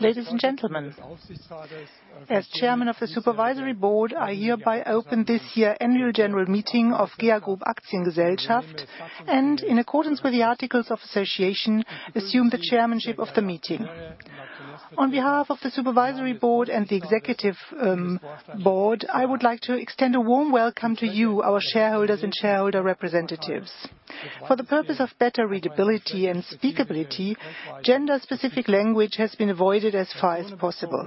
Ladies and gentlemen, as Chairman of the Supervisory Board, I hereby open this year's Annual General Meeting of GEA Group Aktiengesellschaft, and in accordance with the Articles of Association, assume the chairmanship of the meeting. On behalf of the Supervisory Board and the Executive Board, I would like to extend a warm welcome to you, our shareholders and shareholder representatives. For the purpose of better readability and speakability, gender-specific language has been avoided as far as possible.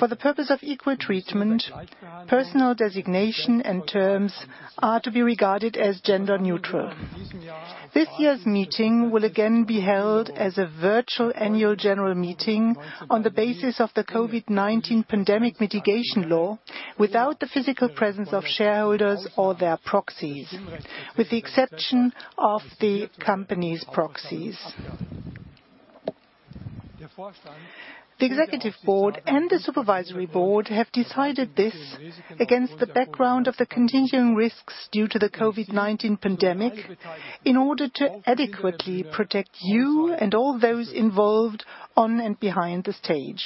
For the purpose of equal treatment, personal designations and terms are to be regarded as gender neutral. This year's meeting will again be held as a virtual Annual General Meeting on the basis of the COVID-19 pandemic mitigation law, without the physical presence of shareholders or their proxies, with the exception of the company's proxies. The Executive Board and the Supervisory Board have decided this against the background of the continuing risks due to the COVID-19 pandemic in order to adequately protect you and all those involved on and behind the stage.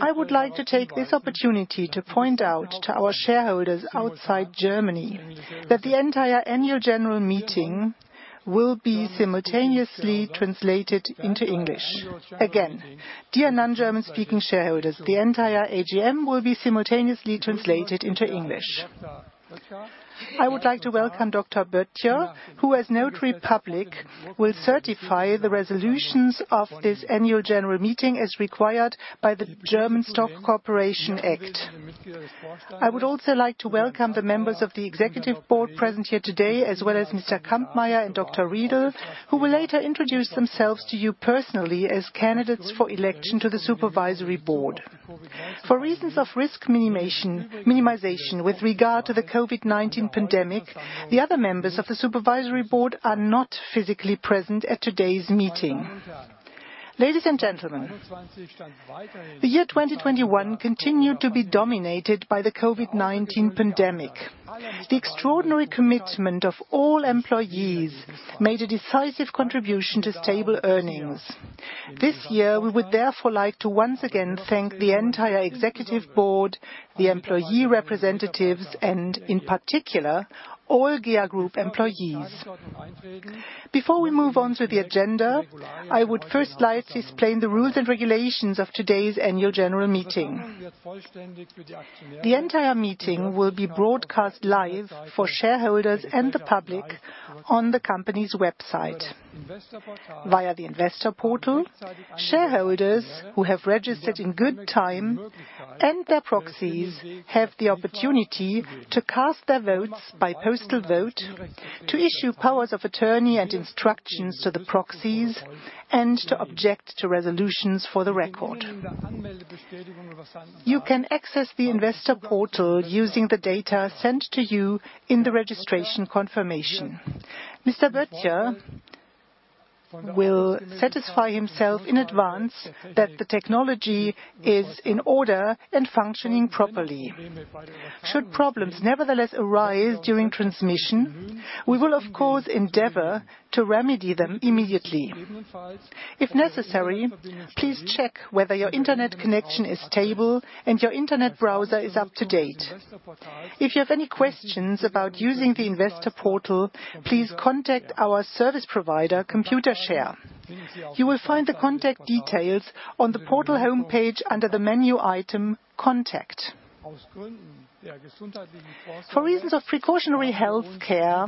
I would like to take this opportunity to point out to our shareholders outside Germany that the entire Annual General Meeting will be simultaneously translated into English. Again, dear non-German-speaking shareholders, the entire AGM will be simultaneously translated into English. I would like to welcome Dr. Böttcher, who, as Notary Public, will certify the resolutions of this Annual General Meeting as required by the German Stock Corporation Act. I would also like to welcome the members of the Executive Board present here today, as well as Mr. Kampmeyer and Dr. Riedl, who will later introduce themselves to you personally as candidates for election to the Supervisory Board. For reasons of risk minimization with regard to the COVID-19 pandemic, the other members of the Supervisory Board are not physically present at today's meeting. Ladies and gentlemen, the year 2021 continued to be dominated by the COVID-19 pandemic. The extraordinary commitment of all employees made a decisive contribution to stable earnings. This year, we would therefore like to once again thank the entire Executive Board, the employee representatives, and in particular, all GEA Group employees. Before we move on to the agenda, I would first like to explain the rules and regulations of today's Annual General Meeting. The entire meeting will be broadcast live for shareholders and the public on the company's website. Via the investor portal, shareholders who have registered in good time and their proxies have the opportunity to cast their votes by postal vote, to issue powers of attorney and instructions to the proxies, and to object to resolutions for the record. You can access the investor portal using the data sent to you in the registration confirmation. Dr. Böttcher will satisfy himself in advance that the technology is in order and functioning properly. Should problems nevertheless arise during transmission, we will, of course, endeavor to remedy them immediately. If necessary, please check whether your internet connection is stable and your internet browser is up to date. If you have any questions about using the investor portal, please contact our service provider, Computershare. You will find the contact details on the portal homepage under the menu item Contact. For reasons of precautionary health care,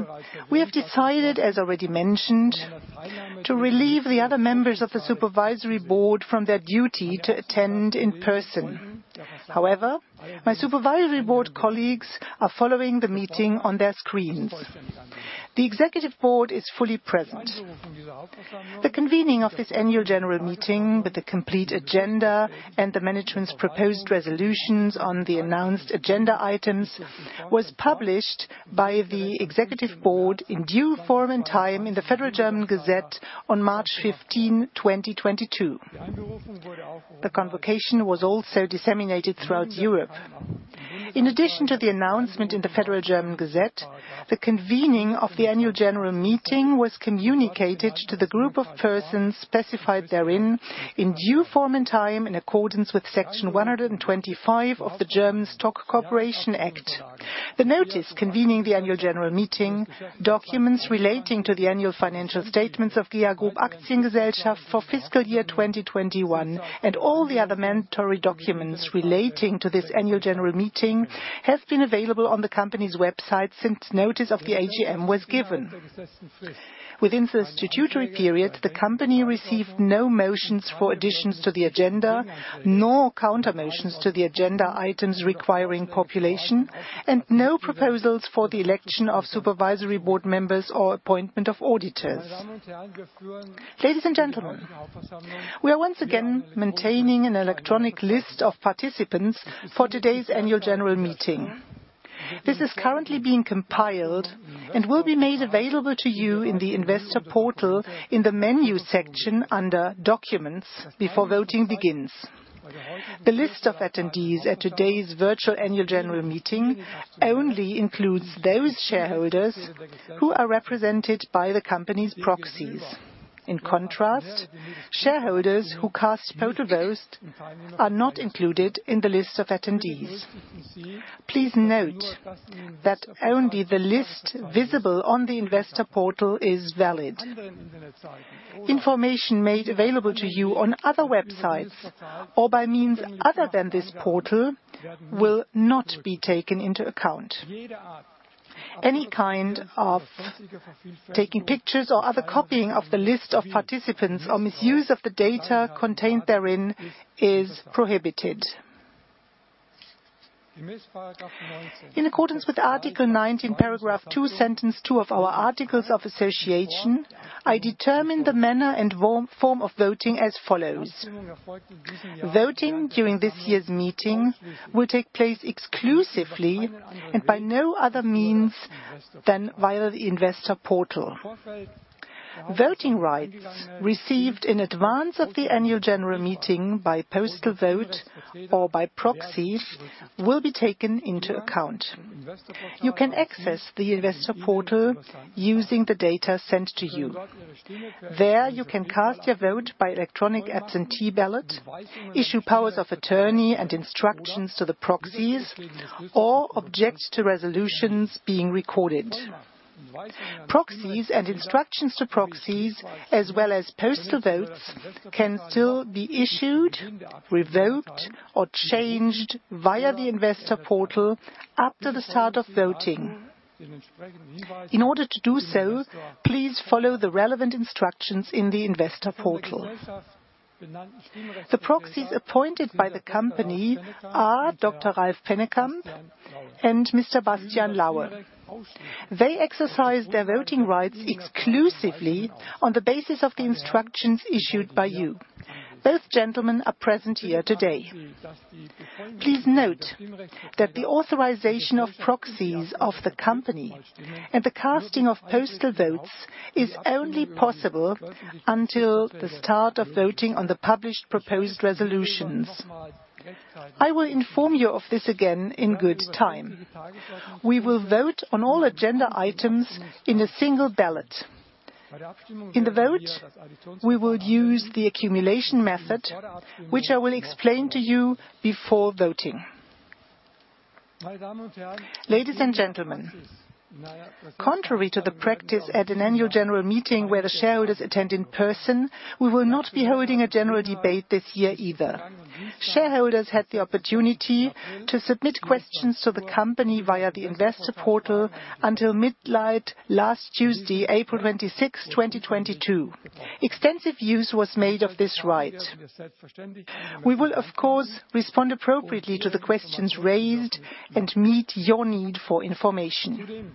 we have decided, as already mentioned, to relieve the other members of the Supervisory Board from their duty to attend in person. However, my Supervisory Board colleagues are following the meeting on their screens. The Executive Board is fully present. The convening of this Annual General Meeting with the complete agenda and the management's proposed resolutions on the announced agenda items was published by the Executive Board in due form and time in the Federal Gazette on March 15, 2022. The convocation was also disseminated throughout Europe. In addition to the announcement in the Federal Gazette, the convening of the Annual General Meeting was communicated to the Group of persons specified therein in due form and time in accordance with Section 125 of the German Stock Corporation Act. The notice convening the Annual General Meeting, documents relating to the annual financial statements of GEA Group Aktiengesellschaft for fiscal year 2021, and all the other mandatory documents relating to this Annual General Meeting has been available on the company's website since notice of the AGM was given. Within the statutory period, the company received no motions for additions to the agenda, nor countermotions to the agenda items requiring resolution, and no proposals for the election of Supervisory Board members or appointment of auditors. Ladies and gentlemen, we are once again maintaining an electronic list of participants for today's Annual General Meeting. This is currently being compiled and will be made available to you in the investor portal in the menu section under Documents before voting begins. The list of attendees at today's virtual Annual General Meeting only includes those shareholders who are represented by the company's proxies. In contrast, shareholders who cast postal votes are not included in the list of attendees. Please note that only the list visible on the investor portal is valid. Information made available to you on other websites or by means other than this portal will not be taken into account. Any kind of taking pictures or other copying of the list of participants or misuse of the data contained therein is prohibited. In accordance with Article 19, paragraph two, sentence two of our Articles of Association, I determine the manner and form of voting as follows. Voting during this year's meeting will take place exclusively and by no other means than via the investor portal. Voting rights received in advance of the Annual General Meeting by postal vote or by proxies will be taken into account. You can access the investor portal using the data sent to you. There you can cast your vote by electronic absentee ballot, issue powers of attorney and instructions to the proxies, or object to resolutions being recorded. Proxies and instructions to proxies as well as postal votes can still be issued, revoked, or changed via the investor portal after the start of voting. In order to do so, please follow the relevant instructions in the investor portal. The proxies appointed by the company are Dr. Ralph Pennekamp and Mr. Bastian Lauer. They exercise their voting rights exclusively on the basis of the instructions issued by you. Both gentlemen are present here today. Please note that the authorization of proxies of the company and the casting of postal votes is only possible until the start of voting on the published proposed resolutions. I will inform you of this again in good time. We will vote on all agenda items in a single ballot. In the vote, we would use the accumulation method, which I will explain to you before voting. Ladies and gentlemen, contrary to the practice at an Annual General Meeting where the shareholders attend in person, we will not be holding a general debate this year either. Shareholders had the opportunity to submit questions to the company via the investor portal until midnight last Tuesday, April 26, 2022. Extensive use was made of this right. We will of course respond appropriately to the questions raised and meet your need for information.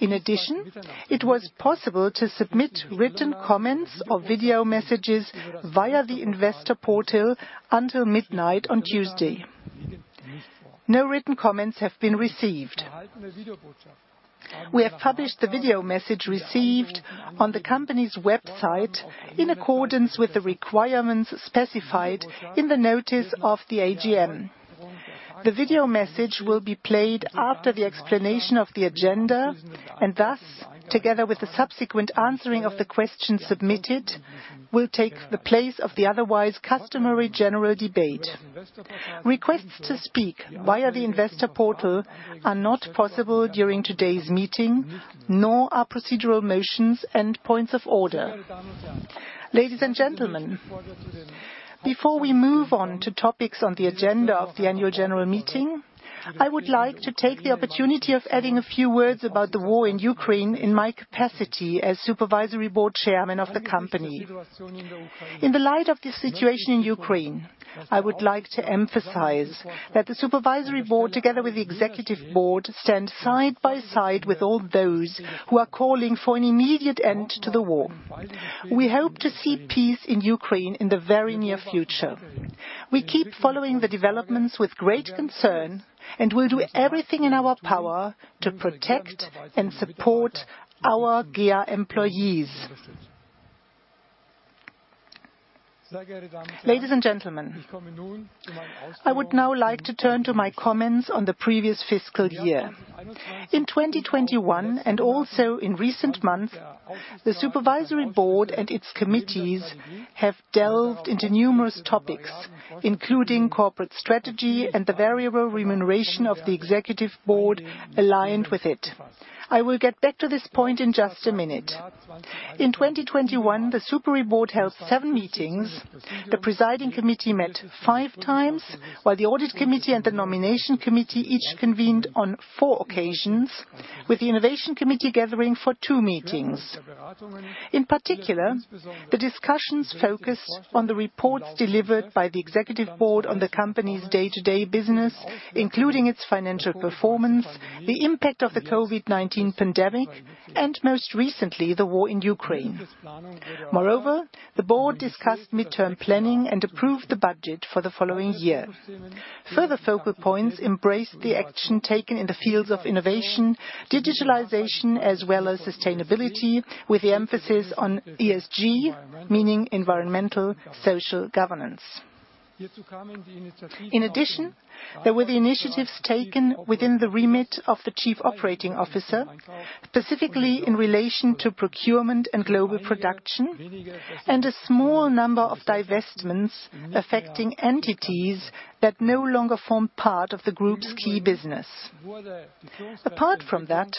In addition, it was possible to submit written comments or video messages via the investor portal until midnight on Tuesday. No written comments have been received. We have published the video message received on the company's website in accordance with the requirements specified in the notice of the AGM. The video message will be played after the explanation of the agenda and thus together with the subsequent answering of the questions submitted, will take the place of the otherwise customary general debate. Requests to speak via the investor portal are not possible during today's meeting, nor are procedural motions and points of order. Ladies and gentlemen, before we move on to topics on the agenda of the Annual General Meeting, I would like to take the opportunity of adding a few words about the war in Ukraine in my capacity as Supervisory Board Chairman of the company. In the light of the situation in Ukraine, I would like to emphasize that the Supervisory Board, together with the Executive Board, stand side by side with all those who are calling for an immediate end to the war. We hope to see peace in Ukraine in the very near future. We keep following the developments with great concern, and we'll do everything in our power to protect and support our GEA employees. Ladies and gentlemen, I would now like to turn to my comments on the previous fiscal year. In 2021, and also in recent months, the Supervisory Board and its committees have delved into numerous topics, including corporate strategy and the variable remuneration of the Executive Board aligned with it. I will get back to this point in just a minute. In 2021, the Supervisory Board held seven meetings. The Presiding Committee met five times, while the Audit Committee and the Nomination Committee each convened on four occasions, with the Innovation Committee gathering for two meetings. In particular, the discussions focused on the reports delivered by the Executive Board on the company's day-to-day business, including its financial performance, the impact of the COVID-19 pandemic, and most recently, the war in Ukraine. Moreover, the board discussed mid-term planning and approved the budget for the following year. Further focal points embraced the action taken in the fields of innovation, digitalization, as well as sustainability, with the emphasis on ESG, meaning Environmental, Social, and Governance. In addition, there were the initiatives taken within the remit of the Chief Operating Officer, specifically in relation to procurement and global production, and a small number of divestments affecting entities that no longer form part of the Group's key business. Apart from that,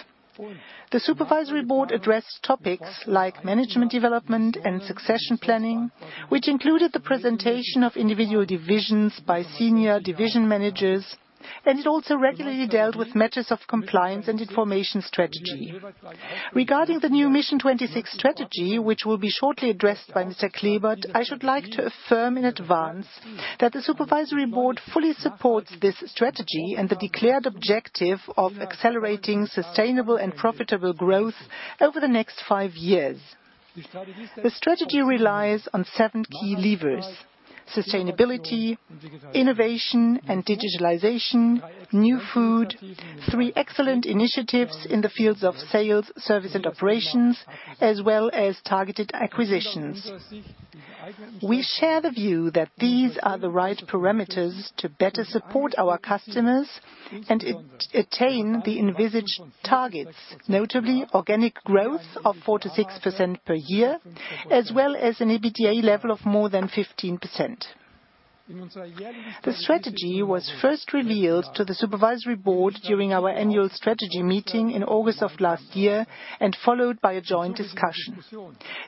the Supervisory Board addressed topics like management development and succession planning, which included the presentation of individual divisions by senior division managers, and it also regularly dealt with matters of compliance and information strategy. Regarding the new Mission 26 strategy, which will be shortly addressed by Mr. Klebert, I should like to affirm in advance that the Supervisory Board fully supports this strategy and the declared objective of accelerating sustainable and profitable growth over the next five years. The strategy relies on seven key levers, sustainability, innovation and digitalization, new food, three excellent initiatives in the fields of sales, service and operations, as well as targeted acquisitions. We share the view that these are the right parameters to better support our customers and attain the envisaged targets, notably organic growth of 4%-6% per year, as well as an EBITDA level of more than 15%. The strategy was first revealed to the Supervisory Board during our annual strategy meeting in August of last year, and followed by a joint discussion.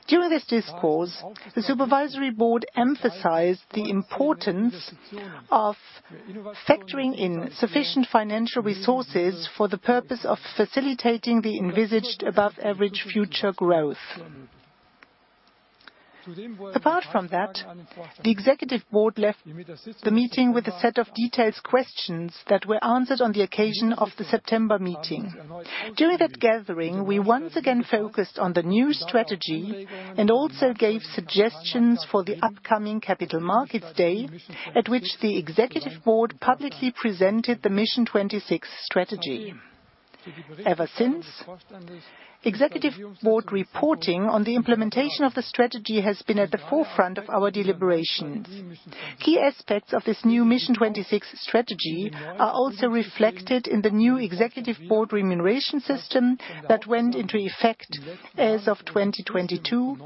During this discourse, the Supervisory Board emphasized the importance of factoring in sufficient financial resources for the purpose of facilitating the envisaged above average future growth. Apart from that, the Executive Board left the meeting with a set of detailed questions that were answered on the occasion of the September meeting. During that gathering, we once again focused on the new strategy and also gave suggestions for the upcoming Capital Markets Day, at which the Executive Board publicly presented the Mission 26 strategy. Ever since, Executive Board reporting on the implementation of the strategy has been at the forefront of our deliberations. Key aspects of this new Mission 26 strategy are also reflected in the new Executive Board remuneration system that went into effect as of 2022,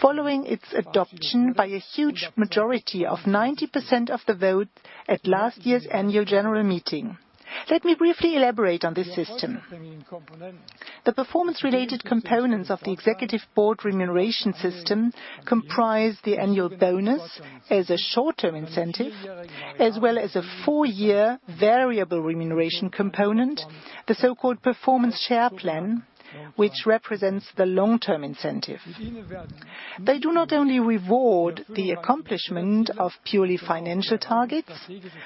following its adoption by a huge majority of 90% of the vote at last year's Annual General Meeting. Let me briefly elaborate on this system. The performance-related components of the Executive Board remuneration system comprise the annual bonus as a short-term incentive, as well as a four-year variable remuneration component, the so-called Performance Share Plan, which represents the long-term incentive. They do not only reward the accomplishment of purely financial targets,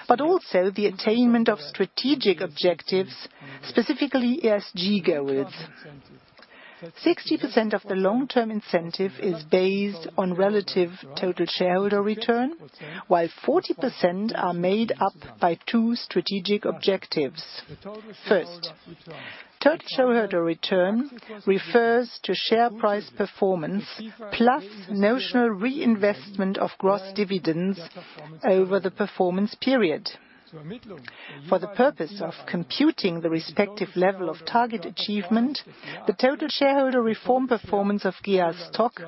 but also the attainment of strategic objectives, specifically ESG goals. 60% of the long-term incentive is based on relative total shareholder return, while 40% are made up by two strategic objectives. First, total shareholder return refers to share price performance plus notional reinvestment of gross dividends over the performance period. For the purpose of computing the respective level of target achievement, the total shareholder return performance of GEA stock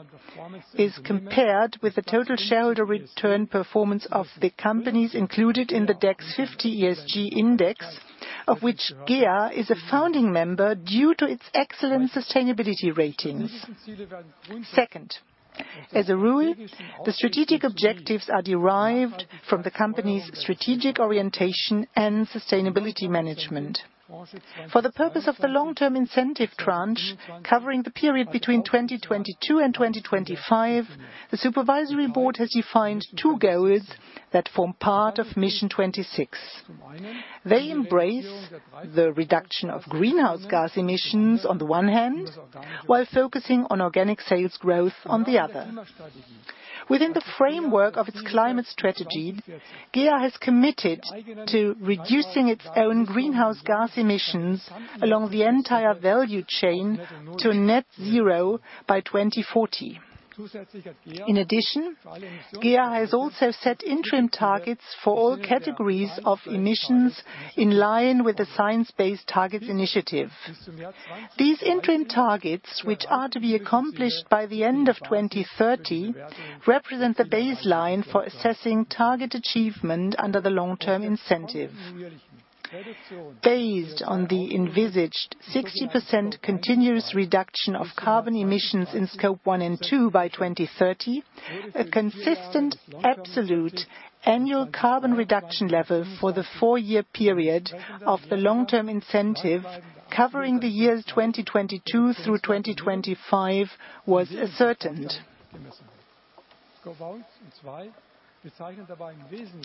is compared with the total shareholder return performance of the companies included in the DAX 50 ESG index, of which GEA is a founding member due to its excellent sustainability ratings. Second, as a rule, the strategic objectives are derived from the company's strategic orientation and sustainability management. For the purpose of the long-term incentive tranche covering the period between 2022 and 2025, the Supervisory Board has defined two goals that form part of Mission 26. They embrace the reduction of greenhouse gas emissions on the one hand, while focusing on organic sales growth on the other. Within the framework of its climate strategy, GEA has committed to reducing its own greenhouse gas emissions along the entire value chain to net-zero by 2040. In addition, GEA has also set interim targets for all categories of emissions in line with the Science Based Targets initiative. These interim targets, which are to be accomplished by the end of 2030, represent the baseline for assessing target achievement under the long-term incentive. Based on the envisaged 60% continuous reduction of carbon emissions in Scope 1 and 2 by 2030, a consistent absolute annual carbon reduction level for the four-year period of the long-term incentive, covering the years 2022 through 2025 was ascertained.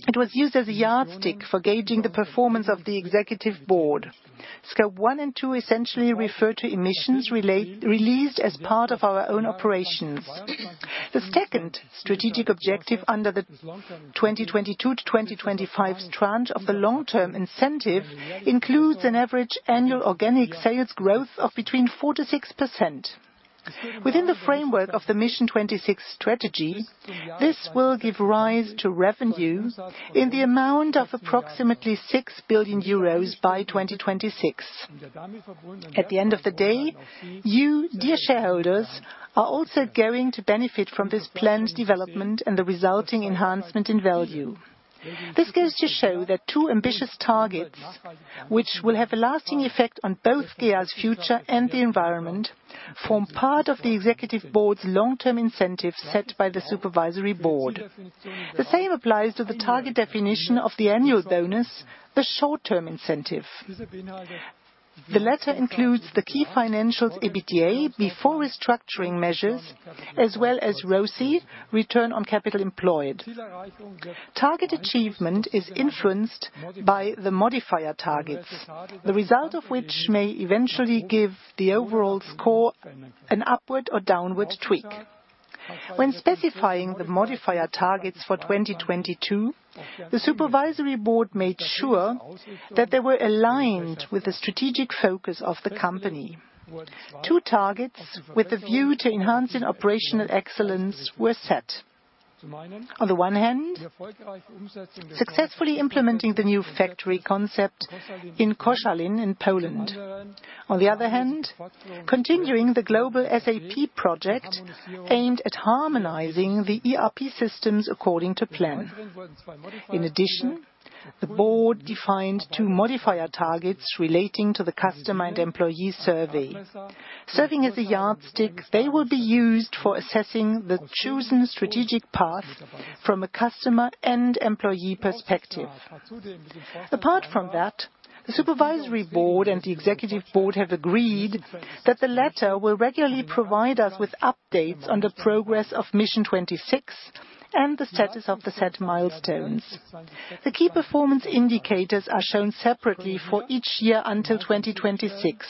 It was used as a yardstick for gauging the performance of the Executive Board. Scope 1 and 2 essentially refer to emissions released as part of our own operations. The second strategic objective under the 2022-2025 tranche of the long-term incentive includes an average annual organic sales growth of between 4%-6%. Within the framework of the Mission 26 strategy, this will give rise to revenue in the amount of approximately 6 billion euros by 2026. At the end of the day, you, dear shareholders, are also going to benefit from this planned development and the resulting enhancement in value. This goes to show that two ambitious targets, which will have a lasting effect on both GEA's future and the environment, form part of the Executive Board's long-term incentives set by the Supervisory Board. The same applies to the target definition of the annual bonus, the short-term incentive. The latter includes the key financials, EBITDA, before restructuring measures, as well as ROCE, Return on Capital Employed. Target achievement is influenced by the modifier targets, the result of which may eventually give the overall score an upward or downward tweak. When specifying the modifier targets for 2022, the Supervisory Board made sure that they were aligned with the strategic focus of the company. Two targets with a view to enhancing operational excellence were set. On the one hand, successfully implementing the new factory concept in Koszalin in Poland. On the other hand, continuing the global SAP project aimed at harmonizing the ERP systems according to plan. In addition, the Board defined two modifier targets relating to the customer and employee survey. Serving as a yardstick, they will be used for assessing the chosen strategic path from a customer and employee perspective. Apart from that, the Supervisory Board and the Executive Board have agreed that the latter will regularly provide us with updates on the progress of Mission 26 and the status of the set milestones. The key performance indicators are shown separately for each year until 2026.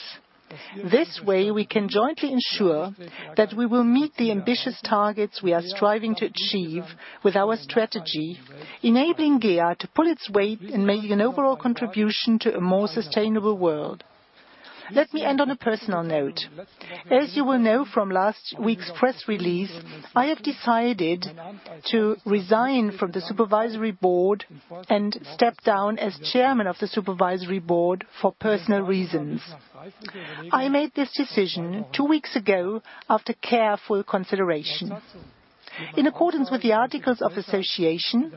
This way, we can jointly ensure that we will meet the ambitious targets we are striving to achieve with our strategy, enabling GEA to pull its weight in making an overall contribution to a more sustainable world. Let me end on a personal note. As you will know from last week's press release, I have decided to resign from the Supervisory Board and step down as Chairman of the Supervisory Board for personal reasons. I made this decision two weeks ago after careful consideration. In accordance with the Articles of Association,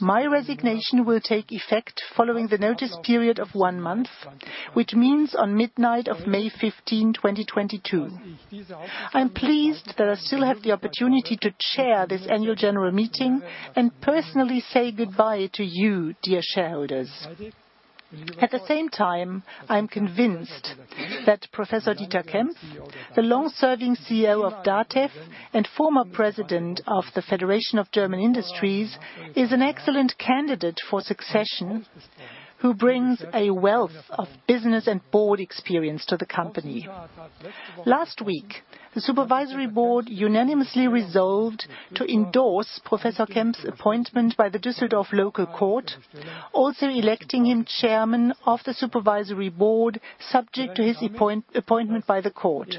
my resignation will take effect following the notice period of one month, which means on midnight of May 15, 2022. I am pleased that I still have the opportunity to chair this Annual General Meeting and personally say goodbye to you, dear shareholders. At the same time, I am convinced that Professor Dieter Kempf, the long-serving CEO of DATEV and former president of the Federation of German Industries, is an excellent candidate for succession who brings a wealth of business and board experience to the company. Last week, the Supervisory Board unanimously resolved to endorse Professor Kempf's appointment by the Düsseldorf local court, also electing him Chairman of the Supervisory Board, subject to his appointment by the court.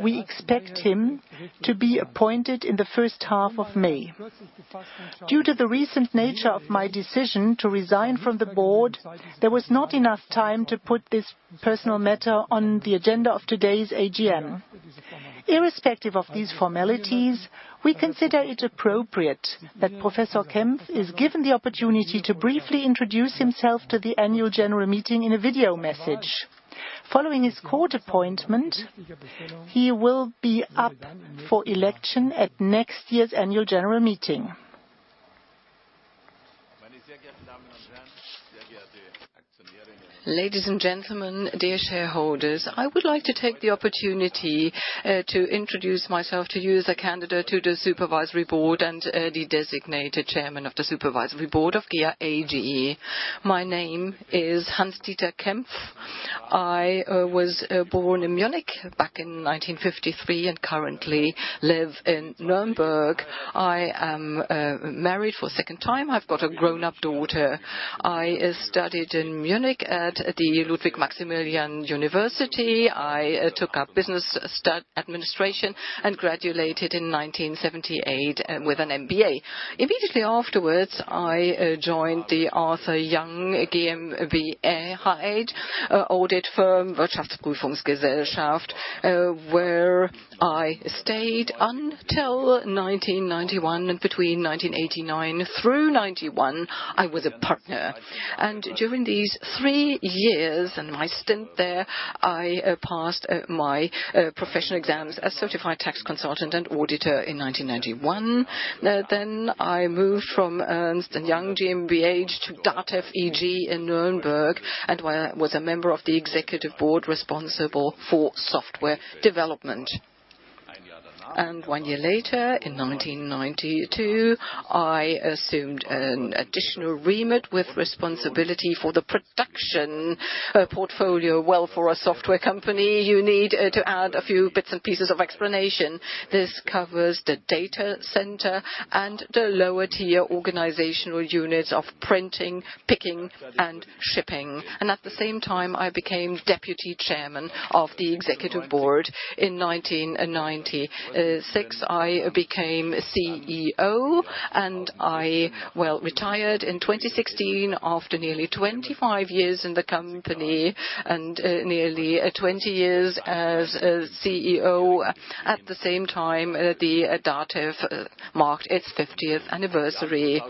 We expect him to be appointed in the first half of May. Due to the recent nature of my decision to resign from the board, there was not enough time to put this personal matter on the agenda of today's AGM. Irrespective of these formalities, we consider it appropriate that Professor Kempf is given the opportunity to briefly introduce himself to the Annual General Meeting in a video message. Following his court appointment, he will be up for election at next year's Annual General Meeting. Ladies and gentlemen, dear shareholders, I would like to take the opportunity to introduce myself to you as a candidate to the Supervisory Board and the designated Chairman of the Supervisory Board of GEA AG. My name is Hans Dieter Kempf. I was born in Munich back in 1953 and currently live in Nuremberg. I am married for a second time. I've got a grown-up daughter. I studied in Munich at the Ludwig Maximilian University. I took up business administration and graduated in 1978 with an MBA. Immediately afterwards, I joined the Arthur Young GmbH audit firm, where I stayed until 1991, and between 1989 through 1991, I was a partner. During these three years in my stint there, I passed my professional exams as certified tax consultant and auditor in 1991. Then I moved from Ernst & Young GmbH to DATEV eG in Nuremberg and was a member of the Executive Board responsible for software development. One year later, in 1992, I assumed an additional remit with responsibility for the production portfolio. Well, for a software company, you need to add a few bits and pieces of explanation. This covers the data center and the lower tier organizational units of printing, picking, and shipping. At the same time, I became Deputy Chairman of the Executive Board. In 1996, I became CEO and, well, retired in 2016 after nearly 25 years in the company and nearly 20 years as a CEO. At the same time, the DATEV marked its fiftieth anniversary.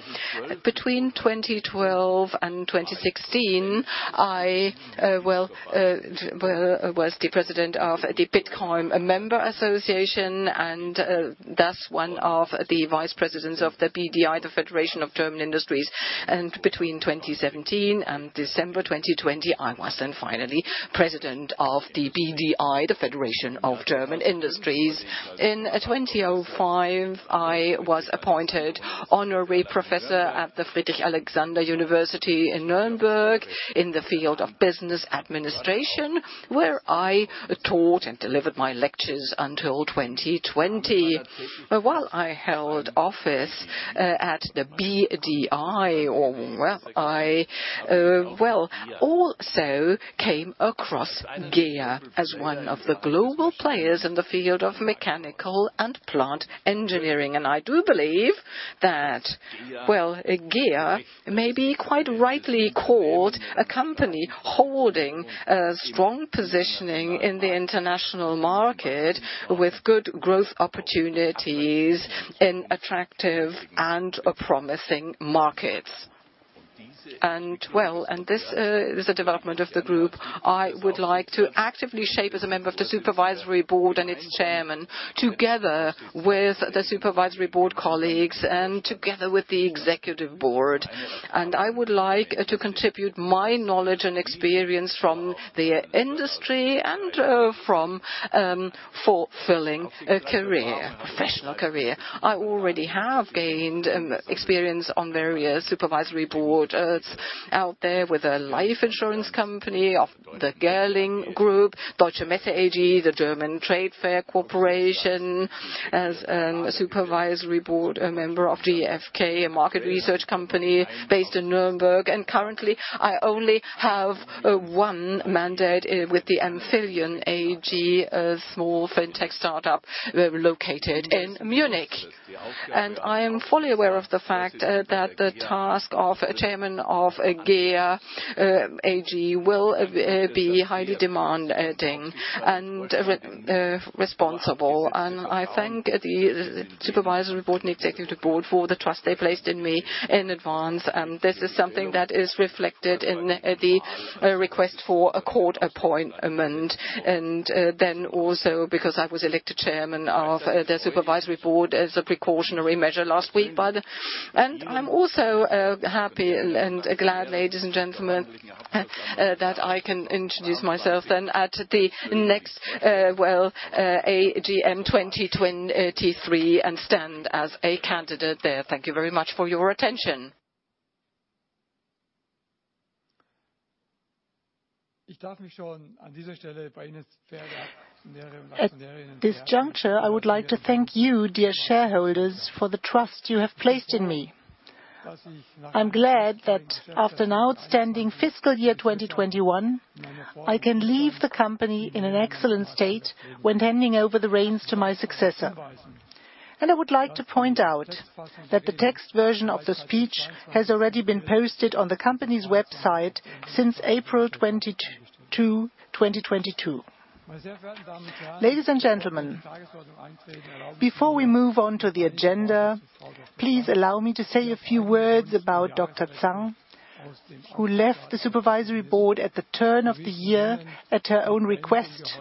Between 2012 and 2016, I was the president of the Bitkom member association, and thus one of the vice presidents of the BDI, the Federation of German Industries. Between 2017 and December 2020, I was then finally president of the BDI, the Federation of German Industries. In 2005, I was appointed honorary professor at the Friedrich-Alexander University Erlangen-Nuremberg in the field of business administration, where I taught and delivered my lectures until 2020. While I held office at the BDI or where I also came across GEA as one of the global players in the field of mechanical and plant engineering. I do believe that GEA may be quite rightly called a company holding a strong positioning in the international market with good growth opportunities in attractive and promising markets. This is the development of the Group I would like to actively shape as a member of the Supervisory Board and its chairman, together with the Supervisory Board colleagues and together with the Executive Board. I would like to contribute my knowledge and experience from the industry and from fulfilling a career, professional career. I already have gained experience on various Supervisory Boards out there with a life insurance company of the Gerling Group, Deutsche Messe AG, the German Trade Fair Corporation, as a Supervisory Board member of GfK, a market research company based in Nuremberg. Currently, I only have one mandate with the Amphitryon AG, a small fintech startup located in Munich. I am fully aware of the fact that the task of Chairman of GEA AG will be highly demanding and responsible. I thank the Supervisory Board and Executive Board for the trust they placed in me in advance. This is something that is reflected in the request for a court appointment. Then also because I was elected Chairman of the Supervisory Board as a precautionary measure last week by the. I'm also happy and glad, ladies and gentlemen, that I can introduce myself then at the next AGM 2023 and stand as a candidate there. Thank you very much for your attention. At this juncture, I would like to thank you, dear shareholders, for the trust you have placed in me. I'm glad that after an outstanding fiscal year 2021, I can leave the company in an excellent state when handing over the reins to my successor. I would like to point out that the text version of the speech has already been posted on the company's website since April 22, 2022. Ladies and gentlemen, before we move on to the agenda, please allow me to say a few words about Dr. Zhang, who left the Supervisory Board at the turn of the year at her own request,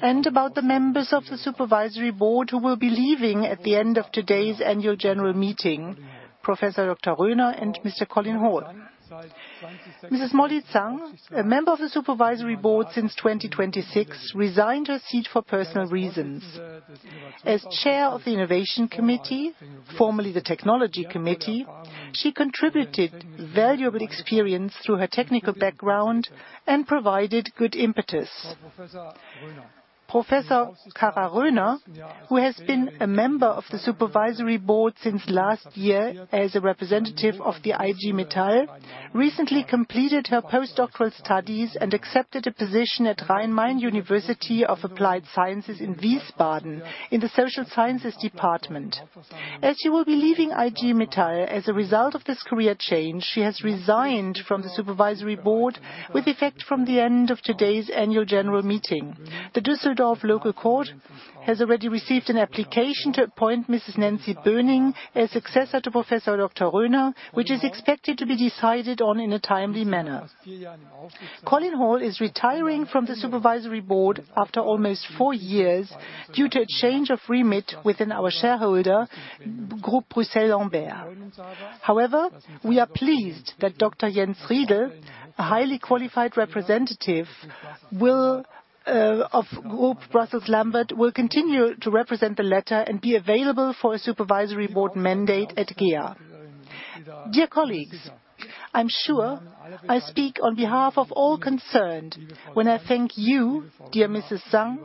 and about the members of the Supervisory Board who will be leaving at the end of today's Annual General Meeting, Professor Dr. Röhner and Mr. Colin Hall. Mrs. Molly Zhang, a member of the Supervisory Board since 2026, resigned her seat for personal reasons. As Chair of the Innovation Committee, formerly the Technology Committee, she contributed valuable experience through her technical background and provided good impetus. Professor Cara Röhner, who has been a member of the Supervisory Board since last year as a representative of the IG Metall, recently completed her postdoctoral studies and accepted a position at RheinMain University of Applied Sciences in Wiesbaden in the Social Sciences Department. As she will be leaving IG Metall as a result of this career change, she has resigned from the Supervisory Board with effect from the end of today's Annual General Meeting. The Düsseldorf Local Court has already received an application to appoint Mrs. Nancy Böhning as successor to Professor Dr. Röhner, which is expected to be decided on in a timely manner. Colin Hall is retiring from the Supervisory Board after almost four years due to a change of remit within our shareholder, Groupe Bruxelles Lambert. We are pleased that Dr. Jens Riedl, a highly qualified representative of Groupe Bruxelles Lambert, will continue to represent the latter and be available for a Supervisory Board mandate at GEA. Dear colleagues, I'm sure I speak on behalf of all concerned when I thank you, dear Dr. Molly Zhang,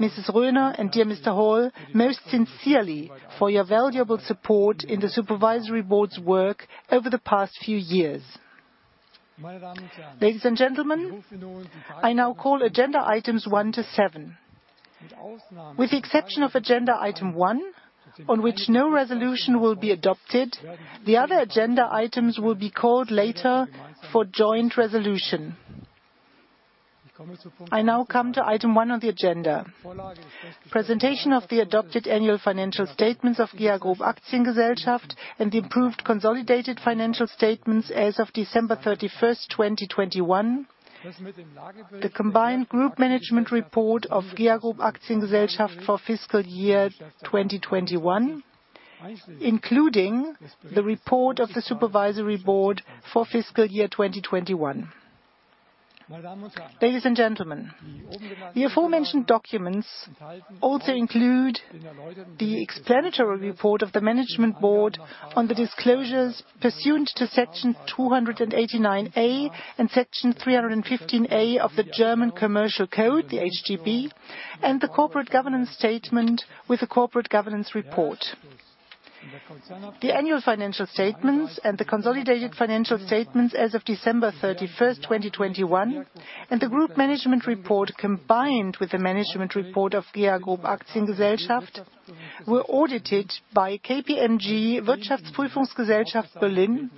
Mrs. Röhner, and dear Mr. Hall, most sincerely for your valuable support in the Supervisory Board's work over the past few years. Ladies and gentlemen, I now call agenda items one to seven. With the exception of agenda item one, on which no resolution will be adopted, the other agenda items will be called later for joint resolution. I now come to item one on the agenda. Presentation of the adopted annual financial statements of GEA Group Aktiengesellschaft, and the approved consolidated financial statements as of December 31, 2021. The combined group management report of GEA Group Aktiengesellschaft for fiscal year 2021, including the report of the Supervisory Board for fiscal year 2021. Ladies and gentlemen, the aforementioned documents also include the explanatory report of the Management Board on the disclosures pursuant to Section 289a and Section 315a of the German Commercial Code, the HGB, and the Corporate Governance Statement with a Corporate Governance Report. The annual financial statements and the consolidated financial statements as of December 31, 2021, and the Group management report combined with the management report of GEA Group Aktiengesellschaft, were audited by KPMG Berlin.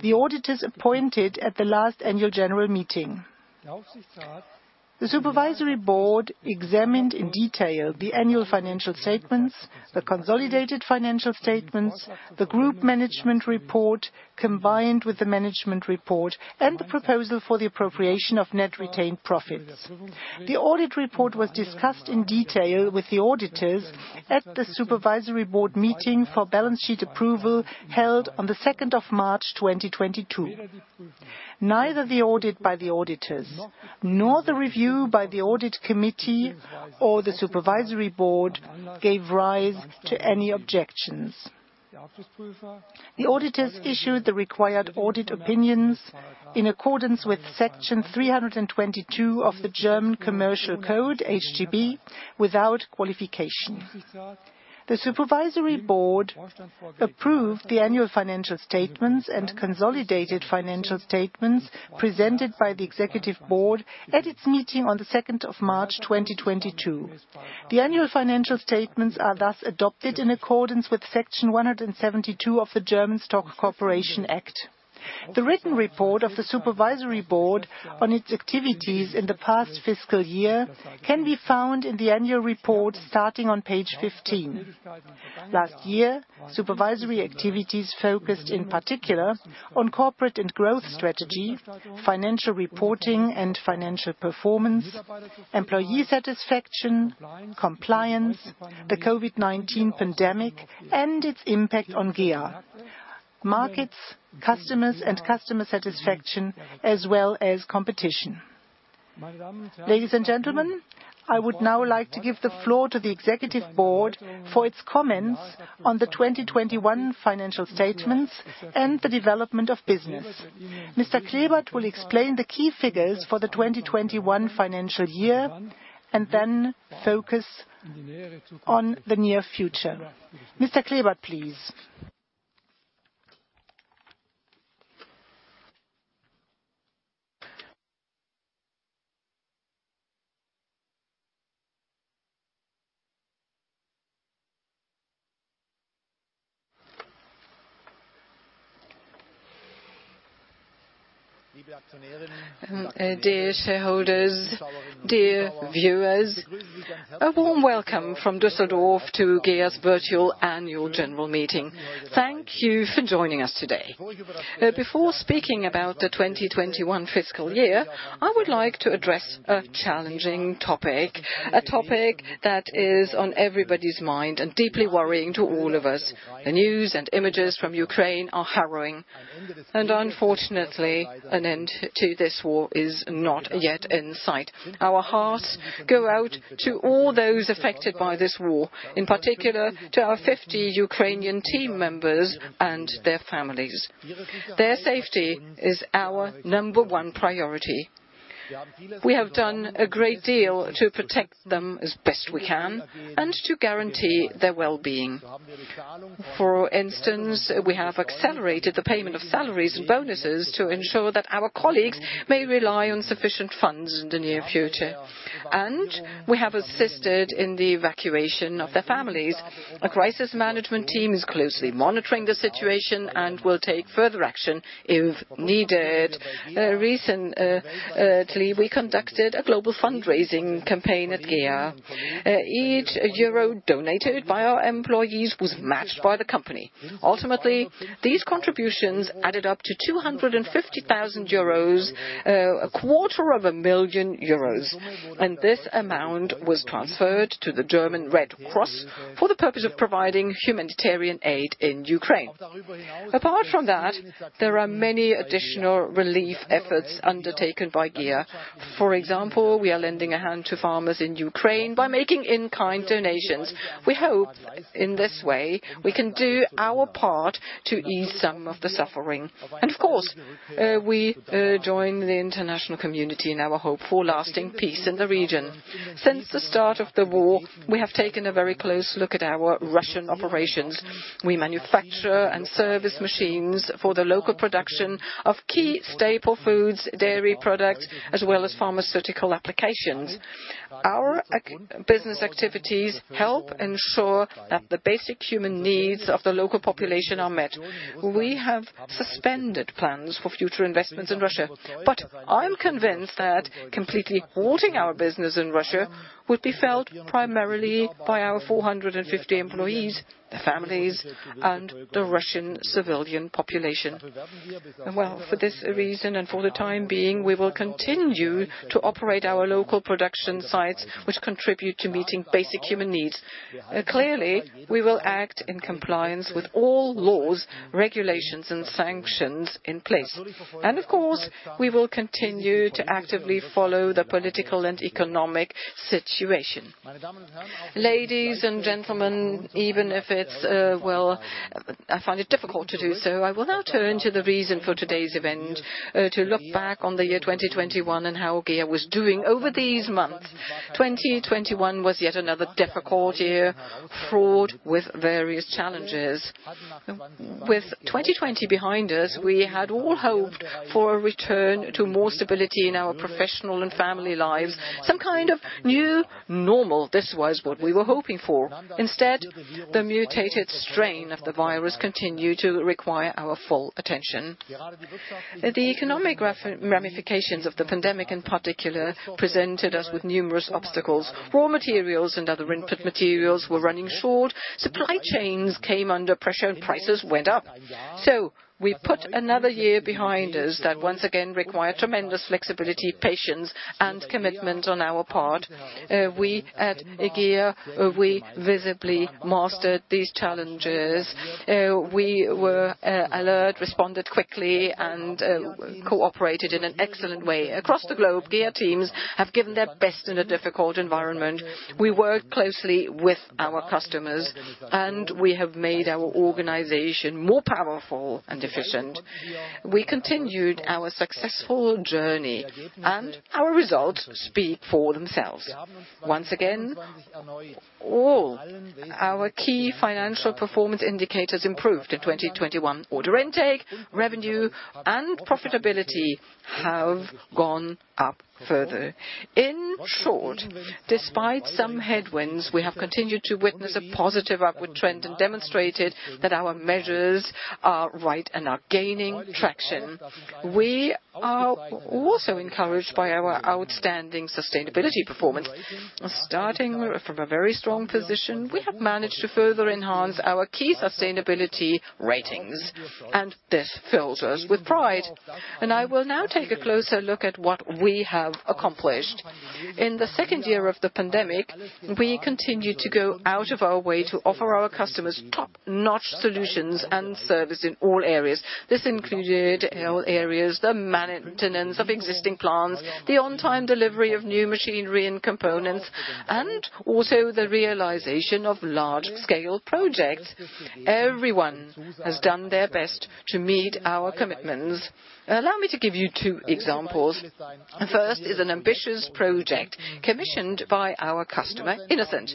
The auditor was appointed at the last Annual General Meeting. The Supervisory Board examined in detail the annual financial statements, the consolidated financial statements, the Group management report combined with the management report, and the proposal for the appropriation of net retained profits. The audit report was discussed in detail with the auditors at the Supervisory Board meeting for balance sheet approval, held on the second of March, 2022. Neither the audit by the auditors, nor the review by the Audit Committee or the Supervisory Board, gave rise to any objections. The auditors issued the required audit opinions in accordance with Section 322 of the German Commercial Code, HGB, without qualification. The Supervisory Board approved the annual financial statements and consolidated financial statements presented by the Executive Board at its meeting on the second of March, 2022. The annual financial statements are thus adopted in accordance with Section 172 of the German Stock Corporation Act. The written report of the Supervisory Board on its activities in the past fiscal year can be found in the annual report starting on page 15. Last year, supervisory activities focused in particular on corporate and growth strategy, financial reporting and financial performance, employee satisfaction, compliance, the COVID-19 pandemic and its impact on GEA, markets, customers and customer satisfaction, as well as competition. Ladies and gentlemen, I would now like to give the floor to the Executive Board for its comments on the 2021 financial statements and the development of business. Mr. Klebert will explain the key figures for the 2021 financial year and then focus on the near future. Mr. Klebert, please. Dear shareholders, dear viewers. A warm welcome from Düsseldorf to GEA's virtual Annual General Meeting. Thank you for joining us today. Before speaking about the 2021 fiscal year, I would like to address a challenging topic, a topic that is on everybody's mind and deeply worrying to all of us. The news and images from Ukraine are harrowing, and unfortunately, an end to this war is not yet in sight. Our hearts go out to all those affected by this war, in particular to our 50 Ukrainian team members and their families. Their safety is our number one priority. We have done a great deal to protect them as best we can and to guarantee their wellbeing. For instance, we have accelerated the payment of salaries and bonuses to ensure that our colleagues may rely on sufficient funds in the near future. We have assisted in the evacuation of their families. A crisis management team is closely monitoring the situation and will take further action if needed. Recently, we conducted a global fundraising campaign at GEA. Each euro donated by our employees was matched by the company. Ultimately, these contributions added up to 250,000 euros, a quarter of a million euros. This amount was transferred to the German Red Cross for the purpose of providing humanitarian aid in Ukraine. Apart from that, there are many additional relief efforts undertaken by GEA. For example, we are lending a hand to farmers in Ukraine by making in-kind donations. We hope in this way we can do our part to ease some of the suffering. Of course, we join the international community in our hope for lasting peace in the region. Since the start of the war, we have taken a very close look at our Russian operations. We manufacture and service machines for the local production of key staple foods, dairy products, as well as pharmaceutical applications. Our business activities help ensure that the basic human needs of the local population are met. We have suspended plans for future investments in Russia, but I'm convinced that completely halting our business in Russia would be felt primarily by our 450 employees, their families, and the Russian civilian population. Well, for this reason and for the time being, we will continue to operate our local production sites, which contribute to meeting basic human needs. Clearly, we will act in compliance with all laws, regulations, and sanctions in place. Of course, we will continue to actively follow the political and economic situation. Ladies and gentlemen, even if it's, I find it difficult to do so, I will now turn to the reason for today's event, to look back on the year 2021 and how GEA was doing over these months. 2021 was yet another difficult year, fraught with various challenges. With 2020 behind us, we had all hoped for a return to more stability in our professional and family lives. Some kind of new normal, this was what we were hoping for. Instead, the mutated strain of the virus continued to require our full attention. The economic ramifications of the pandemic in particular presented us with numerous obstacles. Raw materials and other input materials were running short. Supply chains came under pressure and prices went up. We put another year behind us that once again required tremendous flexibility, patience, and commitment on our part. We at GEA visibly mastered these challenges. We were alert, responded quickly, and cooperated in an excellent way. Across the globe, GEA teams have given their best in a difficult environment. We worked closely with our customers, and we have made our organization more powerful and efficient. We continued our successful journey, and our results speak for themselves. Once again, all our key financial performance indicators improved in 2021. Order intake, revenue, and profitability have gone up further. In short, despite some headwinds, we have continued to witness a positive upward trend and demonstrated that our measures are right and are gaining traction. We are also encouraged by our outstanding sustainability performance. Starting from a very strong position, we have managed to further enhance our key sustainability ratings, and this fills us with pride. I will now take a closer look at what we have accomplished. In the second year of the pandemic, we continued to go out of our way to offer our customers top-notch solutions and service in all areas. This included all areas, the maintenance of existing plants, the on-time delivery of new machinery and components, and also the realization of large-scale projects. Everyone has done their best to meet our commitments. Allow me to give you two examples. The first is an ambitious project commissioned by our customer, Innocent.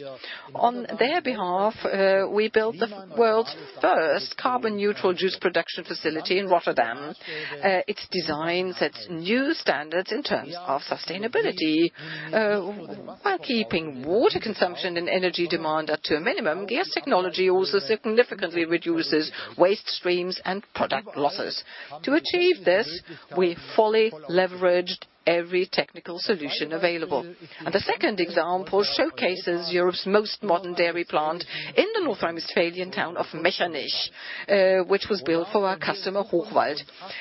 On their behalf, we built the world's first carbon-neutral juice production facility in Rotterdam. Its design sets new standards in terms of sustainability. While keeping water consumption and energy demand up to a minimum, GEA's technology also significantly reduces waste streams and product losses. To achieve this, we fully leveraged every technical solution available. The second example showcases Europe's most modern dairy plant in the North Rhine-Westphalian town of Mechernich, which was built for our customer, Hochwald.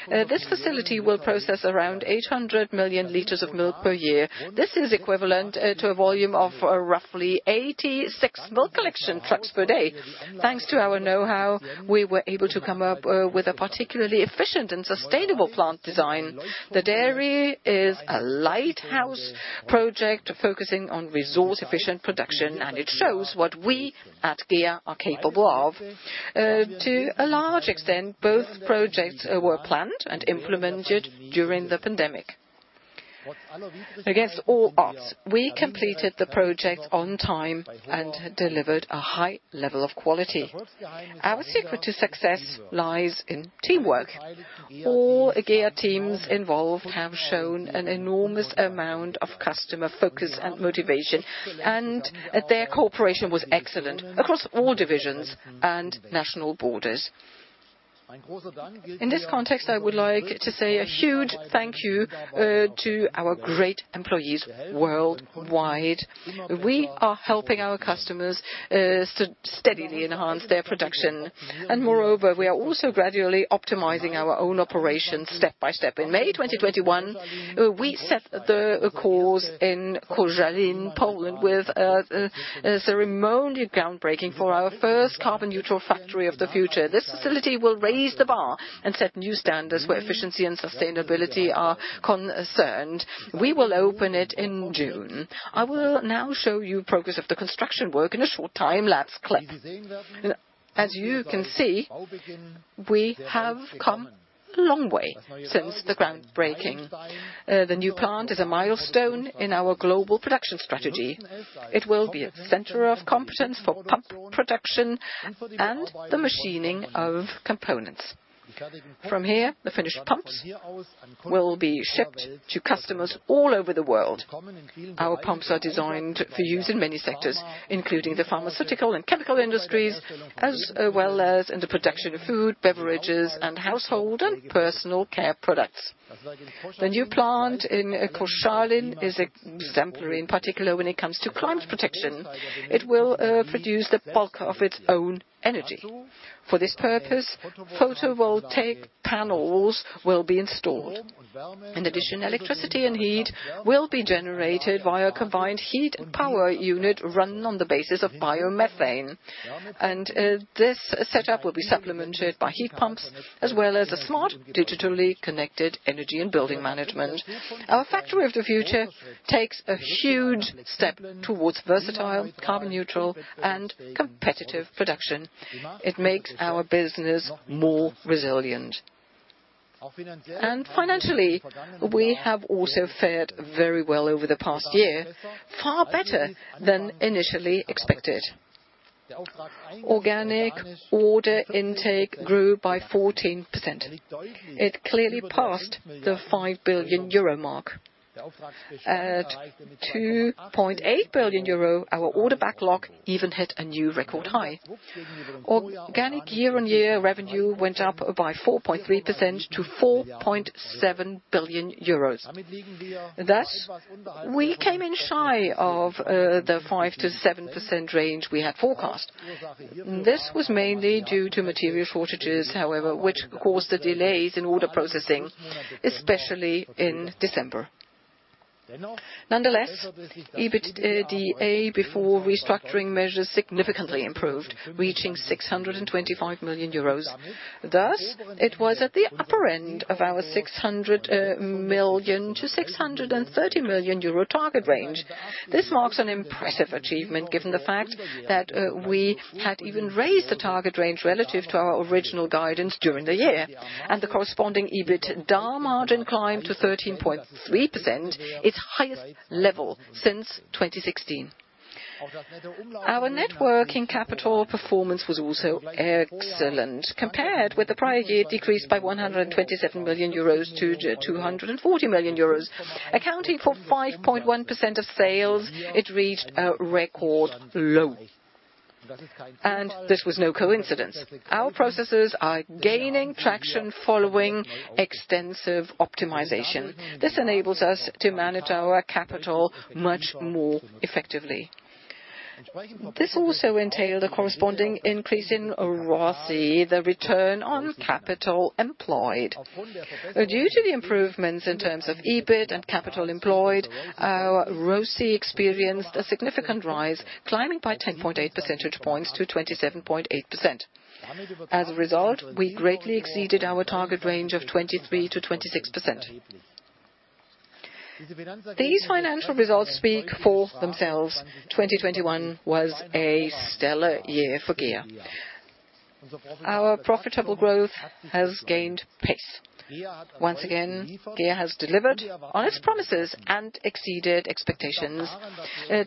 This facility will process around 800 million liters of milk per year. This is equivalent to a volume of roughly 86 milk collection trucks per day. Thanks to our know-how, we were able to come up with a particularly efficient and sustainable plant design. The dairy is a lighthouse project focusing on resource-efficient production, and it shows what we at GEA are capable of. To a large extent, both projects were planned and implemented during the pandemic. Against all odds, we completed the project on time and delivered a high level of quality. Our secret to success lies in teamwork. All GEA teams involved have shown an enormous amount of customer focus and motivation, and their cooperation was excellent across all divisions and national borders. In this context, I would like to say a huge thank you to our great employees worldwide. We are helping our customers steadily enhance their production. Moreover, we are also gradually optimizing our own operations step by step. In May 2021, we set the course in Koszalin, Poland, with a ceremonial groundbreaking for our first carbon-neutral factory of the future. This facility will raise the bar and set new standards where efficiency and sustainability are concerned. We will open it in June. I will now show you progress of the construction work in a short time lapse clip. As you can see, we have come a long way since the groundbreaking. The new plant is a milestone in our global production strategy. It will be a center of competence for pump production and the machining of components. From here, the finished pumps will be shipped to customers all over the world. Our pumps are designed for use in many sectors, including the pharmaceutical and chemical industries, as well as in the production of food, beverages, and household and personal care products. The new plant in Koszalin is exemplary, in particular, when it comes to climate protection. It will produce the bulk of its own energy. For this purpose, photovoltaic panels will be installed. In addition, electricity and heat will be generated via combined heat and power unit run on the basis of biomethane. This setup will be supplemented by heat pumps, as well as a smart digitally connected energy and building management. Our factory of the future takes a huge step towards versatile, carbon-neutral and competitive production. It makes our business more resilient. Financially, we have also fared very well over the past year, far better than initially expected. Organic order intake grew by 14%. It clearly passed the 5 billion euro mark. At 2.8 billion euro, our order backlog even hit a new record high. Organic year-on-year revenue went up by 4.3% to 4.7 billion euros. Thus, we came in shy of the 5%-7% range we had forecast. This was mainly due to material shortages, however, which caused the delays in order processing, especially in December. Nonetheless, EBITDA before restructuring measures significantly improved, reaching 625 million euros. Thus, it was at the upper end of our 600 million-630 million euro target range. This marks an impressive achievement, given the fact that we had even raised the target range relative to our original guidance during the year. The corresponding EBITDA margin climbed to 13.3%, its highest level since 2016. Our net working capital performance was also excellent. Compared with the prior year, it decreased by 127 million euros to 240 million euros. Accounting for 5.1% of sales, it reached a record low. This was no coincidence. Our processes are gaining traction following extensive optimization. This enables us to manage our capital much more effectively. This also entailed a corresponding increase in ROCE, the Return on Capital Employed. Due to the improvements in terms of EBIT and capital employed, our ROCE experienced a significant rise, climbing by 10.8 percentage points to 27.8%. As a result, we greatly exceeded our target range of 23%-26%. These financial results speak for themselves. 2021 was a stellar year for GEA. Our profitable growth has gained pace. Once again, GEA has delivered on its promises and exceeded expectations.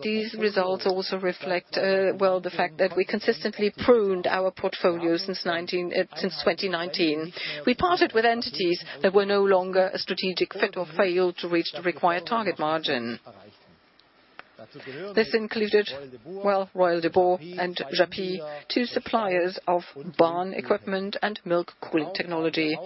These results also reflect the fact that we consistently pruned our portfolio since 2019. We parted with entities that were no longer a strategic fit or failed to reach the required target margin. This included Royal de Boer and Japy, two suppliers of barn equipment and milk cooling technology.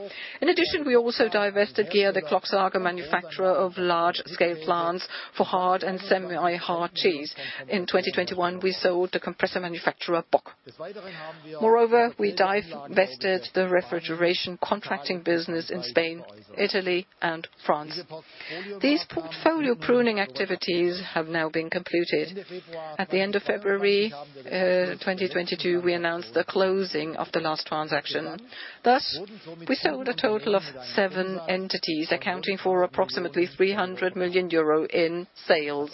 In addition, we also divested GEA Klöcker-Säger, the manufacturer of large-scale plants for hard and semi-hard cheese. In 2021, we sold the compressor manufacturer Bock. Moreover, we divested the refrigeration contracting business in Spain, Italy, and France. These portfolio pruning activities have now been completed. At the end of February 2022, we announced the closing of the last transaction. Thus, we sold a total of 7 entities, accounting for approximately 300 million euro in sales.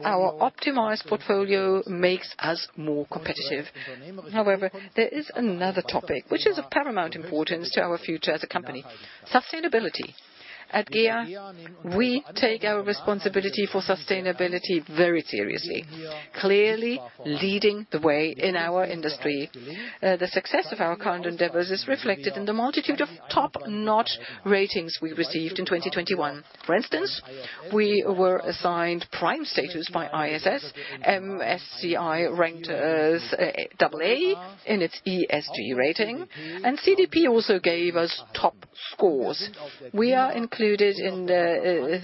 Our optimized portfolio makes us more competitive. However, there is another topic which is of paramount importance to our future as a company, sustainability. At GEA, we take our responsibility for sustainability very seriously, clearly leading the way in our industry. The success of our current endeavors is reflected in the multitude of top-notch ratings we received in 2021. For instance, we were assigned prime status by ISS. MSCI ranked us AA in its ESG rating, and CDP also gave us top scores. We are included in the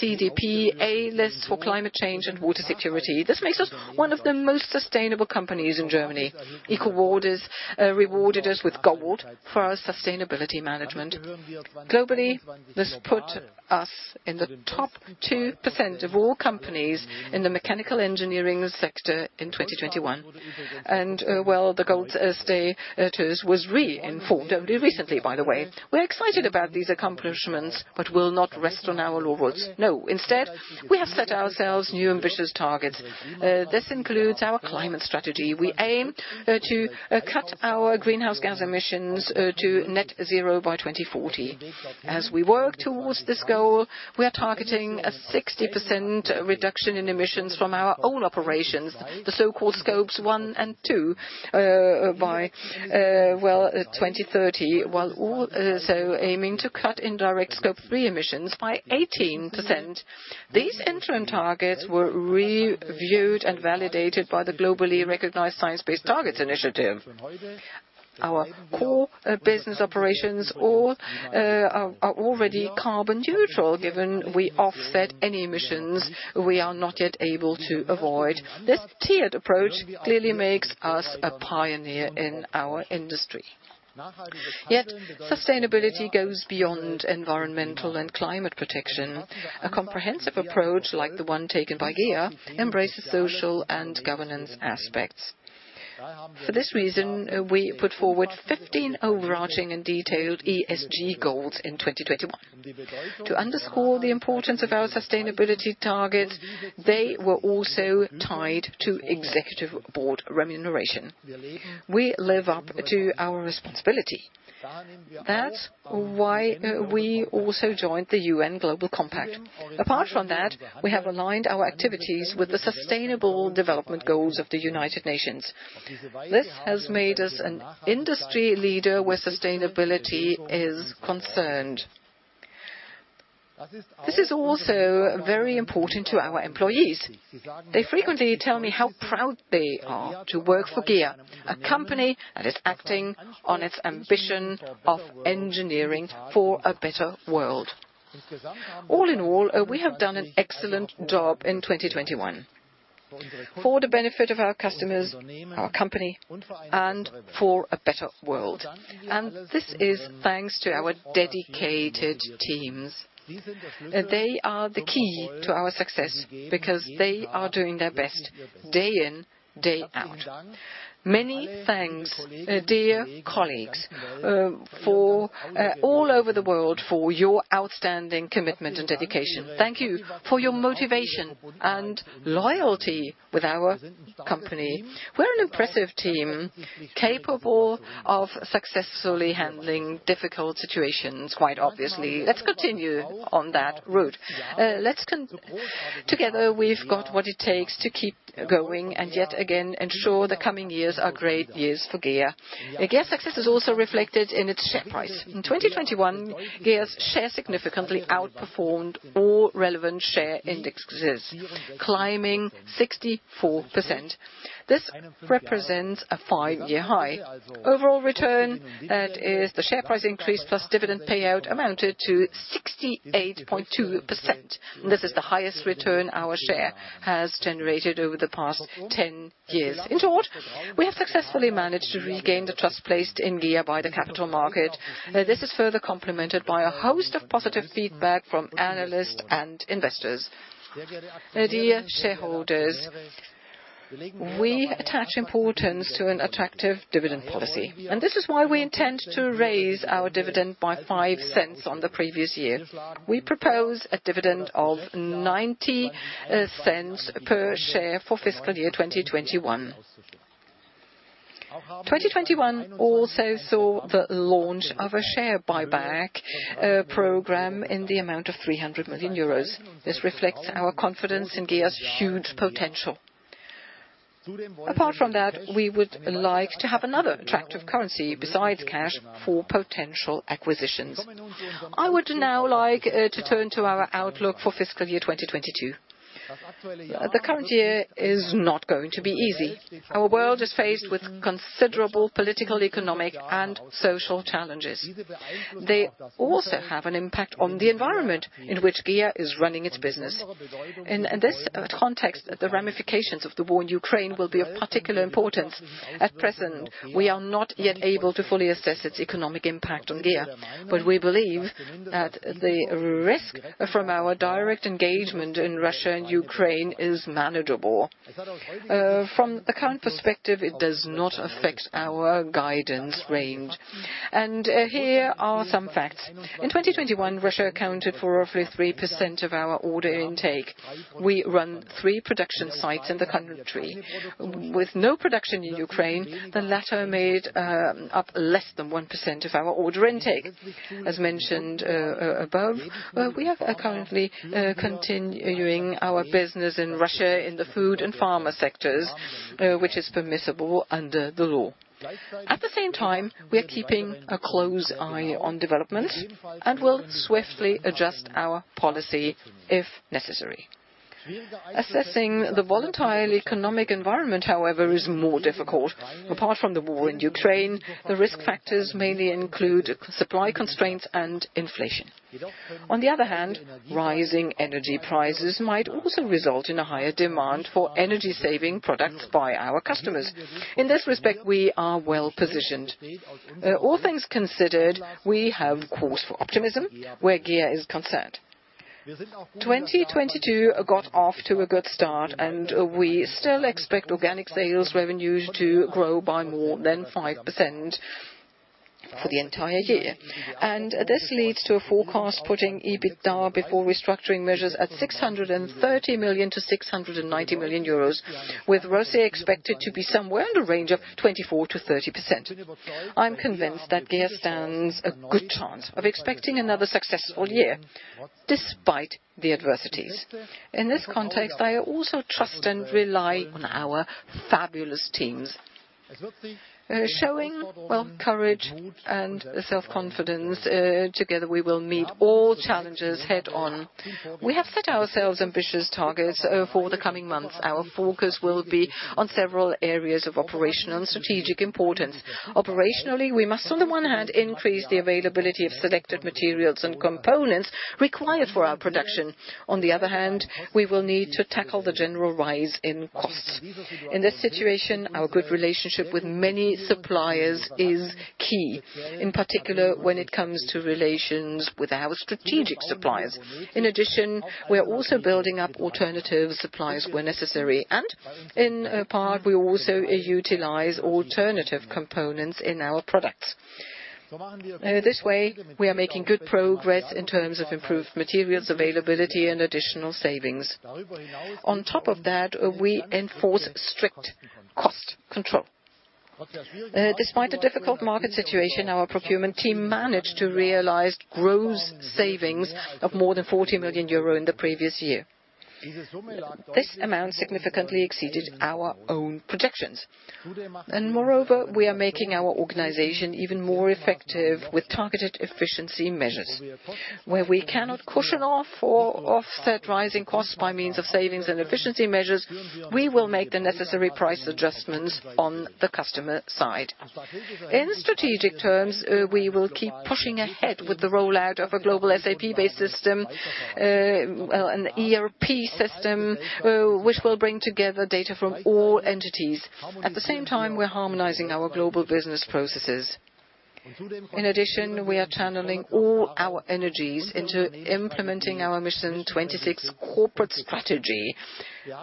CDP A list for climate change and water security. This makes us one of the most sustainable companies in Germany. EcoVadis rewarded us with Gold for our sustainability management. Globally, this put us in the top 2% of all companies in the mechanical engineering sector in 2021. The Gold status was reinforced only recently, by the way. We're excited about these accomplishments, but will not rest on our laurels. No, instead, we have set ourselves new ambitious targets. This includes our climate strategy. We aim to cut our greenhouse gas emissions to net-zero by 2040. As we work towards this goal, we are targeting a 60% reduction in emissions from our own operations, the so-called Scope 1 and Scope 2, by 2030. While also aiming to cut indirect Scope 3 emissions by 18%. These interim targets were reviewed and validated by the globally recognized Science Based Targets initiative. Our core business operations all are already carbon neutral, given we offset any emissions we are not yet able to avoid. This tiered approach clearly makes us a pioneer in our industry. Yet, sustainability goes beyond environmental and climate protection. A comprehensive approach, like the one taken by GEA, embraces social and governance aspects. For this reason, we put forward 15 overarching and detailed ESG goals in 2021. To underscore the importance of our sustainability targets, they were also tied to Executive Board remuneration. We live up to our responsibility. That's why we also joined the UN Global Compact. Apart from that, we have aligned our activities with the Sustainable Development Goals of the United Nations. This has made us an industry leader where sustainability is concerned. This is also very important to our employees. They frequently tell me how proud they are to work for GEA, a company that is acting on its ambition of engineering for a better world. All in all, we have done an excellent job in 2021 for the benefit of our customers, our company, and for a better world. This is thanks to our dedicated teams. They are the key to our success because they are doing their best day in, day out. Many thanks, dear colleagues, for all over the world for your outstanding commitment and dedication. Thank you for your motivation and loyalty with our company. We're an impressive team capable of successfully handling difficult situations, quite obviously. Let's continue on that route. Together, we've got what it takes to keep going and yet again ensure the coming years are great years for GEA. GEA's success is also reflected in its share price. In 2021, GEA's shares significantly outperformed all relevant share indexes, climbing 64%. This represents a five-year high. Overall return, that is the share price increase plus dividend payout, amounted to 68.2%. This is the highest return our share has generated over the past 10 years. In short, we have successfully managed to regain the trust placed in GEA by the capital market. This is further complemented by a host of positive feedback from analysts and investors. Dear shareholders, we attach importance to an attractive dividend policy, and this is why we intend to raise our dividend by 0.05 on the previous year. We propose a dividend of 0.90 per share for fiscal year 2021. 2021 also saw the launch of a share buyback program in the amount of 300 million euros. This reflects our confidence in GEA's huge potential. Apart from that, we would like to have another attractive currency besides cash for potential acquisitions. I would now like to turn to our outlook for fiscal year 2022. The current year is not going to be easy. Our world is faced with considerable political, economic, and social challenges. They also have an impact on the environment in which GEA is running its business. In this context, the ramifications of the war in Ukraine will be of particular importance. At present, we are not yet able to fully assess its economic impact on GEA, but we believe that the risk from our direct engagement in Russia and Ukraine is manageable. From the current perspective, it does not affect our guidance range. Here are some facts. In 2021, Russia accounted for roughly 3% of our order intake. We run three production sites in the country. With no production in Ukraine, the latter made up less than 1% of our order intake. As mentioned above, we are currently continuing our business in Russia in the food and pharma sectors, which is permissible under the law. At the same time, we're keeping a close eye on developments and will swiftly adjust our policy if necessary. Assessing the volatile economic environment, however, is more difficult. Apart from the war in Ukraine, the risk factors mainly include supply constraints and inflation. On the other hand, rising energy prices might also result in a higher demand for energy-saving products by our customers. In this respect, we are well positioned. All things considered, we have cause for optimism where GEA is concerned. 2022 got off to a good start, and we still expect organic sales revenues to grow by more than 5% for the entire year. This leads to a forecast putting EBITDA before restructuring measures at 630 million-690 million euros, with ROCE expected to be somewhere in the range of 24%-30%. I'm convinced that GEA stands a good chance of expecting another successful year despite the adversities. In this context, I also trust and rely on our fabulous teams. Well, showing courage and self-confidence, together we will meet all challenges head on. We have set ourselves ambitious targets for the coming months. Our focus will be on several areas of operational and strategic importance. Operationally, we must, on the one hand, increase the availability of selected materials and components required for our production. On the other hand, we will need to tackle the general rise in costs. In this situation, our good relationship with many suppliers is key, in particular when it comes to relations with our strategic suppliers. In addition, we are also building up alternative supplies where necessary. In part, we also utilize alternative components in our products. This way we are making good progress in terms of improved materials availability and additional savings. On top of that, we enforce strict cost control. Despite a difficult market situation, our procurement team managed to realize gross savings of more than 40 million euro in the previous year. This amount significantly exceeded our own projections. Moreover, we are making our organization even more effective with targeted efficiency measures. Where we cannot cushion off or offset rising costs by means of savings and efficiency measures, we will make the necessary price adjustments on the customer side. In strategic terms, we will keep pushing ahead with the rollout of a global SAP-based system, an ERP system, which will bring together data from all entities. At the same time, we're harmonizing our global business processes. In addition, we are channeling all our energies into implementing our Mission 26 corporate strategy,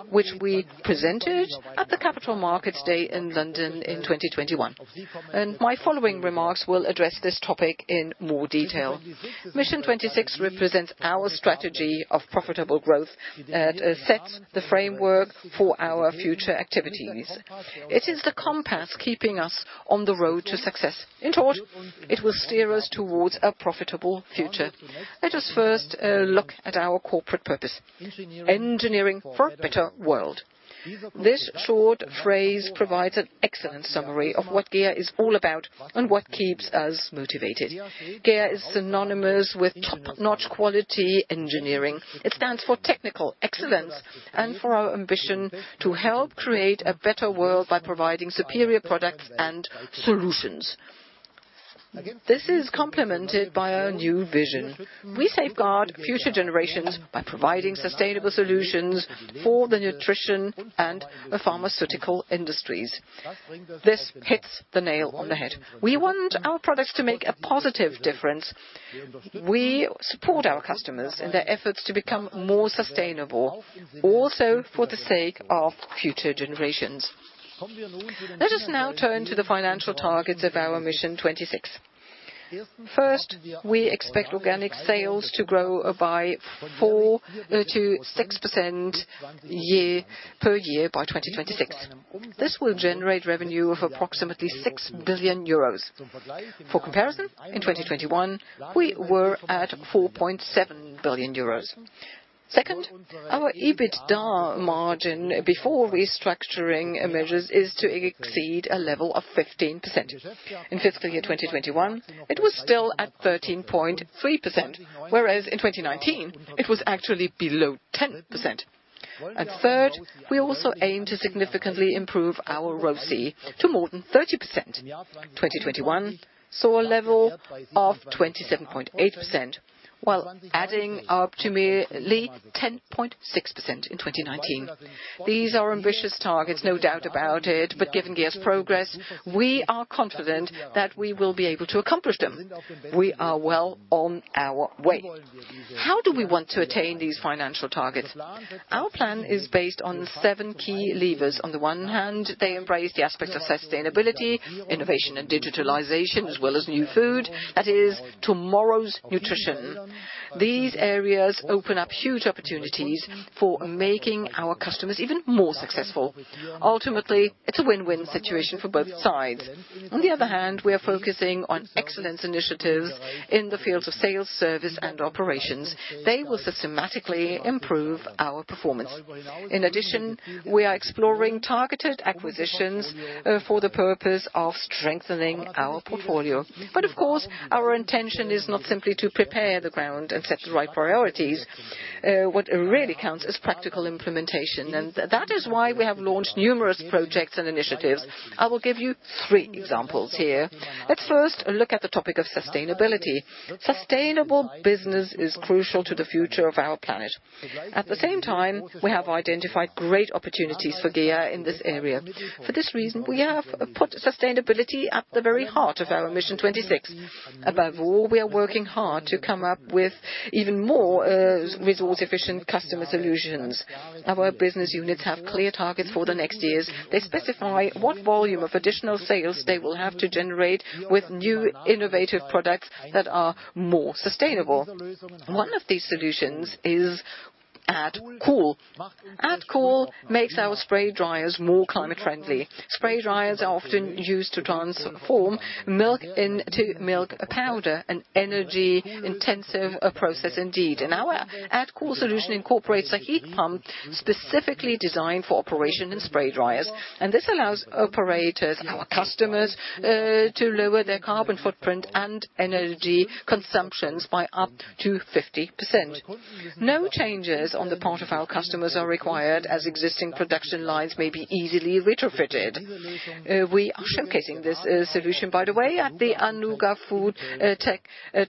which we presented at the Capital Markets Day in London in 2021. My following remarks will address this topic in more detail. Mission 26 represents our strategy of profitable growth that sets the framework for our future activities. It is the compass keeping us on the road to success. In short, it will steer us towards a profitable future. Let us first look at our corporate purpose, engineering for a better world. This short phrase provides an excellent summary of what GEA is all about and what keeps us motivated. GEA is synonymous with top-notch quality engineering. It stands for technical excellence and for our ambition to help create a better world by providing superior products and solutions. This is complemented by our new vision. We safeguard future generations by providing sustainable solutions for the nutrition and the pharmaceutical industries. This hits the nail on the head. We want our products to make a positive difference. We support our customers in their efforts to become more sustainable, also for the sake of future generations. Let us now turn to the financial targets of our Mission 26. First, we expect organic sales to grow by 4%-6% per year by 2026. This will generate revenue of approximately 6 billion euros. For comparison, in 2021, we were at 4.7 billion euros. Second, our EBITDA margin before restructuring measures is to exceed a level of 15%. In fiscal year 2021, it was still at 13.3%, whereas in 2019 it was actually below 10%. Third, we also aim to significantly improve our ROCE to more than 30%. 2021 saw a level of 27.8%, while adding up to merely 10.6% in 2019. These are ambitious targets, no doubt about it, but given GEA's progress, we are confident that we will be able to accomplish them. We are well on our way. How do we want to attain these financial targets? Our plan is based on seven key levers. On the one hand, they embrace the aspects of sustainability, innovation and digitalization, as well as new food, that is tomorrow's nutrition. These areas open up huge opportunities for making our customers even more successful. Ultimately, it's a win-win situation for both sides. On the other hand, we are focusing on excellence initiatives in the fields of sales, service, and operations. They will systematically improve our performance. In addition, we are exploring targeted acquisitions for the purpose of strengthening our portfolio. Of course, our intention is not simply to prepare the ground and set the right priorities. What really counts is practical implementation, and that is why we have launched numerous projects and initiatives. I will give you three examples here. Let's first look at the topic of sustainability. Sustainable business is crucial to the future of our planet. At the same time, we have identified great opportunities for GEA in this area. For this reason, we have put sustainability at the very heart of our Mission 26. Above all, we are working hard to come up with even more resource-efficient customer solutions. Our business units have clear targets for the next years. They specify what volume of additional sales they will have to generate with new innovative products that are more sustainable. One of these solutions is AddCool. AddCool makes our spray dryers more climate-friendly. Spray dryers are often used to transform milk into milk powder, an energy-intensive process indeed. Our AddCool solution incorporates a heat pump specifically designed for operation in spray dryers. This allows operators, our customers, to lower their carbon footprint and energy consumptions by up to 50%. No changes on the part of our customers are required, as existing production lines may be easily retrofitted. We are showcasing this solution, by the way, at the Anuga FoodTec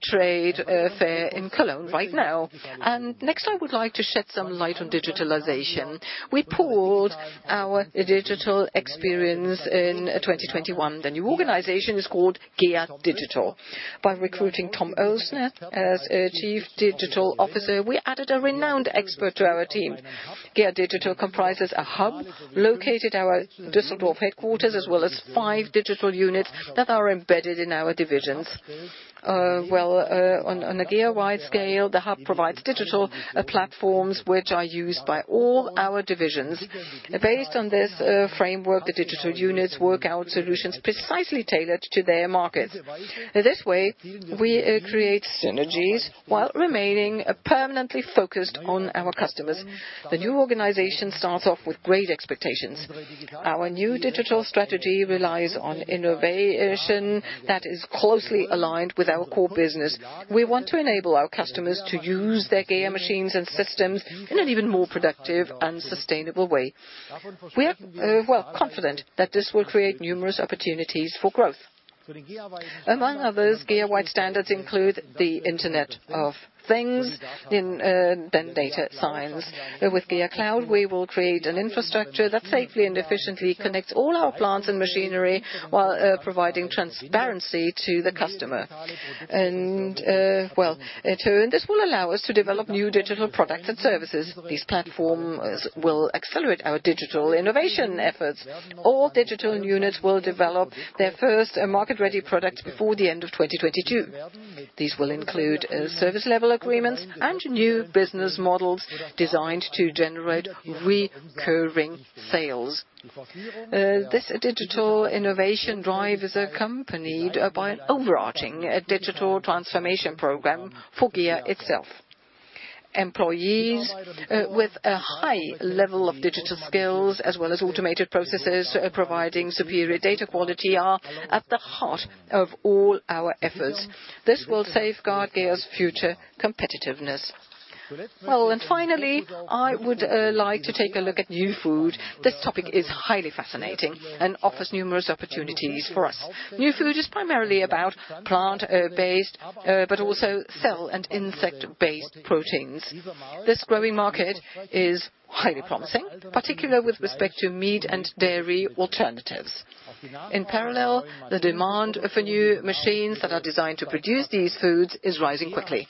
trade fair in Cologne right now. Next, I would like to shed some light on digitalization. We pooled our digital experience in 2021. The new organization is called GEA Digital. By recruiting Tom Oelsner as Chief Digital Officer, we added a renowned expert to our team. GEA Digital comprises a hub located at our Düsseldorf headquarters, as well as five digital units that are embedded in our divisions. Well, on a GEA-wide scale, the hub provides digital platforms which are used by all our divisions. Based on this framework, the digital units work out solutions precisely tailored to their markets. This way, we create synergies while remaining permanently focused on our customers. The new organization starts off with great expectations. Our new digital strategy relies on innovation that is closely aligned with our core business. We want to enable our customers to use their GEA machines and systems in an even more productive and sustainable way. We are well confident that this will create numerous opportunities for growth. Among others, GEA-wide standards include the Internet of Things and then data science. With GEA Cloud, we will create an infrastructure that safely and efficiently connects all our plants and machinery while providing transparency to the customer. In turn, this will allow us to develop new digital products and services. These platforms will accelerate our digital innovation efforts. All digital units will develop their first market-ready products before the end of 2022. These will include service level agreements and new business models designed to generate recurring sales. This digital innovation drive is accompanied by an overarching digital transformation program for GEA itself. Employees with a high level of digital skills, as well as automated processes providing superior data quality, are at the heart of all our efforts. This will safeguard GEA's future competitiveness. Finally, I would like to take a look at new food. This topic is highly fascinating and offers numerous opportunities for us. New food is primarily about plant-based, but also cell and insect-based proteins. This growing market is highly promising, particularly with respect to meat and dairy alternatives. In parallel, the demand for new machines that are designed to produce these foods is rising quickly.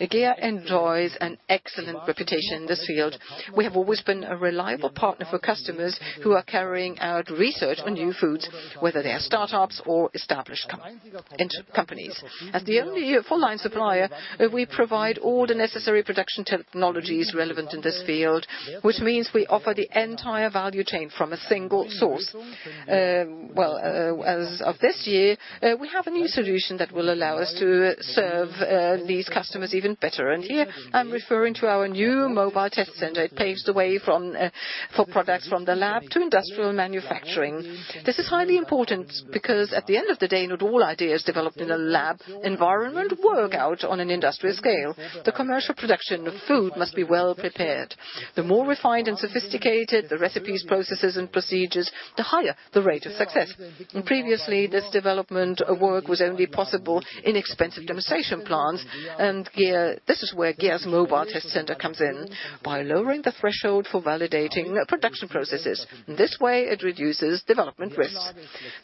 GEA enjoys an excellent reputation in this field. We have always been a reliable partner for customers who are carrying out research on new foods, whether they are startups or established companies. As the only full line supplier, we provide all the necessary production technologies relevant in this field, which means we offer the entire value chain from a single source. As of this year, we have a new solution that will allow us to serve these customers even better. Here I'm referring to our new mobile test center. It paves the way for products from the lab to industrial manufacturing. This is highly important because at the end of the day, not all ideas developed in a lab environment work out on an industrial scale. The commercial production of food must be well prepared. The more refined and sophisticated the recipes, processes, and procedures, the higher the rate of success. Previously, this development work was only possible in expensive demonstration plants. This is where GEA's mobile test center comes in. By lowering the threshold for validating production processes, this way it reduces development risks.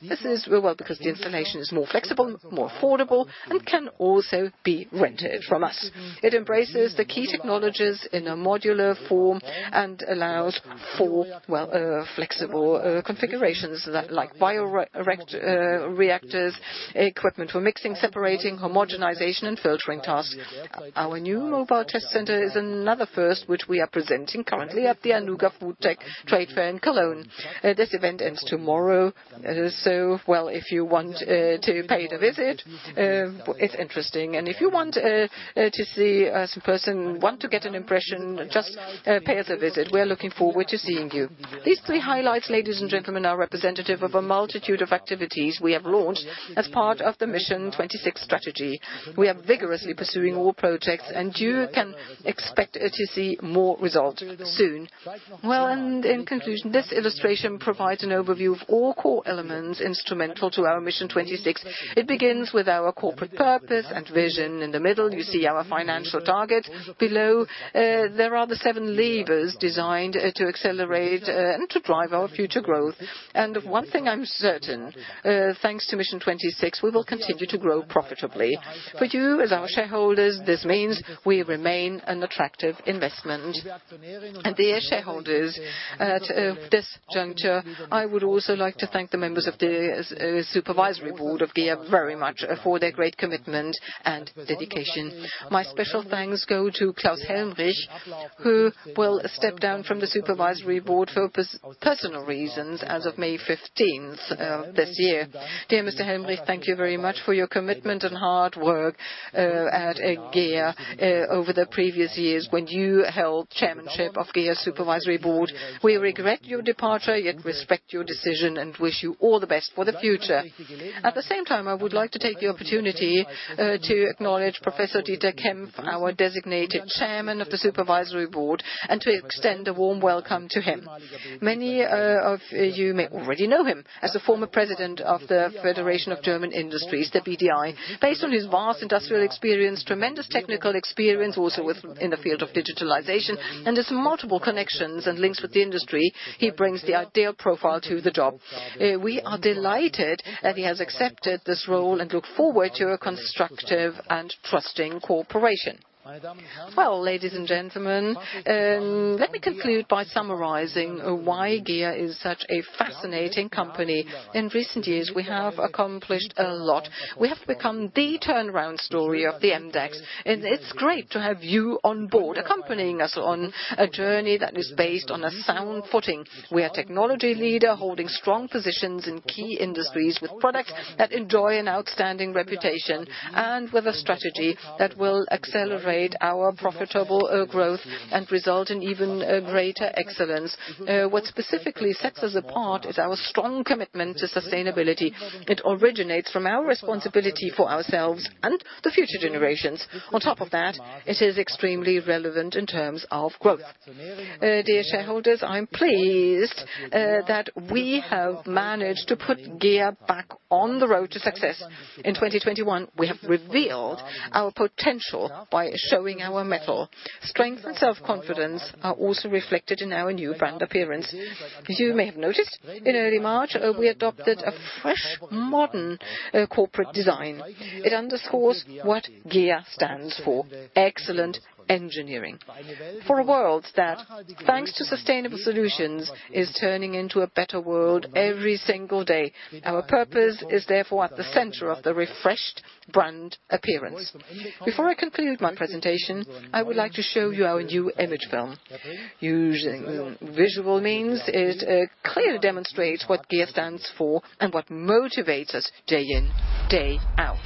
This is, well, because the installation is more flexible, more affordable, and can also be rented from us. It embraces the key technologies in a modular form and allows for, well, flexible, configurations, like bioreactors, equipment for mixing, separating, homogenization, and filtering tasks. Our new mobile test center is another first, which we are presenting currently at the Anuga FoodTec trade fair in Cologne. This event ends tomorrow. If you want to pay it a visit, it's interesting. If you want to see us in person, want to get an impression, just pay us a visit. We are looking forward to seeing you. These three highlights, ladies and gentlemen, are representative of a multitude of activities we have launched as part of the Mission 26 strategy. We are vigorously pursuing all projects, and you can expect to see more results soon. In conclusion, this illustration provides an overview of all core elements instrumental to our Mission 26. It begins with our corporate purpose and vision. In the middle, you see our financial targets. Below, there are the seven levers designed to accelerate and to drive our future growth. Of one thing I'm certain, thanks to Mission 26, we will continue to grow profitably. For you, as our shareholders, this means we remain an attractive investment. Dear shareholders, at this juncture, I would also like to thank the members of the Supervisory Board of GEA very much for their great commitment and dedication. My special thanks go to Klaus Helmrich, who will step down from the Supervisory Board for personal reasons as of May 15th this year. Dear Mr. Helmrich, thank you very much for your commitment and hard work at GEA over the previous years when you held chairmanship of GEA Supervisory Board. We regret your departure, yet respect your decision and wish you all the best for the future. At the same time, I would like to take the opportunity to acknowledge Professor Dieter Kempf, our designated Chairman of the Supervisory Board, and to extend a warm welcome to him. Many of you may already know him as a former President of the Federation of German Industries, the BDI. Based on his vast industrial experience, tremendous technical experience, also in the field of digitalization, and his multiple connections and links with the industry, he brings the ideal profile to the job. We are delighted that he has accepted this role and look forward to a constructive and trusting cooperation. Well, ladies and gentlemen, let me conclude by summarizing why GEA is such a fascinating company. In recent years, we have accomplished a lot. We have become the turnaround story of the MDAX, and it's great to have you on board accompanying us on a journey that is based on a sound footing. We are a technology leader holding strong positions in key industries with products that enjoy an outstanding reputation and with a strategy that will accelerate our profitable growth and result in even greater excellence. What specifically sets us apart is our strong commitment to sustainability. It originates from our responsibility for ourselves and the future generations. On top of that, it is extremely relevant in terms of growth. Dear shareholders, I'm pleased that we have managed to put GEA back on the road to success. In 2021, we have revealed our potential by showing our mettle. Strength and self-confidence are also reflected in our new brand appearance. As you may have noticed, in early March, we adopted a fresh, modern, corporate design. It underscores what GEA stands for, excellent engineering. For a world that, thanks to sustainable solutions, is turning into a better world every single day. Our purpose is therefore at the center of the refreshed brand appearance. Before I conclude my presentation, I would like to show you our new image film. Using visual means, it clearly demonstrates what GEA stands for and what motivates us day in, day out.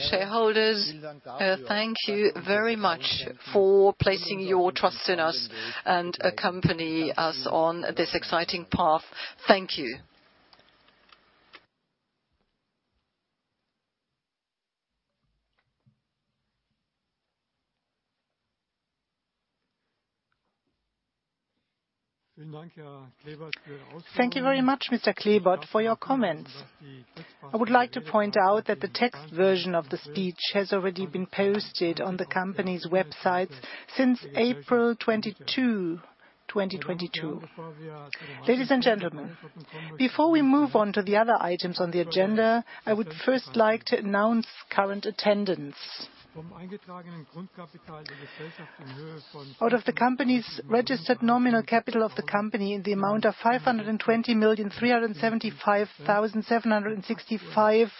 Dear shareholders, thank you very much for placing your trust in us and accompany us on this exciting path. Thank you. Thank you very much, Mr. Klebert, for your comments. I would like to point out that the text version of the speech has already been posted on the company's website since April 22, 2022. Ladies and gentlemen, before we move on to the other items on the agenda, I would first like to announce current attendance. Out of the company's registered nominal capital of the company in the amount of 520,375,765.57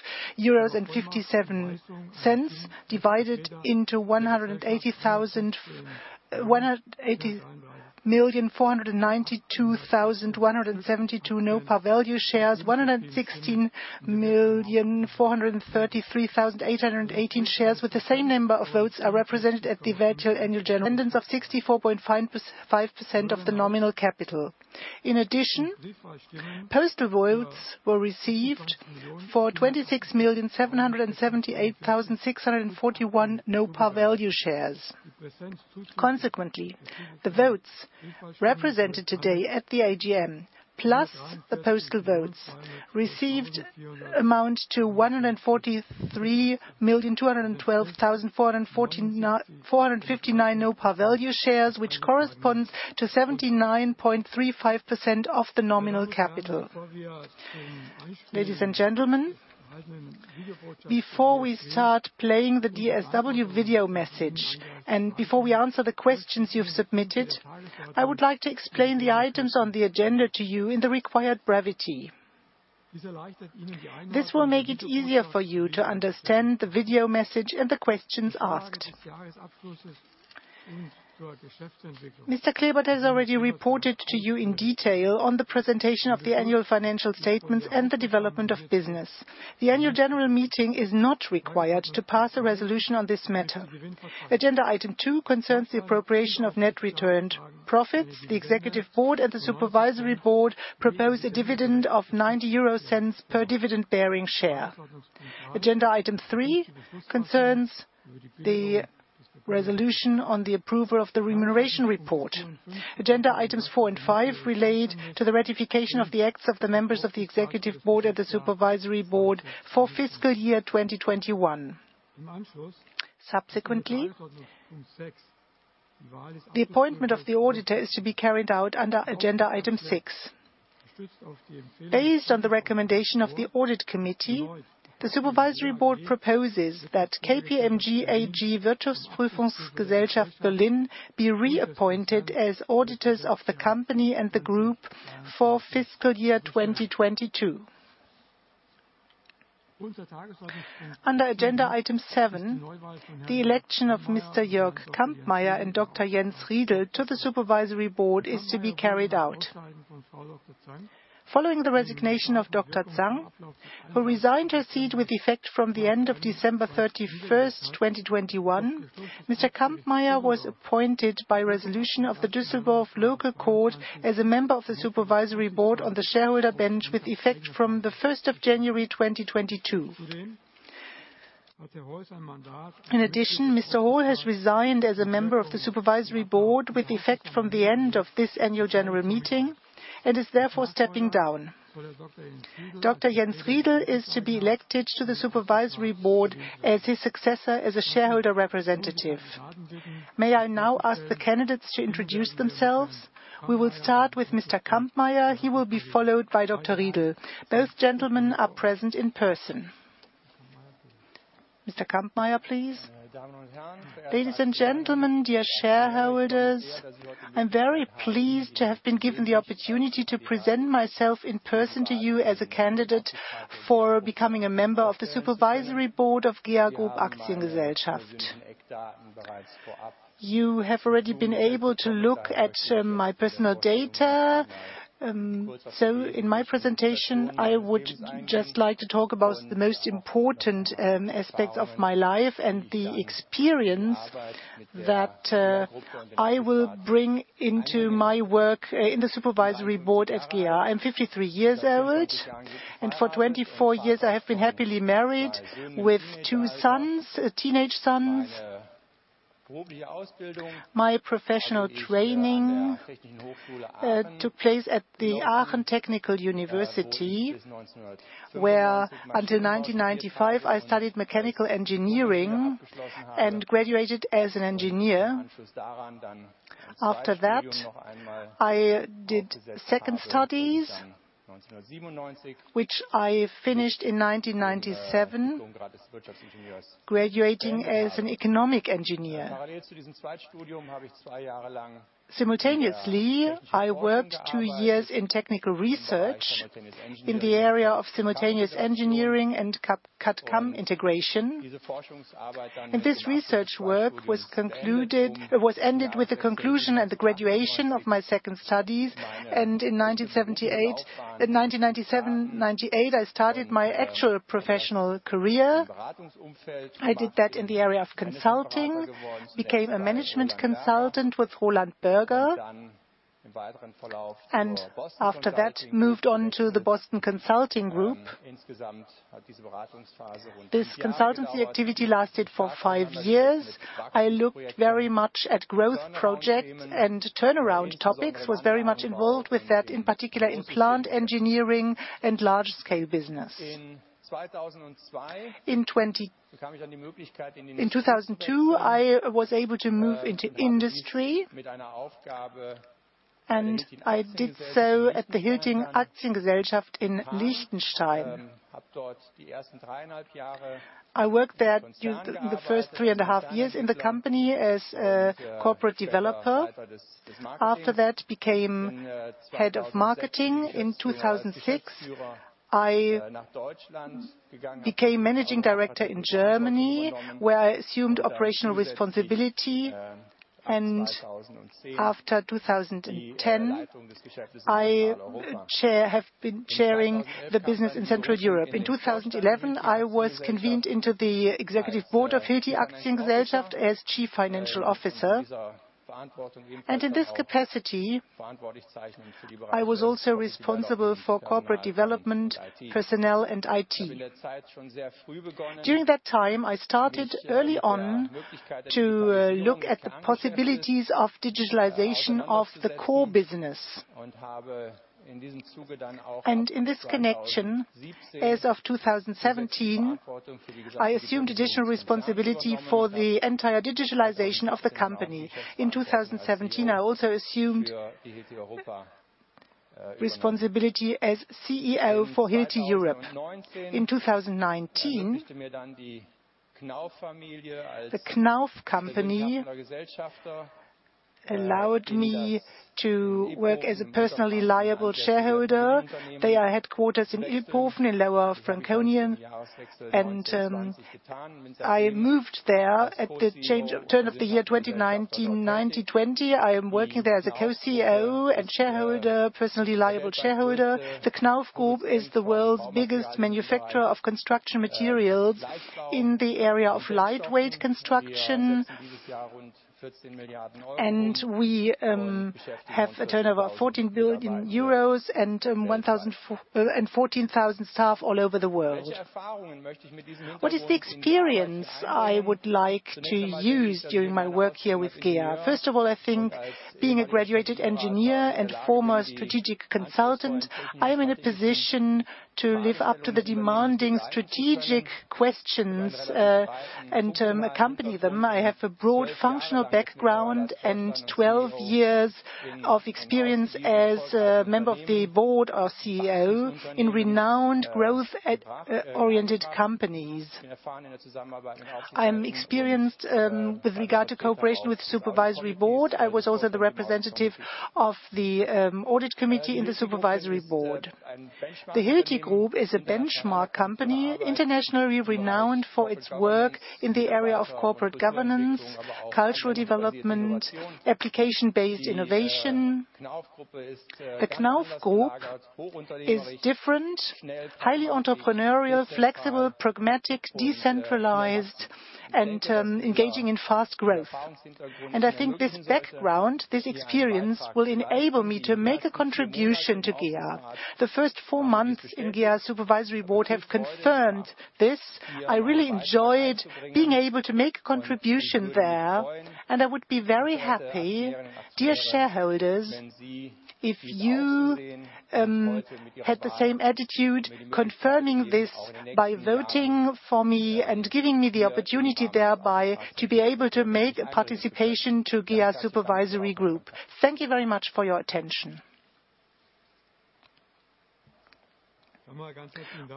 euros, divided into 180,492,172 no-par-value shares. 116,433,818 shares with the same number of votes are represented at the virtual annual general. Attendance of 64.55% of the nominal capital. In addition, postal votes were received for 26,778,641 no-par-value shares. Consequently, the votes represented today at the AGM, plus the postal votes received amount to 143,212,459 no-par-value shares, which corresponds to 79.35% of the nominal capital. Ladies and gentlemen, before we start playing the DSW video message, and before we answer the questions you've submitted, I would like to explain the items on the agenda to you in the required brevity. This will make it easier for you to understand the video message and the questions asked. Mr. Klebert has already reported to you in detail on the presentation of the annual financial statements and the development of business. The Annual General Meeting is not required to pass a resolution on this matter. Agenda item 2 concerns the appropriation of net retained profits. The Executive Board and the Supervisory Board propose a dividend of 0.90 per dividend-bearing share. Agenda item 3 concerns the resolution on the approval of the remuneration report. Agenda items 4 and 5 relate to the ratification of the acts of the members of the Executive Board and the Supervisory Board for fiscal year 2021. Subsequently, the appointment of the auditor is to be carried out under agenda item 6. Based on the recommendation of the Audit Committee, the supervisory board proposes that KPMG AG Berlin be reappointed as auditors of the company and the Group for fiscal year 2022. Under agenda item 7, the election of Mr. Jörg Kampmeyer and Dr. Jens Riedl to the Supervisory Board is to be carried out. Following the resignation of Dr. Molly Zhang, who resigned her seat with effect from the end of December 31, 2021, Mr. Kampmeyer was appointed by resolution of the Düsseldorf Local Court as a member of the Supervisory Board on the shareholder bench with effect from January 1, 2022. In addition, Mr. Colin Hall has resigned as a member of the Supervisory Board with effect from the end of this Annual General Meeting, and is therefore stepping down. Dr. Jens Riedl is to be elected to the Supervisory Board as his successor as a shareholder representative. May I now ask the candidates to introduce themselves? We will start with Mr. Kampmeyer. He will be followed by Dr. Riedl. Both gentlemen are present in person. Mr. Kampmeyer, please. Ladies and gentlemen, dear shareholders, I'm very pleased to have been given the opportunity to present myself in person to you as a candidate for becoming a member of the Supervisory Board of GEA Group Aktiengesellschaft. You have already been able to look at my personal data. In my presentation, I would just like to talk about the most important aspects of my life and the experience that I will bring into my work in the Supervisory Board at GEA. I'm 53 years old, and for 24 years I have been happily married with two sons, teenage sons. My professional training took place at RWTH Aachen University, where until 1995 I studied mechanical engineering and graduated as an engineer. After that, I did second studies, which I finished in 1997, graduating as an economic engineer. Simultaneously, I worked two years in technical research in the area of simultaneous engineering and CAD/CAM integration. This research work was ended with the conclusion and the graduation of my second studies. In 1997, 1998, I started my actual professional career. I did that in the area of consulting, became a management consultant with Roland Berger, and after that moved on to the Boston Consulting Group. This consultancy activity lasted for five years. I looked very much at growth projects and turnaround topics. Was very much involved with that, in particular in plant engineering and large scale business. In 2002, I was able to move into industry, and I did so at the Hilti Aktiengesellschaft in Liechtenstein. I worked there the first three and a half years in the company as a corporate developer. After that, became head of marketing. In 2006, I became managing director in Germany, where I assumed operational responsibility. After 2010, I have been chairing the business in Central Europe. In 2011, I was convened into the Executive Board of Hilti Aktiengesellschaft as chief financial officer. In this capacity, I was also responsible for corporate development, personnel, and IT. During that time, I started early on to look at the possibilities of digitalization of the core business. In this connection, as of 2017, I assumed additional responsibility for the entire digitalization of the company. In 2017, I also assumed responsibility as CEO for Hilti Europe. In 2019, the Knauf company allowed me to work as a personally liable shareholder. Their headquarters in Iphofen in Lower Franconia. I moved there at the turn of the year 2019-2020. I am working there as a co-CEO and shareholder, personally liable shareholder. The Knauf Group is the world's biggest manufacturer of construction materials in the area of lightweight construction. We have a turnover of 14 billion euros and 14,000 staff all over the world. What is the experience I would like to use during my work here with GEA? First of all, I think being a graduated engineer and former strategic consultant, I am in a position to live up to the demanding strategic questions and accompany them. I have a broad functional background and 12 years of experience as a member of the board or CEO in renowned growth-oriented companies. I am experienced with regard to cooperation with Supervisory Board. I was also the representative of the Audit Committee in the Supervisory Board. The Hilti Group is a benchmark company, internationally renowned for its work in the area of corporate governance, cultural development, application-based innovation. The Knauf Group is different, highly entrepreneurial, flexible, pragmatic, decentralized, and engaging in fast growth. I think this background, this experience, will enable me to make a contribution to GEA. The first four months in GEA Supervisory Board have confirmed this. I really enjoyed being able to make a contribution there, and I would be very happy, dear shareholders, if you had the same attitude, confirming this by voting for me and giving me the opportunity thereby to be able to make a participation to GEA Supervisory Board. Thank you very much for your attention.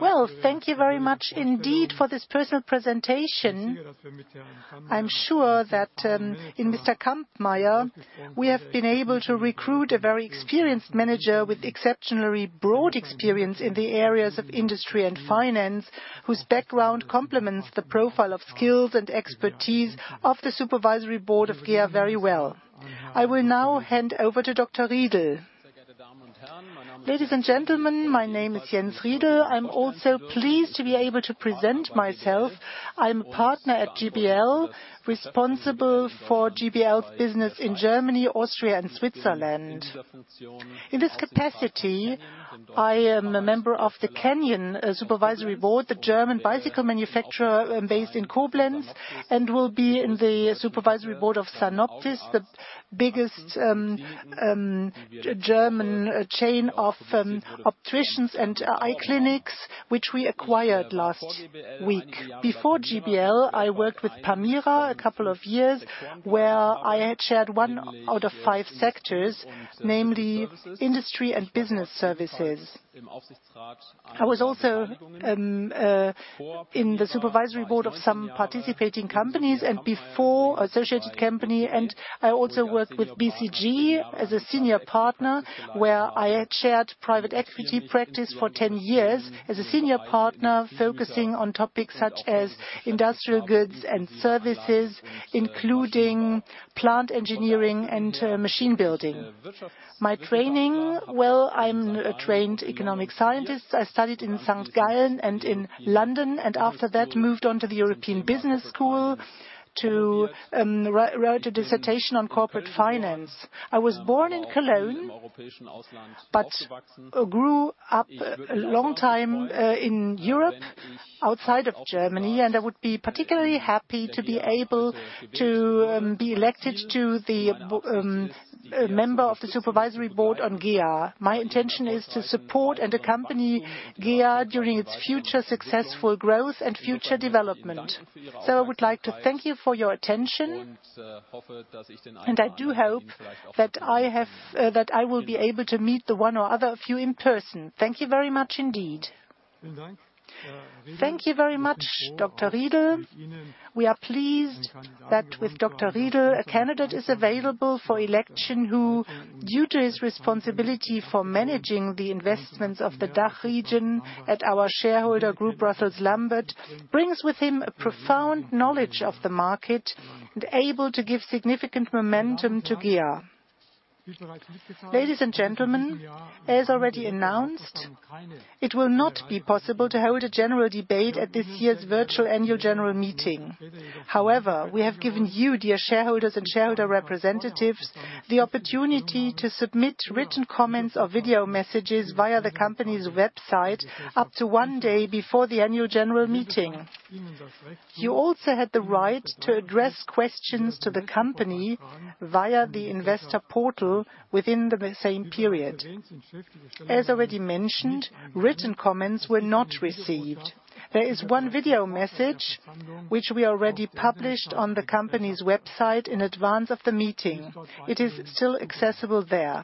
Well, thank you very much indeed for this personal presentation. I'm sure that in Mr. Kampmeyer, we have been able to recruit a very experienced manager with exceptionally broad experience in the areas of industry and finance, whose background complements the profile of skills and expertise of the Supervisory Board of GEA very well. I will now hand over to Dr. Riedl. Ladies and gentlemen, my name is Jens Riedl. I'm also pleased to be able to present myself. I'm a partner at GBL, responsible for GBL's business in Germany, Austria, and Switzerland. In this capacity, I am a member of the Canyon Supervisory Board, the German bicycle manufacturer based in Koblenz, and will be in the Supervisory Board of Sanoptis, the biggest German chain of opticians and eye clinics, which we acquired last week. Before GBL, I worked with Permira a couple of years, where I had chaired one out of five sectors, namely Industry and Business Services. I was also in the Supervisory Board of some participating companies and before associated company, and I also worked with BCG as a senior partner, where I had chaired Private Equity Practice for 10 years as a senior partner, focusing on topics such as industrial goods and services, including plant engineering and machine building. My training, well, I'm a trained economic scientist. I studied in St. Gallen and in London, and after that moved on to the European Business School to write a dissertation on corporate finance. I was born in Cologne, but grew up a long time in Europe, outside of Germany, and I would be particularly happy to be able to be elected to member of the Supervisory Board on GEA. My intention is to support and accompany GEA during its future successful growth and future development. I would like to thank you for your attention, and I do hope that I will be able to meet the one or other of you in person. Thank you very much indeed. Thank you very much, Dr. Riedl. We are pleased that with Dr. Riedl, a candidate is available for election who, due to his responsibility for managing the investments of the DACH region at our shareholder group, Groupe Bruxelles Lambert, brings with him a profound knowledge of the market and able to give significant momentum to GEA. Ladies and gentlemen, as already announced, it will not be possible to hold a general debate at this year's virtual Annual General Meeting. However, we have given you, dear shareholders and shareholder representatives, the opportunity to submit written comments or video messages via the company's website up to one day before the Annual General Meeting. You also had the right to address questions to the company via the investor portal within the same period. As already mentioned, written comments were not received. There is one video message which we already published on the company's website in advance of the meeting. It is still accessible there.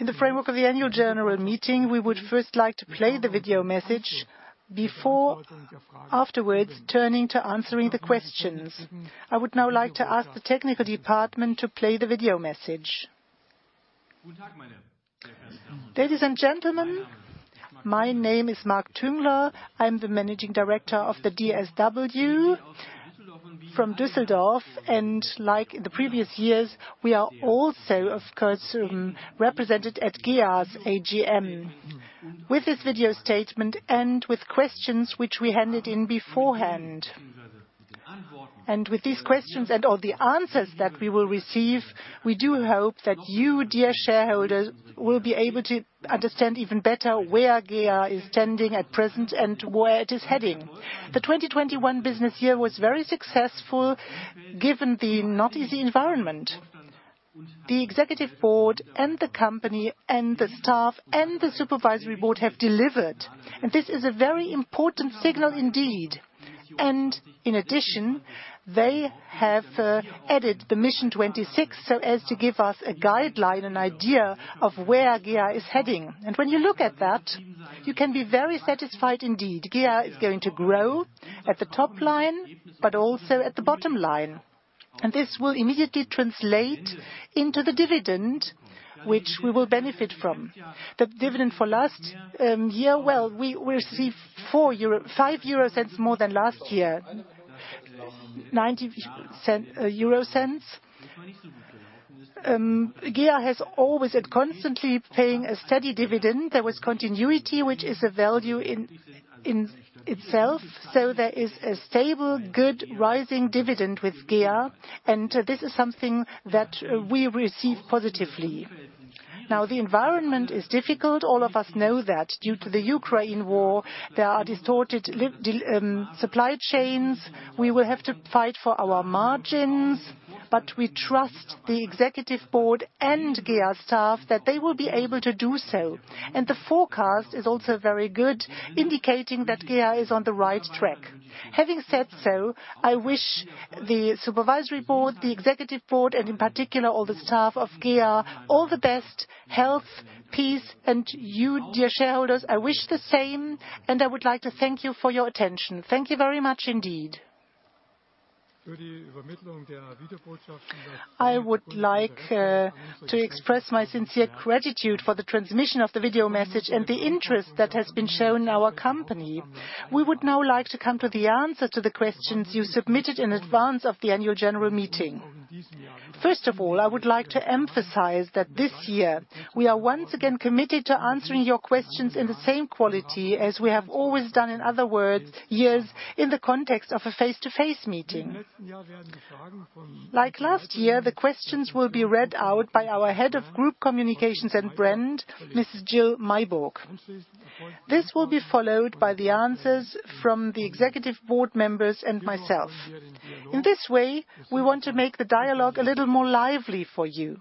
In the framework of the Annual General Meeting, we would first like to play the video message before afterwards turning to answering the questions. I would now like to ask the technical department to play the video message. Ladies and gentlemen, my name is Marc Tüngler. I'm the managing director of the DSW from Düsseldorf, and like the previous years, we are also, of course, represented at GEA's AGM. With this video statement, and with questions which we handed in beforehand. With these questions and all the answers that we will receive, we do hope that you, dear shareholders, will be able to understand even better where GEA is standing at present and where it is heading. The 2021 business year was very successful given the not easy environment. The Executive Board and the company and the staff and the Supervisory Board have delivered, and this is a very important signal indeed. In addition, they have added the Mission 26 so as to give us a guideline, an idea of where GEA is heading. When you look at that, you can be very satisfied indeed. GEA is going to grow at the top line, but also at the bottom line. This will immediately translate into the dividend, which we will benefit from. The dividend for last year, well, we receive 0.05 more than last year. 0.90. GEA has always at constantly paying a steady dividend. There was continuity, which is a value in itself. There is a stable, good rising dividend with GEA, and this is something that we receive positively. Now, the environment is difficult. All of us know that. Due to the Ukraine war, there are distorted supply chains. We will have to fight for our margins, but we trust the Executive Board and GEA staff that they will be able to do so. The forecast is also very good, indicating that GEA is on the right track. Having said so, I wish the Supervisory Board, the Executive Board and in particular all the staff of GEA, all the best health, peace and you, dear shareholders, I wish the same, and I would like to thank you for your attention. Thank you very much indeed. I would like to express my sincere gratitude for the transmission of the video message and the interest that has been shown our company. We would now like to come to the answer to the questions you submitted in advance of the Annual General Meeting. First of all, I would like to emphasize that this year we are once again committed to answering your questions in the same quality as we have always done, in other years, in the context of a face-to-face meeting. Like last year, the questions will be read out by our Head of Group Communications and Brand, Mrs. Jill Meiburg. This will be followed by the answers from the Executive Board members and myself. In this way, we want to make the dialogue a little more lively for you.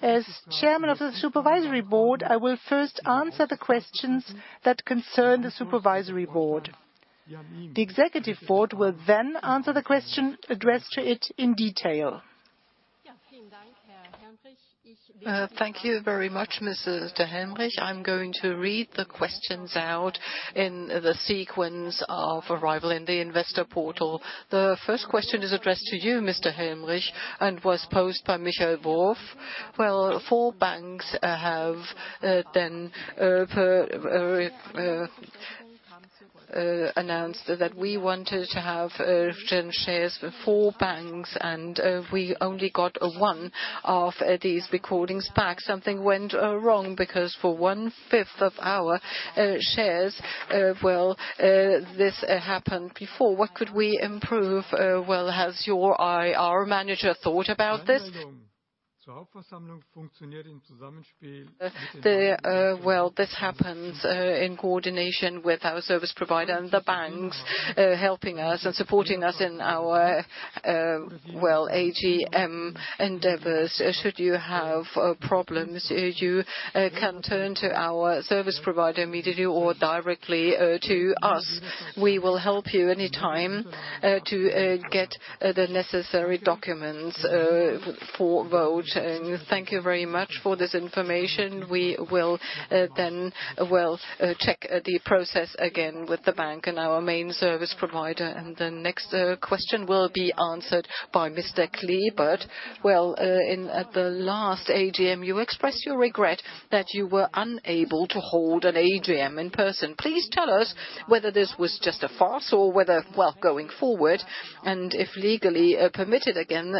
As Chairman of the Supervisory Board, I will first answer the questions that concern the Supervisory Board. The Executive Board will then answer the question addressed to it in detail. Thank you very much, Mr. Helmrich. I'm going to read the questions out in the sequence of arrival in the investor portal. The first question is addressed to you, Mr. Helmrich, and was posed by Michael Wolf. Well, four banks announced that we wanted to have certain shares with four banks and we only got one of these responses back. Something went wrong because for one-fifth of our shares, well, this happened before. What could we improve? Well, has your IR manager thought about this? This happens in coordination with our service provider and the banks helping us and supporting us in our AGM endeavors. Should you have problems, you can turn to our service provider immediately or directly to us. We will help you anytime to get the necessary documents for vote. Thank you very much for this information. We will then check the process again with the bank and our main service provider. The next question will be answered by Mr. Klebert. At the last AGM, you expressed your regret that you were unable to hold an AGM in person. Please tell us whether this was just a farce or whether, going forward, and if legally permitted again,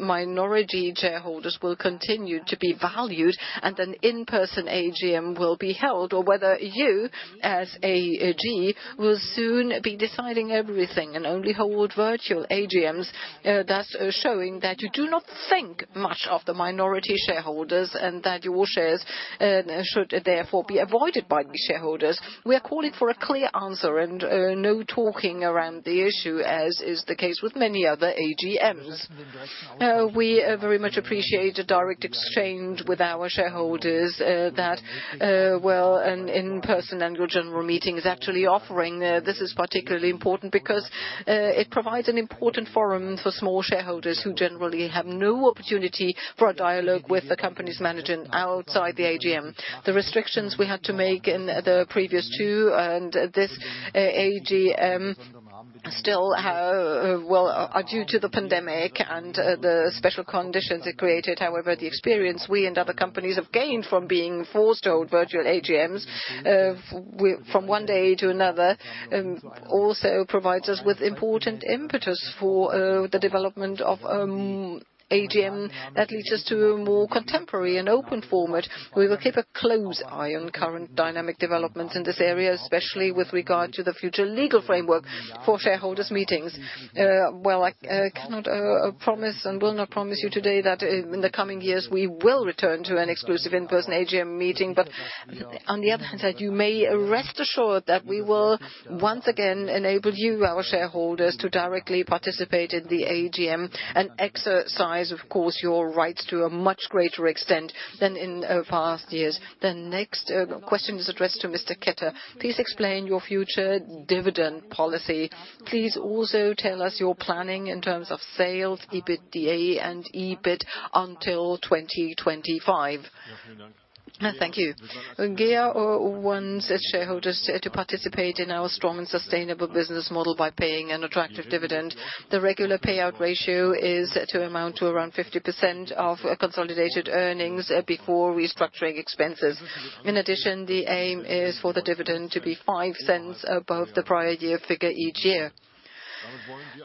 minority shareholders will continue to be valued and an in-person AGM will be held? Or whether you, as AG, will soon be deciding everything and only hold virtual AGMs, thus showing that you do not think much of the minority shareholders and that your shares should therefore be avoided by the shareholders. We are calling for a clear answer and no talking around the issue, as is the case with many other AGMs? We very much appreciate a direct exchange with our shareholders that an in-person Annual General Meeting is actually offering. This is particularly important because it provides an important forum for small shareholders who generally have no opportunity for a dialogue with the company's management outside the AGM. The restrictions we had to make in the previous two and this AGM still have, well, are due to the pandemic and the special conditions it created. However, the experience we and other companies have gained from being forced to hold virtual AGMs from one day to another also provides us with important impetus for the development of AGM that leads us to a more contemporary and open format. We will keep a close eye on current dynamic developments in this area, especially with regard to the future legal framework for shareholders' meetings. Well, I cannot promise and will not promise you today that in the coming years, we will return to an exclusive in-person AGM meeting. On the other hand, that you may rest assured that we will, once again, enable you, our shareholders, to directly participate in the AGM and exercise, of course, your rights to a much greater extent than in past years. The next question is addressed to Mr. Ketter. Please explain your future dividend policy. Please also tell us your planning in terms of sales, EBITDA and EBIT until 2025? Thank you. GEA wants its shareholders to participate in our strong and sustainable business model by paying an attractive dividend. The regular payout ratio is to amount to around 50% of consolidated earnings before restructuring expenses. In addition, the aim is for the dividend to be 0.05 above the prior year figure each year.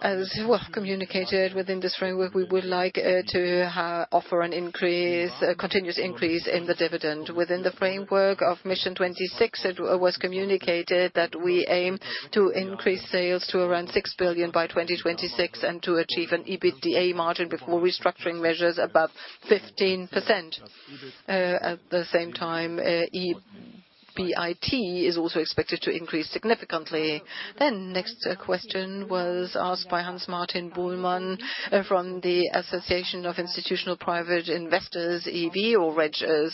As well, communicated within this framework, we would like to offer an increase, a continuous increase in the dividend. Within the framework of Mission 26, it was communicated that we aim to increase sales to around 6 billion by 2026 and to achieve an EBITDA margin before restructuring measures above 15%. At the same time, EBIT is also expected to increase significantly. Next, question was asked by Hans-Martin Buhlmann from the Association of Institutional Private Investors e.V., or Regza,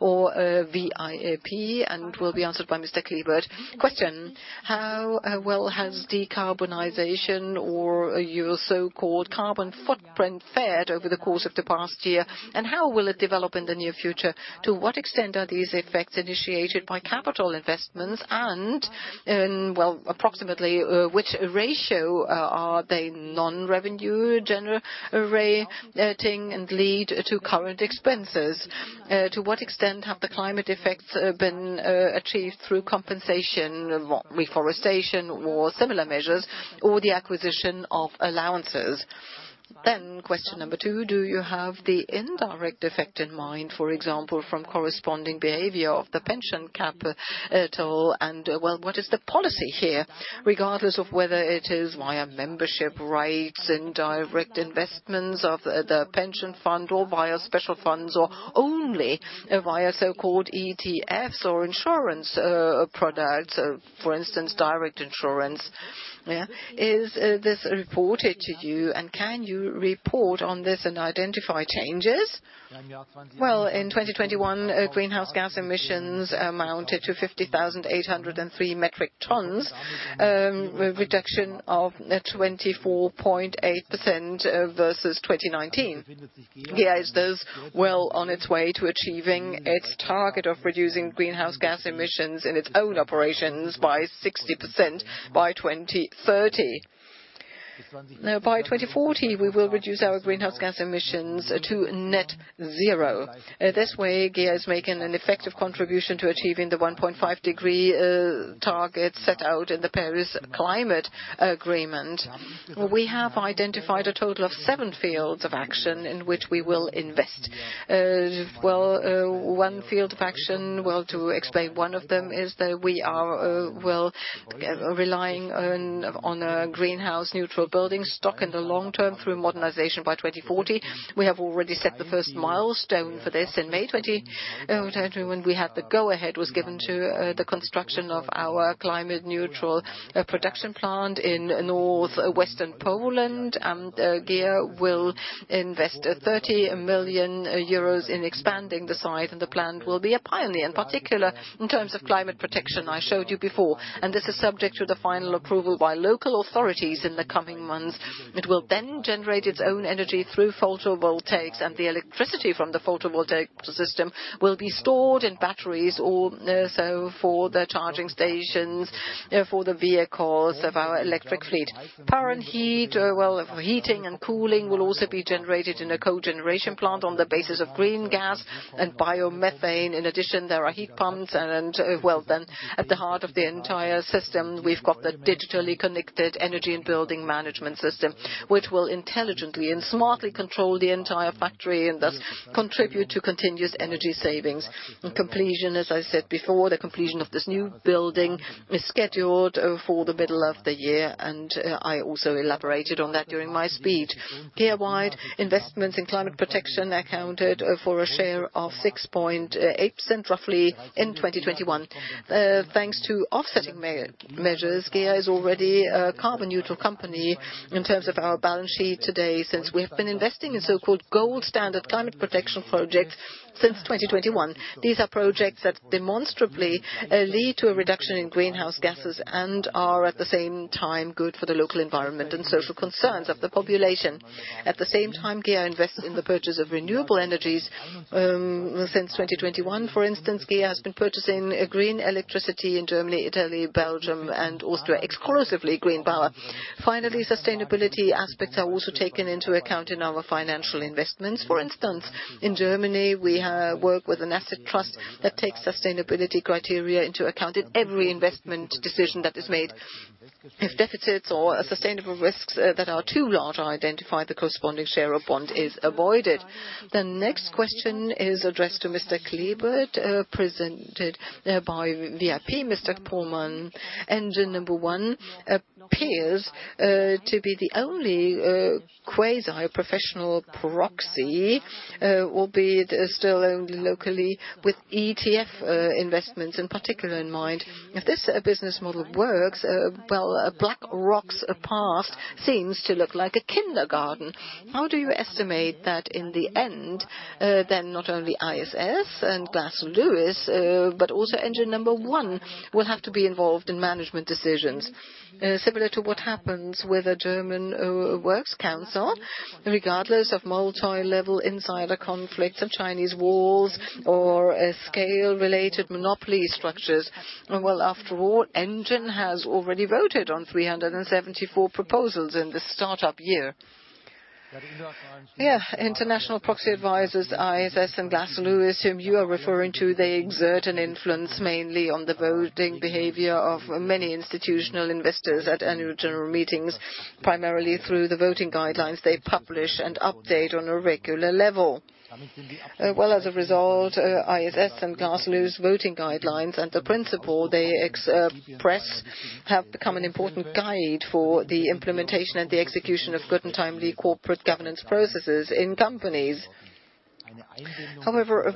or, VIP, and will be answered by Mr. Klebert. Question: How well has decarbonization or your so-called carbon footprint fared over the course of the past year, and how will it develop in the near future? To what extent are these effects initiated by capital investments and in approximately which ratio are they non-revenue generating and lead to current expenses? To what extent have the climate effects been achieved through compensation, reforestation or similar measures, or the acquisition of allowances? Question number two: Do you have the indirect effect in mind, for example, from corresponding behavior of the pension capital and what is the policy here? Regardless of whether it is via membership rights, indirect investments of the pension fund or via special funds or only via so-called ETFs or insurance products, for instance, direct insurance. Is this reported to you, and can you report on this and identify changes? Well, in 2021, greenhouse gas emissions amounted to 50,803 metric tons, a reduction of 24.8% versus 2019. GEA is, thus, well on its way to achieving its target of reducing greenhouse gas emissions in its own operations by 60% by 2030. Now by 2040, we will reduce our greenhouse gas emissions to net-zero. This way GEA is making an effective contribution to achieving the 1.5-degree target set out in the Paris Agreement. We have identified a total of seven fields of action in which we will invest. Well, one field of action, well, to explain one of them, is that we are, well, relying on a greenhouse-neutral building stock in the long term through modernization by 2040. We have already set the first milestone for this in May 2020 when the go-ahead was given to the construction of our climate-neutral production plant in Northwestern Poland. GEA will invest 30 million euros in expanding the site. The plant will be a pioneer, in particular, in terms of climate protection I showed you before. This is subject to the final approval by local authorities in the coming months. It will then generate its own energy through photovoltaics, and the electricity from the photovoltaic system will be stored in batteries for the charging stations for the vehicles of our electric fleet. Power and heat, heating and cooling will also be generated in a cogeneration plant on the basis of green gas and biomethane. In addition, there are heat pumps and, well then, at the heart of the entire system, we've got the digitally connected energy and building management system, which will intelligently and smartly control the entire factory and thus contribute to continuous energy-savings. Completion, as I said before, the completion of this new building is scheduled for the middle of the year, and I also elaborated on that during my speech. GEA-wide investments in climate protection accounted for a share of 6.8%, roughly, in 2021. Thanks to offsetting measures, GEA is already a carbon-neutral company in terms of our balance sheet today, since we've been investing in so-called Gold Standard climate protection projects since 2021. These are projects that demonstrably lead to a reduction in greenhouse gases and are, at the same time, good for the local environment and social concerns of the population. At the same time, GEA invested in the purchase of renewable energies since 2021. For instance, GEA has been purchasing green electricity in Germany, Italy, Belgium, and Austria, exclusively green power. Finally, sustainability aspects are also taken into account in our financial investments. For instance, in Germany, we work with an asset trust that takes sustainability criteria into account in every investment decision that is made. If deficits or sustainable risks that are too large are identified, the corresponding share or bond is avoided. The next question is addressed to Mr. Klebert, presented by VIP, Mr. Buhlmann. Engine No. 1 appears to be the only quasi-professional proxy, albeit still only locally with ETF investments in particular in mind. If this business model works, well, BlackRock's past seems to look like a kindergarten. How do you estimate that in the end, then not only ISS and Glass Lewis, but also Engine No. 1 will have to be involved in management decisions Similar to what happens with a German works council, regardless of multilevel insider conflicts of Chinese walls or a scale-related monopoly structures? Well, after all, Engine No. 1 has already voted on 374 proposals in the start-up year. Yeah. International proxy advisors, ISS and Glass Lewis, whom you are referring to, they exert an influence mainly on the voting behavior of many institutional investors at Annual General Meetings, primarily through the voting guidelines they publish and update on a regular basis. As a result, ISS and Glass Lewis voting guidelines and the principles they express have become an important guide for the implementation and the execution of good and timely corporate governance processes in companies. However,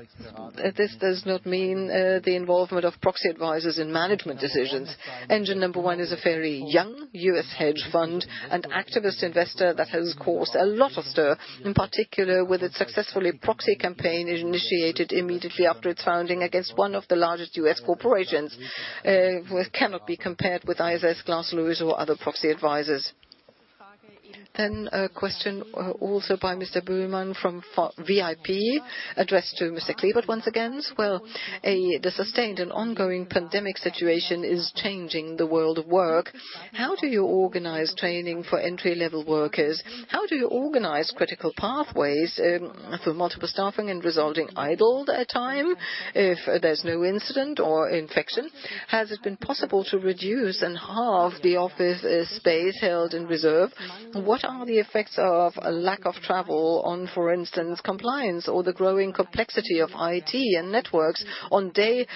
this does not mean the involvement of proxy advisors in management decisions. Engine No. 1 is a fairly young U.S. hedge fund, an activist investor that has caused a lot of stir, in particular with its successful proxy campaign initiated immediately after its founding against one of the largest U.S. corporations. What cannot be compared with ISS, Glass Lewis, or other proxy advisors. A question also by Mr. Buhlmann from VIP, addressed to Mr. Klebert once again. Well, the sustained and ongoing pandemic situation is changing the world of work. How do you organize training for entry-level workers? How do you organize critical pathways for multiple staffing and resulting idled time if there's no incident or infection? Has it been possible to reduce and halve the office space held in reserve? What are the effects of a lack of travel on, for instance, compliance or the growing complexity of IT and networks on data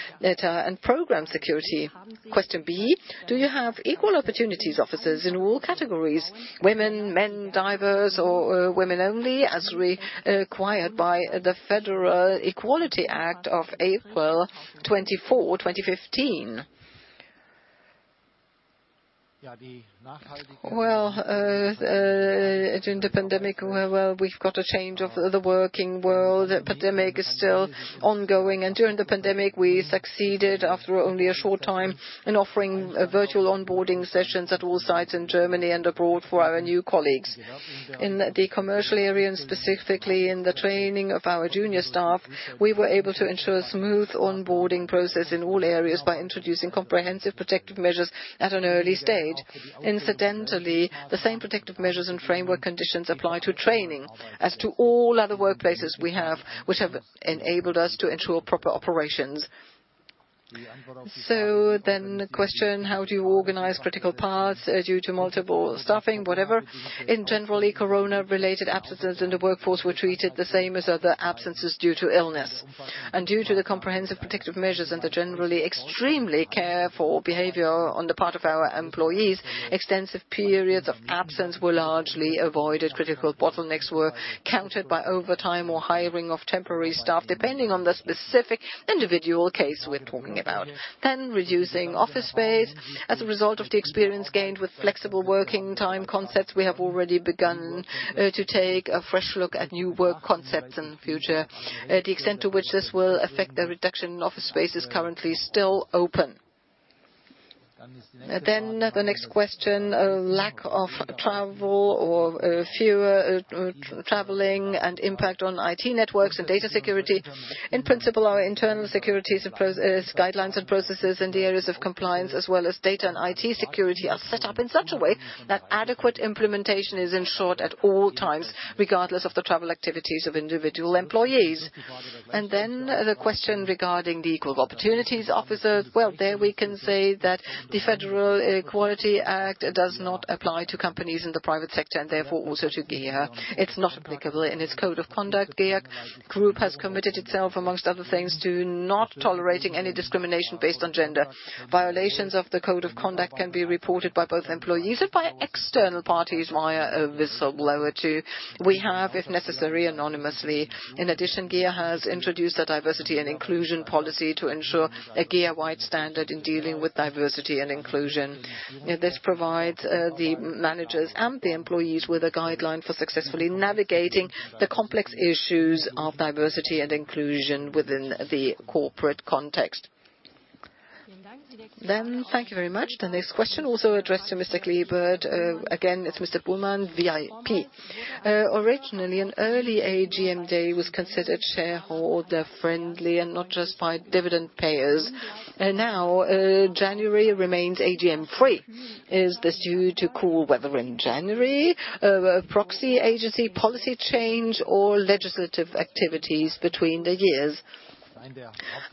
and program security? Question B: Do you have equal opportunities officers in all categories, women, men, diverse, or women only, as required by the Federal Equality Act of April 24, 2015? Well, during the pandemic, well, we've got a change of the working world. The pandemic is still ongoing, and during the pandemic, we succeeded after only a short time in offering virtual onboarding sessions at all sites in Germany and abroad for our new colleagues. In the commercial area, and specifically in the training of our junior staff, we were able to ensure a smooth onboarding process in all areas by introducing comprehensive protective measures at an early stage. Incidentally, the same protective measures and framework conditions apply to training as to all other workplaces we have, which have enabled us to ensure proper operations. The question: how do you organize critical paths, due to multiple staffing, whatever? In general, corona-related absences in the workforce were treated the same as other absences due to illness. Due to the comprehensive protective measures and the generally extremely careful behavior on the part of our employees, extensive periods of absence were largely avoided. Critical bottlenecks were countered by overtime or hiring of temporary staff, depending on the specific individual case we're talking about. Reducing office space. As a result of the experience gained with flexible working time concepts, we have already begun to take a fresh look at new work concepts in the future. The extent to which this will affect the reduction in office space is currently still open. The next question, lack of travel or fewer traveling and impact on IT networks and data security. In principle, our internal securities and guidelines and processes in the areas of compliance, as well as data and IT security, are set up in such a way that adequate implementation is ensured at all times, regardless of the travel activities of individual employees. The question regarding the Equality of Opportunities officers. Well, there we can say that the Federal Equality Act does not apply to companies in the private sector, and therefore also to GEA. It's not applicable. In its Code of Conduct, GEA Group has committed itself, among other things, to not tolerating any discrimination based on gender. Violations of the Code of Conduct can be reported by both employees and by external parties via a whistleblower tool. We have, if necessary, anonymously. In addition, GEA has introduced a diversity and inclusion policy to ensure a GEA-wide standard in dealing with diversity and inclusion. This provides the managers and the employees with a guideline for successfully navigating the complex issues of diversity and inclusion within the corporate context. Thank you very much. The next question also addressed to Mr. Klebert. Again, it's Mr. Buhlmann, VIP. Originally, an early AGM day was considered shareholder-friendly and not just by dividend payers. Now, January remains AGM-free. Is this due to cool weather in January, proxy agency policy change, or legislative activities between the years?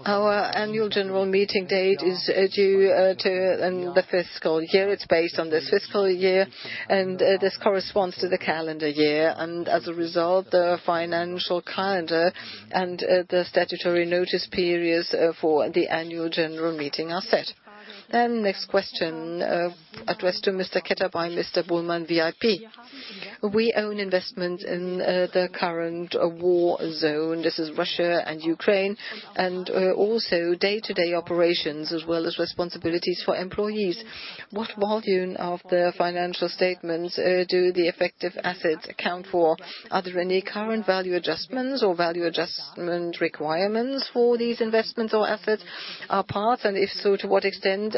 Our Annual General Meeting date is due to in the fiscal year. It's based on this fiscal year, and, this corresponds to the calendar year. As a result, the financial calendar and, the statutory notice periods, for the Annual General Meeting are set. Next question, addressed to Mr. Ketter by Mr. Buhlmann, VIP. We have investments in the current war zone. This is Russia and Ukraine, and also day-to-day operations as well as responsibilities for employees. What volume in the financial statements do the affected assets account for? Are there any current value adjustments or value adjustment requirements for these investments or assets? Are parts, and if so, to what extent,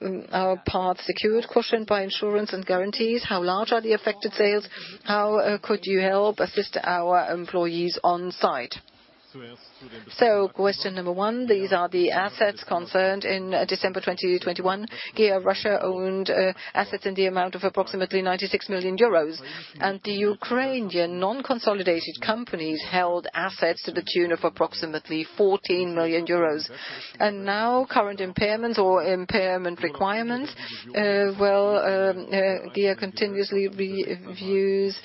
secured, cushioned by insurance and guarantees? How large are the affected sales? How could you help assist our employees on-site? Question number one, these are the assets concerned. In December 2021, GEA Russia owned assets in the amount of approximately 96 million euros, and the Ukrainian non-consolidated companies held assets to the tune of approximately 14 million euros. Now, current impairments or impairment requirements. GEA continuously reviews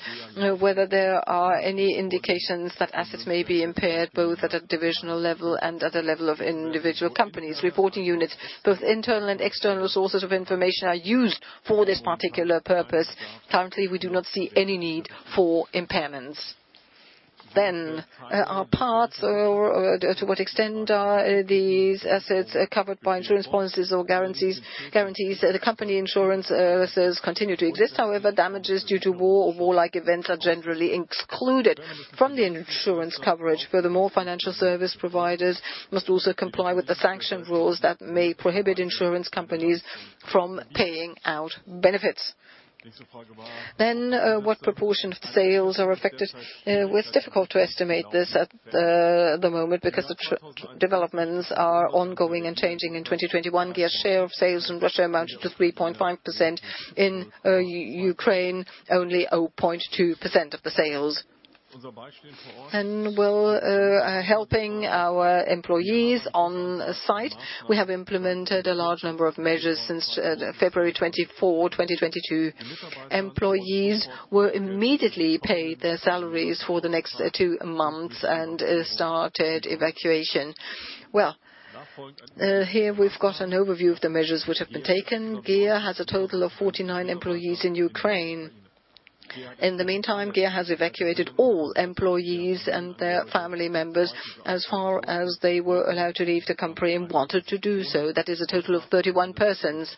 whether there are any indications that assets may be impaired, both at a divisional level and at a level of individual companies. Reporting units, both internal and external sources of information, are used for this particular purpose. Currently, we do not see any need for impairments. Are parts or, to what extent these assets are covered by insurance policies or guarantees? Guarantees that the company insurance says continue to exist. However, damages due to war or war-like events are generally excluded from the insurance coverage. Furthermore, financial service providers must also comply with the sanction rules that may prohibit insurance companies from paying out benefits. What proportion of sales are affected? Well, it's difficult to estimate this at the moment because the developments are ongoing and changing. In 2021, GEA's share of sales in Russia amounted to 3.5%. In Ukraine, only 0.2% of the sales. Well, helping our employees on site, we have implemented a large number of measures since February 24, 2022. Employees were immediately paid their salaries for the next two months and started evacuation. Here we've got an overview of the measures which have been taken. GEA has a total of 49 employees in Ukraine. In the meantime, GEA has evacuated all employees and their family members as far as they were allowed to leave the country and wanted to do so. That is a total of 31 persons.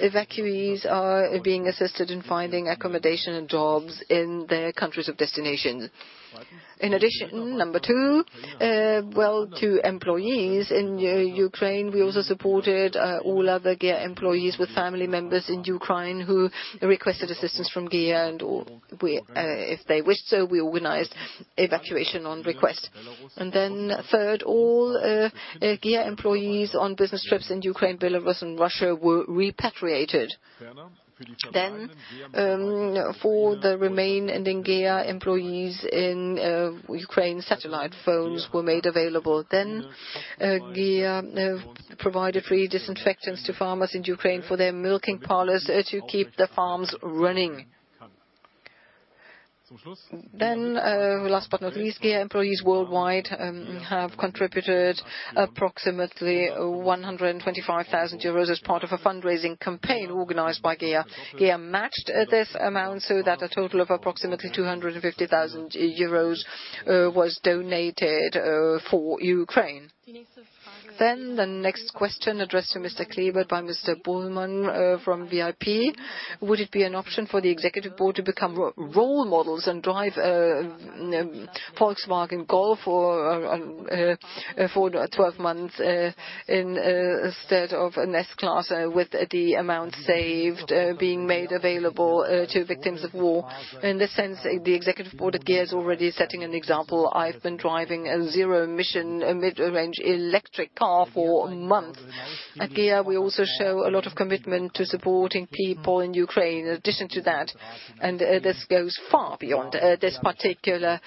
Evacuees are being assisted in finding accommodation and jobs in their countries of destination. In addition, number two, well, to employees in Ukraine, we also supported all other GEA employees with family members in Ukraine who requested assistance from GEA and all. If they wished so, we organized evacuation on request. Third, all GEA employees on business trips in Ukraine, Belarus, and Russia were repatriated. For the remaining GEA employees in Ukraine, satellite phones were made available. GEA provided free disinfectants to farmers in Ukraine for their milking parlors to keep the farms running. Last but not least, GEA employees worldwide have contributed approximately 125,000 euros as part of a fundraising campaign organized by GEA. GEA matched this amount so that a total of approximately 250 thousand euros was donated for Ukraine. The next question addressed to Mr. Klebert by Mr. Buhlmann from VIP. Would it be an option for the Executive Board to become role models and drive a Volkswagen Golf for 12 months in instead of an S-class, with the amount saved being made available to victims of war? In this sense, the Executive Board at GEA is already setting an example. I've been driving a zero-emission mid-range electric car for a month. At GEA, we also show a lot of commitment to supporting people in Ukraine in addition to that, and this goes far beyond this particular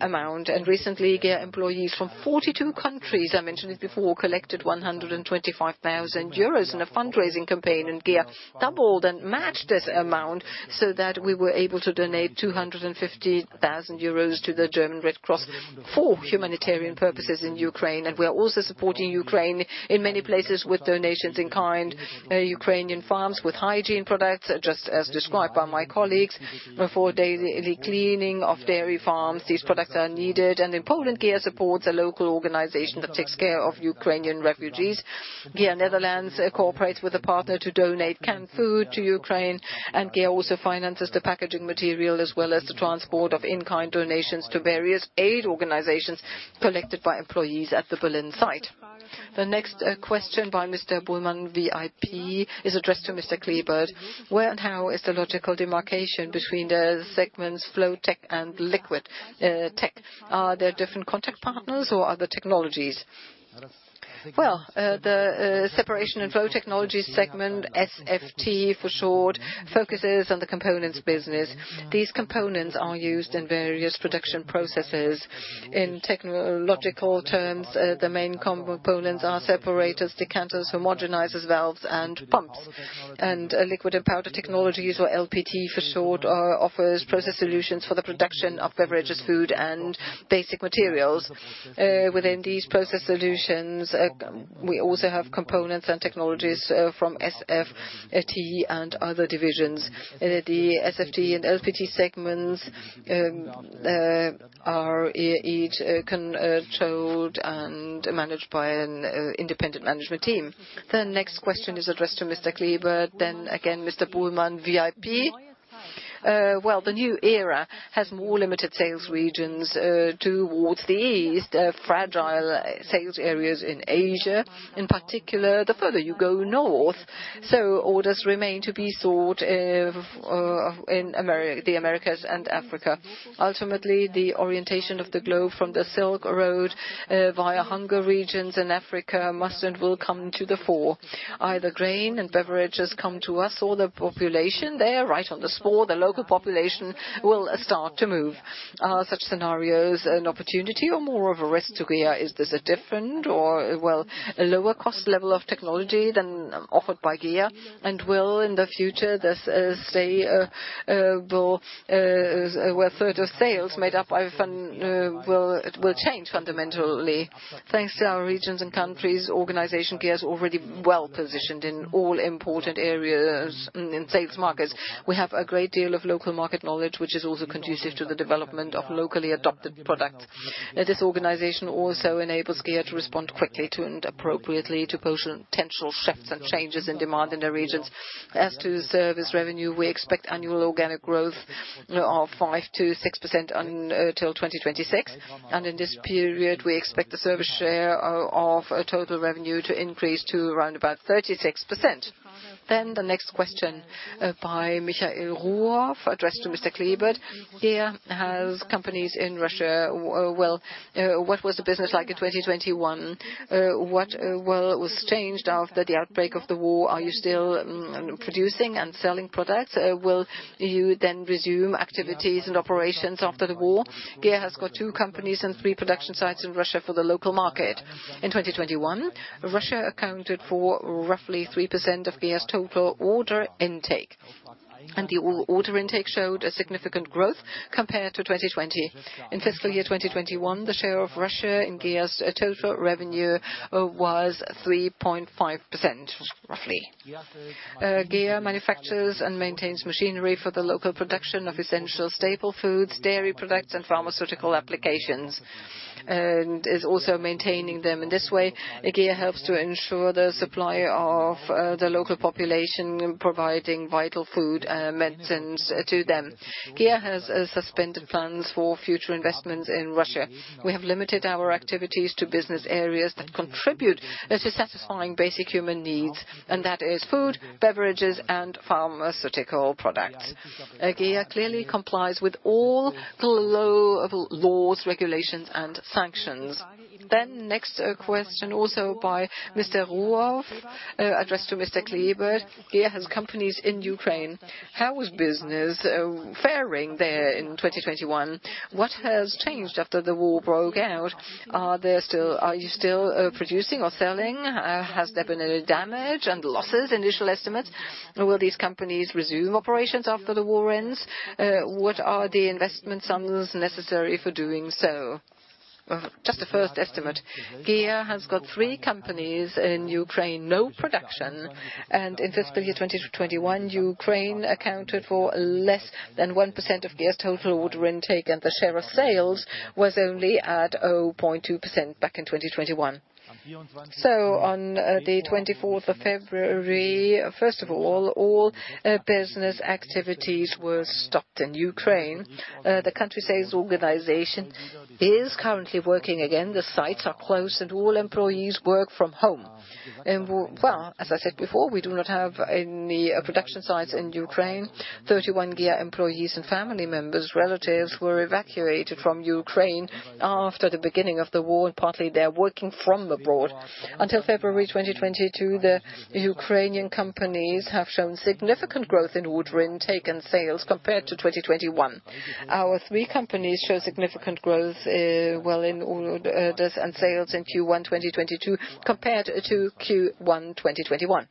amount. Recently, GEA employees from 42 countries, I mentioned it before, collected 125,000 euros in a fundraising campaign, and GEA doubled and matched this amount so that we were able to donate 250,000 euros to the German Red Cross for humanitarian purposes in Ukraine. We are also supporting Ukraine in many places with donations in kind. Ukrainian farms with hygiene products, just as described by my colleagues. For daily cleaning of dairy farms, these products are needed. In Poland, GEA supports a local organization that takes care of Ukrainian refugees. GEA Netherlands cooperates with a partner to donate canned food to Ukraine. GEA also finances the packaging material as well as the transport of in-kind donations to various aid organizations collected by employees at the Berlin site. The next question by Mr. Buhlmann, VIP, is addressed to Mr. Klebert. Where and how is the logical demarcation between the segments Flow Tech and Liquid Tech? Are there different contact partners or other technologies? Well, the Separation and Flow Technologies segment, SFT for short, focuses on the components business. These components are used in various production processes. In technological terms, the main components are separators, decanters, homogenizers, valves, and pumps. Liquid and Powder Technologies, or LPT for short, offers process solutions for the production of beverages, food, and basic materials. Within these process solutions, we also have components and technologies from SFT and other divisions. The SFT and LPT segments are each controlled and managed by an independent management team. The next question is addressed to Mr. Klebert, then again Mr. Buhlmann, VIP. Well, the new era has more limited sales regions towards the east, fragile sales areas in Asia, in particular, the further you go north. Orders remain to be sought in the Americas and Africa. Ultimately, the orientation of the globe from the Silk Road via hunger regions in Africa must and will come to the fore. Either grain and beverages come to us or the population there, right on the spot, the local population will start to move. Are such scenarios an opportunity or more of a risk to GEA? Is this a different or, well, a lower cost level of technology than offered by GEA? Will in the future this stay? Will where a third of sales made up by will change fundamentally? Thanks to our regions and countries, organization GEA is already well positioned in all important areas in sales markets. We have a great deal of local market knowledge, which is also conducive to the development of locally adapted product. This organization also enables GEA to respond quickly to and appropriately to potential shifts and changes in demand in the regions. As to service revenue, we expect annual organic growth of 5%-6% until 2026. In this period, we expect the service share of total revenue to increase to around 36%. The next question by Michael Ruoff, addressed to Mr. Klebert. GEA has companies in Russia. What was the business like in 2021? What was changed after the outbreak of the war? Are you still producing and selling products? Will you then resume activities and operations after the war? GEA has got two companies and three production sites in Russia for the local market. In 2021, Russia accounted for roughly 3% of GEA's total order intake. The order intake showed a significant growth compared to 2020. In fiscal year 2021, the share of Russia in GEA's total revenue was 3.5%, roughly. GEA manufactures and maintains machinery for the local production of essential staple foods, dairy products, and pharmaceutical applications, and is also maintaining them. In this way, GEA helps to ensure the supply of the local population, providing vital food and medicines to them. GEA has suspended plans for future investments in Russia. We have limited our activities to business areas that contribute to satisfying basic human needs, and that is food, beverages, and pharmaceutical products. GEA clearly complies with all the laws, regulations, and sanctions. Next question also by Mr. Ruoff, addressed to Mr. Klebert. GEA has companies in Ukraine. How is business faring there in 2021? What has changed after the war broke out? Are you still producing or selling? Has there been any damage and losses, initial estimates? And will these companies resume operations after the war ends? What are the investment sums necessary for doing so? Just a first estimate. GEA has got three companies in Ukraine, no production. In fiscal year 2021, Ukraine accounted for less than 1% of GEA's total order intake, and the share of sales was only at 0.2% back in 2021. On the 24th of February, first of all business activities were stopped in Ukraine. The country sales organization is currently working again. The sites are closed and all employees work from home. Well, as I said before, we do not have any production sites in Ukraine. 31 GEA employees and family members, relatives, were evacuated from Ukraine after the beginning of the war, and partly they are working from abroad. Until February 2022, the Ukrainian companies have shown significant growth in order intake and sales compared to 2021. Our three companies show significant growth, well, in orders and sales in Q1 2022 compared to Q1 2021.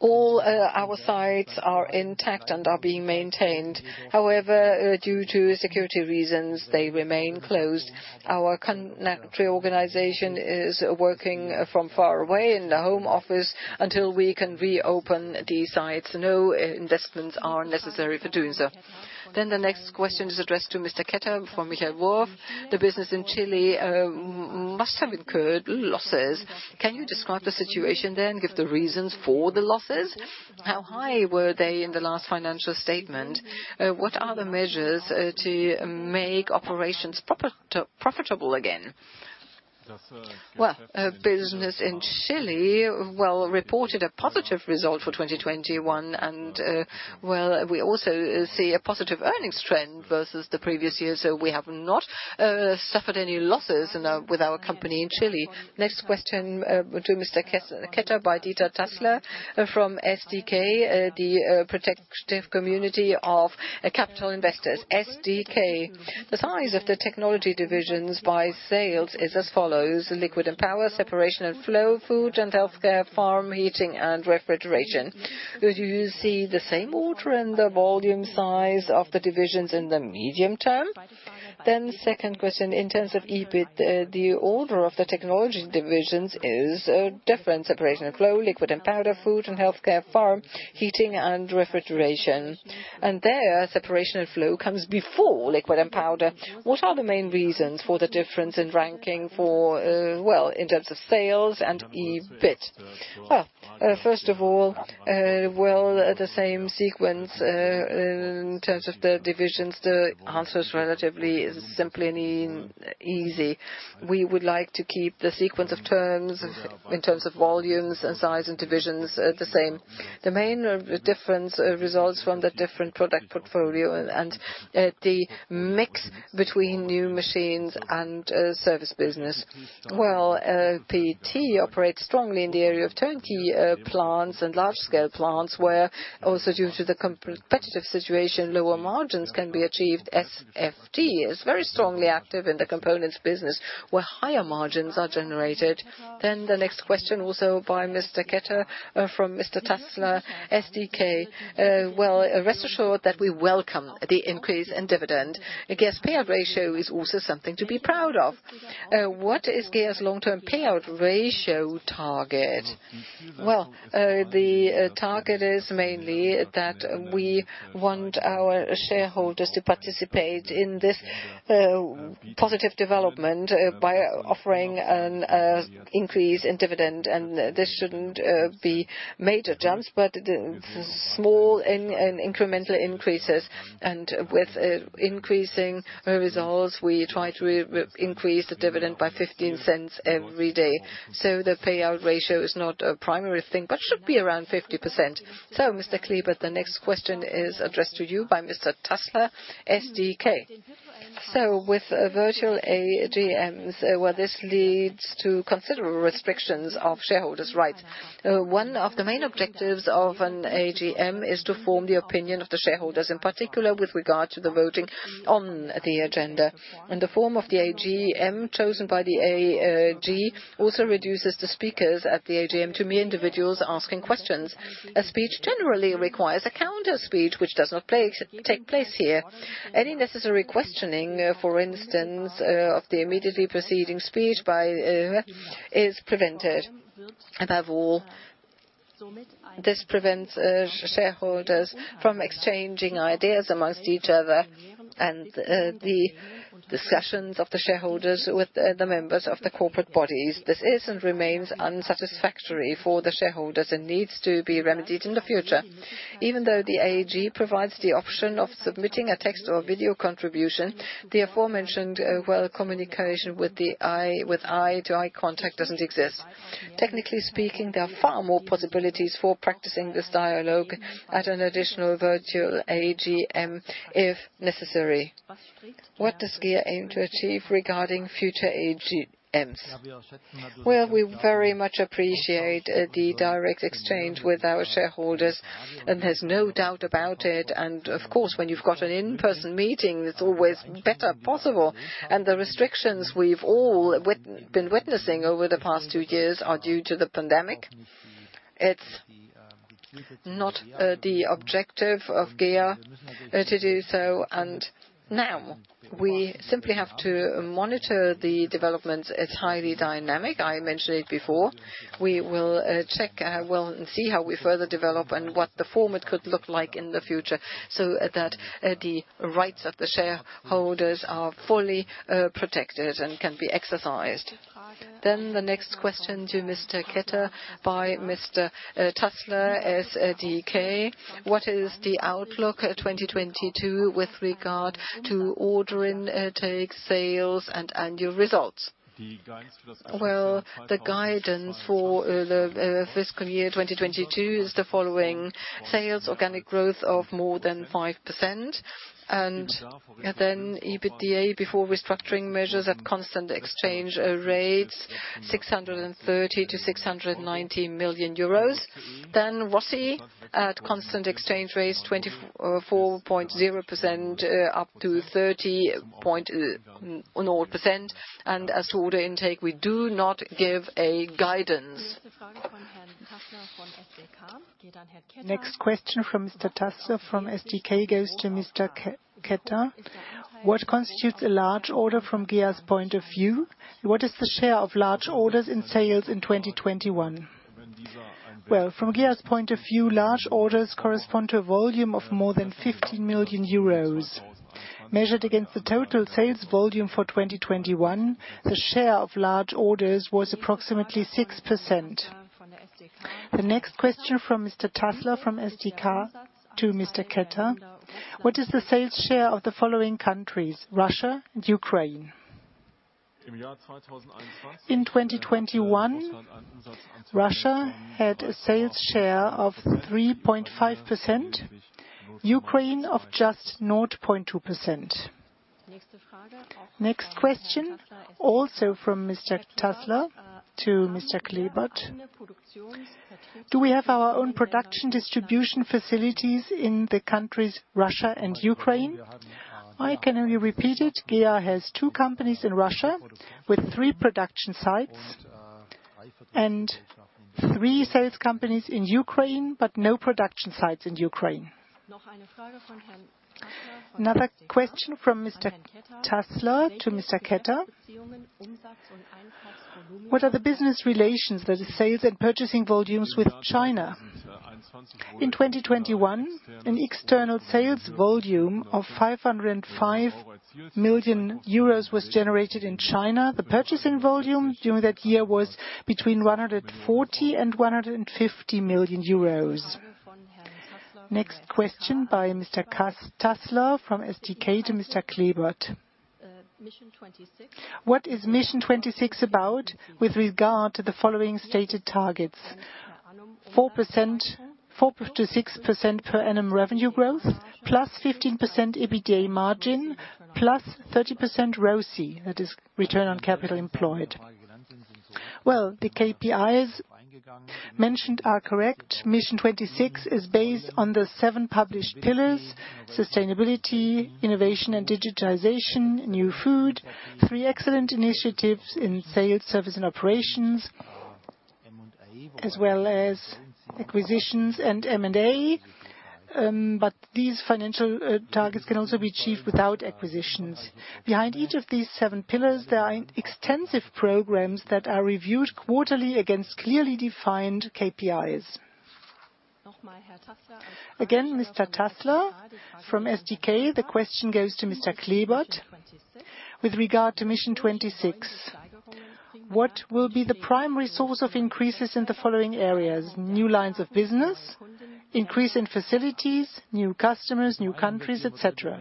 All our sites are intact and are being maintained. However, due to security reasons, they remain closed. Our country organization is working from far away in the Home Office until we can reopen these sites. No investments are necessary for doing so. The next question is addressed to Mr. Ketter from Michael Wolff. The business in Chile must have incurred losses. Can you describe the situation there and give the reasons for the losses? How high were they in the last financial statement? What are the measures to make operations profitable again? Business in Chile reported a positive result for 2021 and we also see a positive earnings trend versus the previous year, so we have not suffered any losses with our company in Chile. Next question to Mr. Ketter by Dieter Tassler from SdK, the protective community of capital investors. SdK. The size of the technology divisions by sales is as follows: Liquid and Powder, Separation and Flow, Food and Healthcare, Farm, Heating, and Refrigeration. Do you see the same order in the volume size of the divisions in the medium term? Second question, in terms of EBIT, the order of the technology divisions is different. Separation and Flow, Liquid and Powder, Food and Healthcare, Farm, Heating, and Refrigeration. And there, Separation and Flow comes before Liquid and Powder. What are the main reasons for the difference in ranking for, well, in terms of sales and EBIT? Well, first of all, well, the same sequence in terms of the divisions, the answer is relatively simple and easy. We would like to keep the sequence of terms in terms of volumes and size and divisions, the same. The main difference results from the different product portfolio and the mix between new machines and service business. Well, PT operates strongly in the area of turnkey plants and large-scale plants, where also due to the competitive situation, lower margins can be achieved. SFT is very strongly active in the components business, where higher margins are generated. The next question also by Mr. Ketter from Mr. Tassler. SdK. Well, rest assured that we welcome the increase in dividend. GEA's payout ratio is also something to be proud of. What is GEA's long-term payout ratio target? Well, the target is mainly that we want our shareholders to participate in this positive development by offering an increase in dividend. This shouldn't be major jumps, but small incremental increases. With increasing results, we try to increase the dividend by 0.15 every year. The payout ratio is not a primary thing, but should be around 50%. Mr. Klebert, the next question is addressed to you by Mr. Tassler, SdK. With virtual AGMs, this leads to considerable restrictions of shareholders' rights. One of the main objectives of an AGM is to form the opinion of the shareholders, in particular with regard to the voting on the agenda. The form of the AGM chosen by the AG also reduces the speakers at the AGM to mere individuals asking questions. A speech generally requires a counter-speech, which does not take place here. Any necessary questioning, for instance, of the immediately preceding speech by is prevented. Above all, this prevents shareholders from exchanging ideas among each other and the discussions of the shareholders with the members of the corporate bodies. This is and remains unsatisfactory for the shareholders and needs to be remedied in the future. Even though the AG provides the option of submitting a text or video contribution, the aforementioned, well, communication with eye to eye contact doesn't exist. Technically speaking, there are far more possibilities for practicing this dialogue at an additional virtual AGM, if necessary. What does GEA aim to achieve regarding future AGMs? Well, we very much appreciate the direct exchange with our shareholders, and there's no doubt about it. Of course, when you've got an in-person meeting, it's always better possible. The restrictions we've all been witnessing over the past two years are due to the pandemic. It's Not the objective of GEA to do so. Now we simply have to monitor the developments. It's highly dynamic, I mentioned it before. We will wait and see how we further develop and what form it could look like in the future, so that the rights of the shareholders are fully protected and can be exercised. The next question to Mr. Ketter by Mr. Tassler, SdK. What is the outlook, 2022 with regard to order intake, sales and annual results? Well, the guidance for the fiscal year 2022 is the following: organic sales growth of more than 5%. EBITDA before restructuring measures at constant exchange rates 630-690 million euros. ROCE at constant exchange rates 24.0% up to 30.0%. As to order intake, we do not give a guidance. Next question from Mr. Tassler from SdK goes to Mr. Ketter. What constitutes a large order from GEA's point of view? What is the share of large orders in sales in 2021? Well, from GEA's point of view, large orders correspond to a volume of more than 50 million euros. Measured against the total sales volume for 2021, the share of large orders was approximately 6%. The next question from Mr. Tassler from SdK to Mr. Ketter. What is the sales share of the following countries, Russia and Ukraine? In 2021, Russia had a sales share of 3.5%, Ukraine of just 0.2%. Next question, also from Mr. Tassler to Mr. Klebert. Do we have our own production distribution facilities in the countries Russia and Ukraine? I can only repeat it. GEA has two companies in Russia with three production sites and three sales companies in Ukraine, but no production sites in Ukraine. Another question from Mr. Tassler to Mr. Ketter. What are the business relations, that is sales and purchasing volumes with China? In 2021, an external sales volume of 505 million euros was generated in China. The purchasing volume during that year was between 140 million and 150 million euros. Next question by Mr. Tassler from SdK to Mr. Klebert. What is Mission 26 about with regard to the following stated targets? 4%-6% per annum revenue growth +15% EBITDA margin +30% ROCE, that is Return on Capital Employed. Well, the KPIs mentioned are correct. Mission 26 is based on the seven published pillars, sustainability, innovation and digitization, new food, three excellent initiatives in sales, service and operations, as well as acquisitions and M&A. These financial targets can also be achieved without acquisitions. Behind each of these seven pillars, there are extensive programs that are reviewed quarterly against clearly defined KPIs. Again, Mr. Tassler from SdK.The question goes to Mr. Klebert. With regard to Mission 26, what will be the primary source of increases in the following areas? New lines of business, increase in facilities, new customers, new countries, et cetera.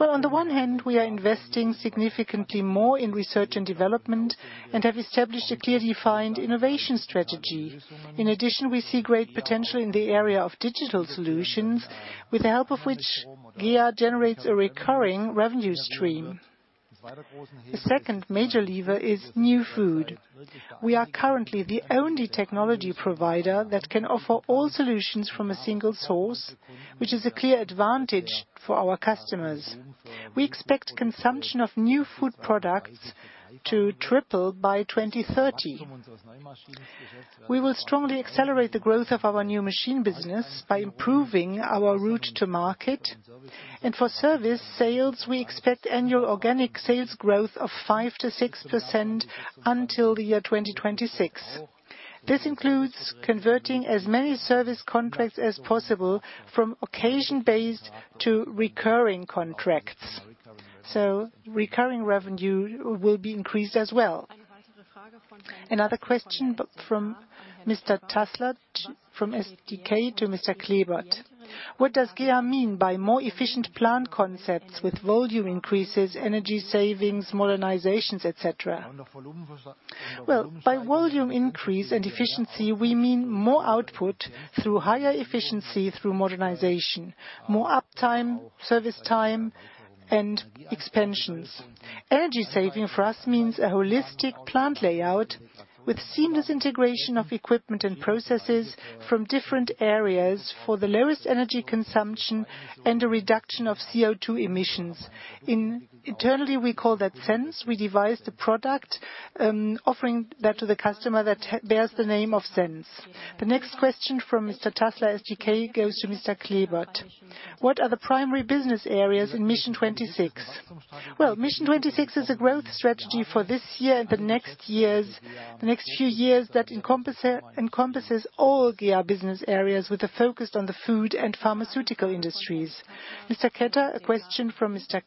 Well, on the one hand, we are investing significantly more in research and development and have established a clearly defined innovation strategy. In addition, we see great potential in the area of digital solutions, with the help of which GEA generates a recurring revenue stream. The second major lever is new food. We are currently the only technology provider that can offer all solutions from a single source, which is a clear advantage for our customers. We expect consumption of new food products to triple by 2030. We will strongly accelerate the growth of our new machine business by improving our route to market. For service sales, we expect annual organic sales growth of 5%-6% until the year 2026. This includes converting as many service contracts as possible from occasion-based to recurring contracts, so recurring revenue will be increased as well. Another question but from Mr. Tassler from SdK to Mr. Klebert. What does GEA mean by more efficient plant concepts with volume increases, energy-savings, modernizations, et cetera? Well, by volume increase and efficiency, we mean more output through higher efficiency through modernization, more uptime, service time and expansions. Energy-saving for us means a holistic plant layout with seamless integration of equipment and processes from different areas for the lowest energy consumption and a reduction of CO2 emissions. Internally, we call that SEnS. We devised a product, offering that to the customer that bears the name of SEnS. The next question from Mr. Tassler, SdK, goes to Mr. Klebert. What are the primary business areas in Mission 26? Well, Mission 26 is a growth strategy for this year and the next years, the next few years that encompasses all GEA business areas with a focus on the food and pharmaceutical industries. Mr. Ketter, a question from Mr.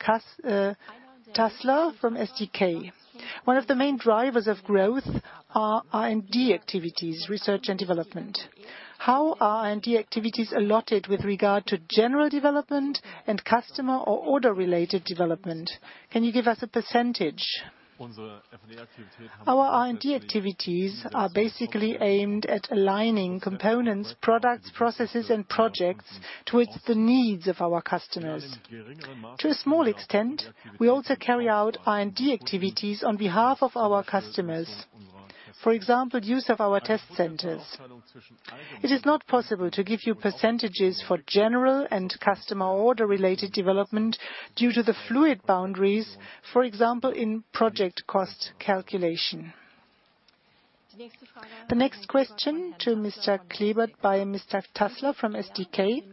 Tassler from SdK. One of the main drivers of growth are R&D activities, research and development. How are R&D activities allotted with regard to general development and customer or order-related development? Can you give us a percentage? Our R&D activities are basically aimed at aligning components, products, processes, and projects towards the needs of our customers. To a small extent, we also carry out R&D activities on behalf of our customers. For example, use of our test centers. It is not possible to give you percentages for general and customer order-related development due to the fluid boundaries, for example, in project cost calculation. The next question to Mr. Klebert by Mr. Tassler from SdK.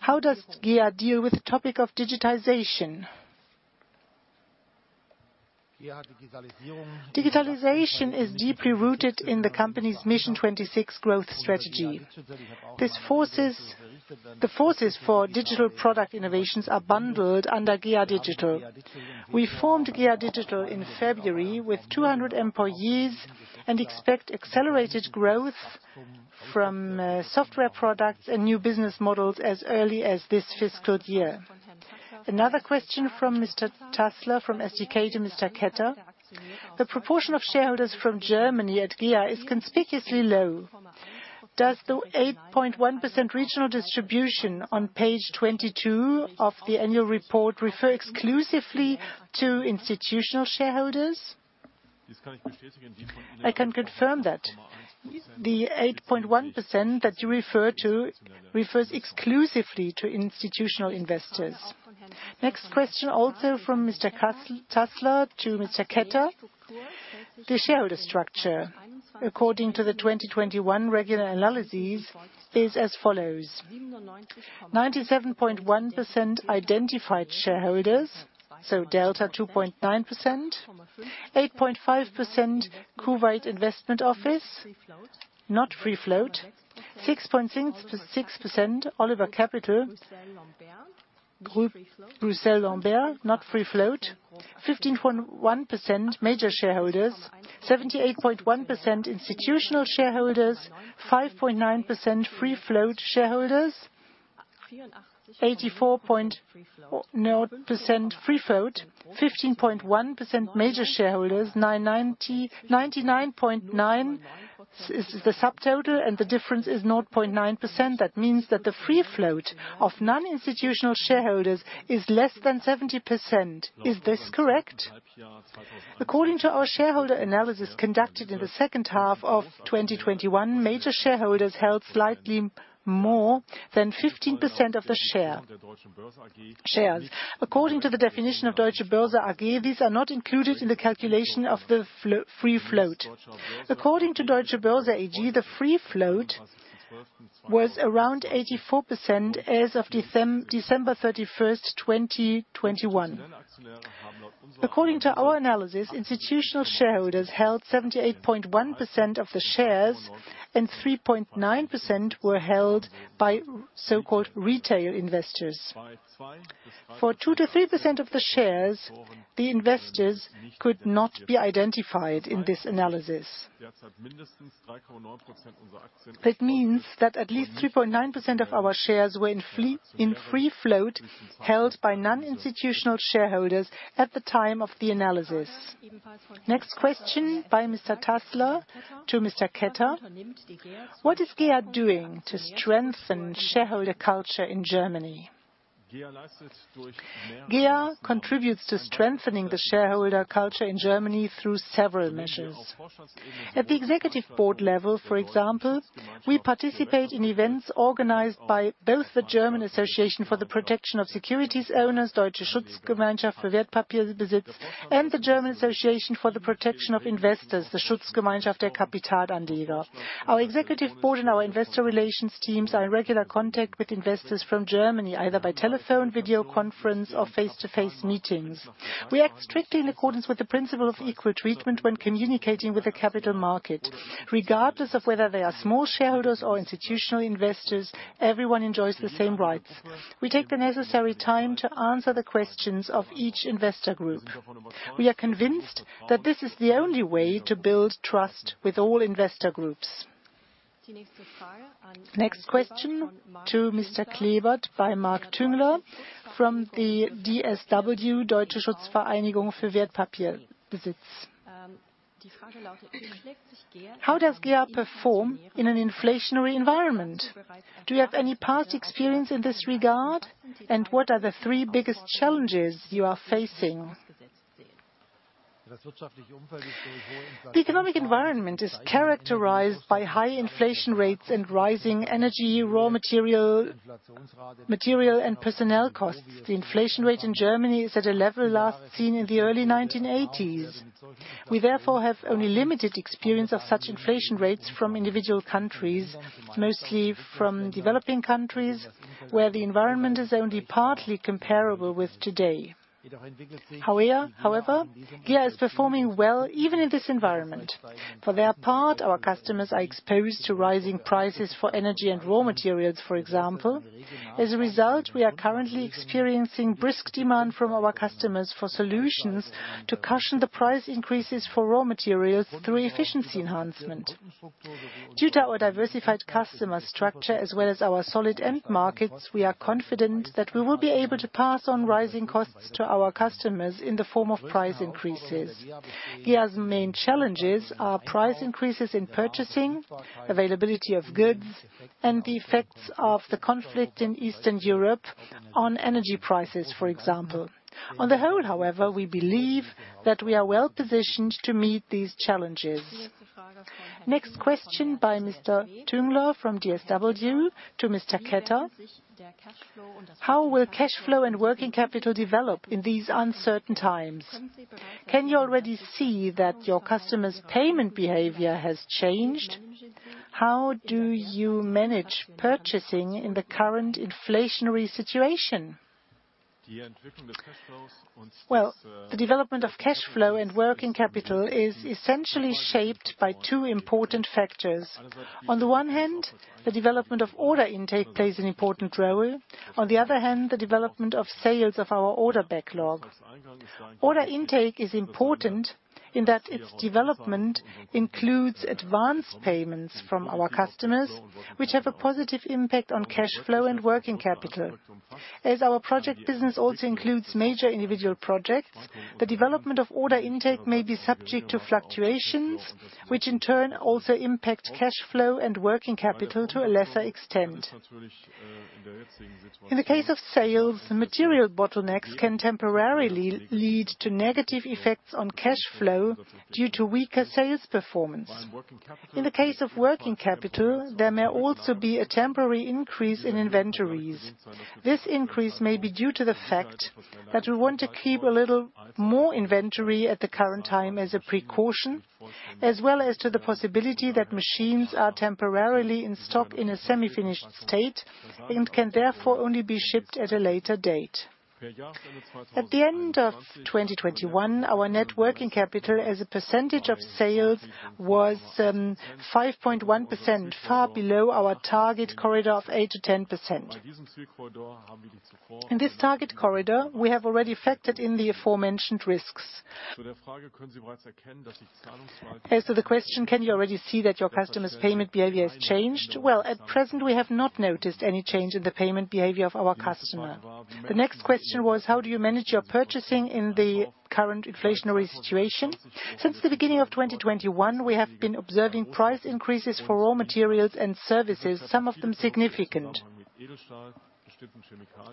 How does GEA deal with the topic of digitization? Digitalization is deeply rooted in the company's Mission 26 growth strategy. The forces for digital product innovations are bundled under GEA Digital. We formed GEA Digital in February with 200 employees and expect accelerated growth from software products and new business models as early as this fiscal year. Another question from Mr. Tassler from SdK to Mr. Ketter. The proportion of shareholders from Germany at GEA is conspicuously low. Does the 8.1% regional distribution on page 22 of the annual report refer exclusively to institutional shareholders? I can confirm that. The 8.1% that you refer to refers exclusively to institutional investors. Next question also from Mr. Tassler to Mr. Ketter. The shareholder structure, according to the 2021 regular analysis, is as follows: 97.1% identified shareholders, so delta 2.9%, 8.5% Kuwait Investment Office, not free float. 6.6% Oliver Capital, Groupe Bruxelles Lambert, not free float. 15.1% major shareholders, 78.1% institutional shareholders, 5.9% free float shareholders, 84.0% free float, 15.1% major shareholders, 99.9% is the subtotal, and the difference is 0.9%. That means that the free float of non-institutional shareholders is less than 70%. Is this correct? According to our shareholder analysis conducted in the second half of 2021, major shareholders held slightly more than 15% of the shares. According to the definition of Deutsche Börse AG, these are not included in the calculation of the free float. According to Deutsche Börse AG, the free float was around 84% as of December 31, 2021. According to our analysis, institutional shareholders held 78.1% of the shares, and 3.9% were held by so-called retail investors. For 2%-3% of the shares, the investors could not be identified in this analysis. That means that at least 3.9% of our shares were in free float, held by non-institutional shareholders at the time of the analysis. Next question by Mr. Tassler to Mr. Ketter. What is GEA doing to strengthen shareholder culture in Germany? GEA contributes to strengthening the shareholder culture in Germany through several measures. At the Executive Board level, for example, we participate in events organized by both the German Association for the Protection of Securities Owners, Deutsche Schutzvereinigung für Wertpapierbesitz, and the German Association for the Protection of Investors, the Schutzgemeinschaft der Kapitalanleger. Our Executive Board and our investor relations teams are in regular contact with investors from Germany, either by telephone, video conference, or face-to-face meetings. We act strictly in accordance with the principle of equal treatment when communicating with the capital market. Regardless of whether they are small shareholders or institutional investors, everyone enjoys the same rights. We take the necessary time to answer the questions of each investor group. We are convinced that this is the only way to build trust with all investor groups. Next question to Mr. Klebert by Marc Tüngler from the DSW, Deutsche Schutzvereinigung für Wertpapierbesitz. How does GEA perform in an inflationary environment? Do you have any past experience in this regard? And what are the three biggest challenges you are facing? The economic environment is characterized by high inflation rates and rising energy, raw material and personnel costs. The inflation rate in Germany is at a level last seen in the early 1980s. We therefore have only limited experience of such inflation rates from individual countries, mostly from developing countries, where the environment is only partly comparable with today. However, GEA is performing well even in this environment. For their part, our customers are exposed to rising prices for energy and raw materials, for example. As a result, we are currently experiencing brisk demand from our customers for solutions to cushion the price increases for raw materials through efficiency enhancement. Due to our diversified customer structure as well as our solid end markets, we are confident that we will be able to pass on rising costs to our customers in the form of price increases. GEA's main challenges are price increases in purchasing, availability of goods, and the effects of the conflict in Eastern Europe on energy prices, for example. On the whole, however, we believe that we are well-positioned to meet these challenges. Next question by Mr. Tüngler from DSW to Mr. Ketter. How will cash flow and working capital develop in these uncertain times? Can you already see that your customers' payment behavior has changed? How do you manage purchasing in the current inflationary situation? Well, the development of cash flow and working capital is essentially shaped by two important factors. On the one hand, the development of order intake plays an important role. On the other hand, the development of sales of our order backlog. Order intake is important in that its development includes advance payments from our customers, which have a positive impact on cash flow and working capital. As our project business also includes major individual projects, the development of order intake may be subject to fluctuations, which in turn also impact cash flow and working capital to a lesser extent. In the case of sales, material bottlenecks can temporarily lead to negative effects on cash flow due to weaker sales performance. In the case of working capital, there may also be a temporary increase in inventories. This increase may be due to the fact that we want to keep a little more inventory at the current time as a precaution, as well as to the possibility that machines are temporarily in stock in a semi-finished state and can therefore only be shipped at a later date. At the end of 2021, our net working capital as a percentage of sales was 5.1%, far below our target corridor of 8%-10%. In this target corridor, we have already factored in the aforementioned risks. As to the question, can you already see that your customers' payment behavior has changed? Well, at present, we have not noticed any change in the payment behavior of our customer. The next question was, how do you manage your purchasing in the current inflationary situation? Since the beginning of 2021, we have been observing price increases for raw materials and services, some of them significant.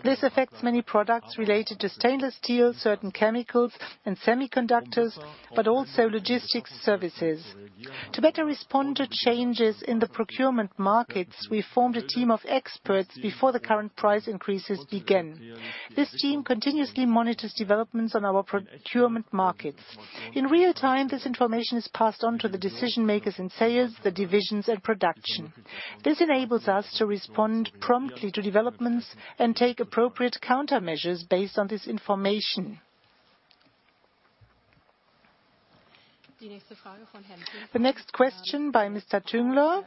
This affects many products related to stainless steel, certain chemicals and semiconductors, but also logistics services. To better respond to changes in the procurement markets, we formed a team of experts before the current price increases began. This team continuously monitors developments on our procurement markets. In real time, this information is passed on to the decision-makers in sales, the divisions and production. This enables us to respond promptly to developments and take appropriate countermeasures based on this information. The next question by Mr. Tüngler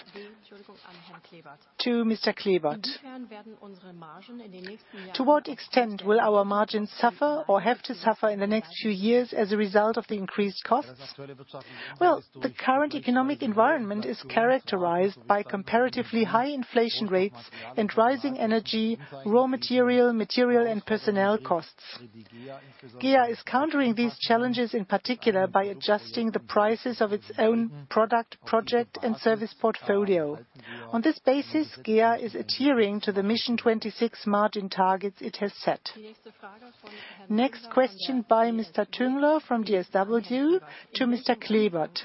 to Mr. Klebert. To what extent will our margins suffer or have to suffer in the next few years as a result of the increased costs? Well, the current economic environment is characterized by comparatively high inflation rates and rising energy, raw material and personnel costs. GEA is countering these challenges in particular by adjusting the prices of its own product, project and service portfolio. On this basis, GEA is adhering to the Mission 26 margin targets it has set. Next question by Mr. Tüngler from DSW to Mr. Klebert.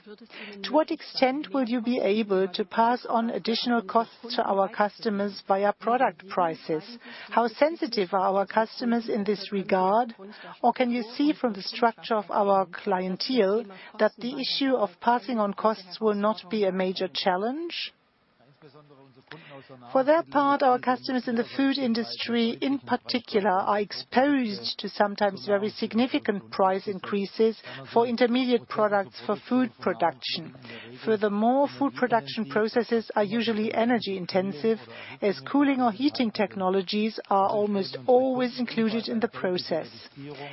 To what extent will you be able to pass on additional costs to our customers via product prices? How sensitive are our customers in this regard? Can you see from the structure of our clientele that the issue of passing on costs will not be a major challenge? For that part, our customers in the food industry, in particular, are exposed to sometimes very significant price increases for intermediate products for food production. Furthermore, food production processes are usually energy-intensive, as cooling or heating technologies are almost always included in the process.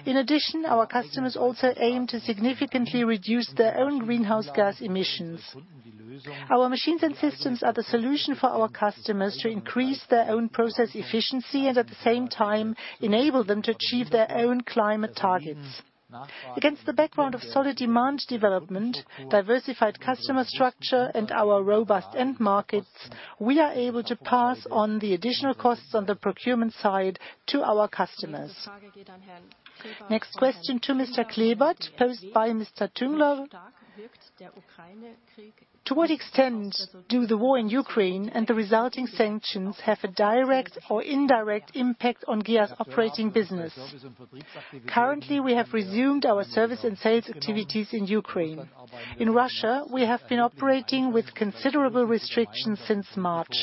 In addition, our customers also aim to significantly reduce their own greenhouse gas emissions. Our machines and systems are the solution for our customers to increase their own process efficiency and at the same time enable them to achieve their own climate targets. Against the background of solid demand development, diversified customer structure and our robust end markets, we are able to pass on the additional costs on the procurement side to our customers. Next question to Mr. Klebert, posed by Mr. Tüngler. To what extent do the war in Ukraine and the resulting sanctions have a direct or indirect impact on GEA's operating business? Currently, we have resumed our service and sales activities in Ukraine. In Russia, we have been operating with considerable restrictions since March.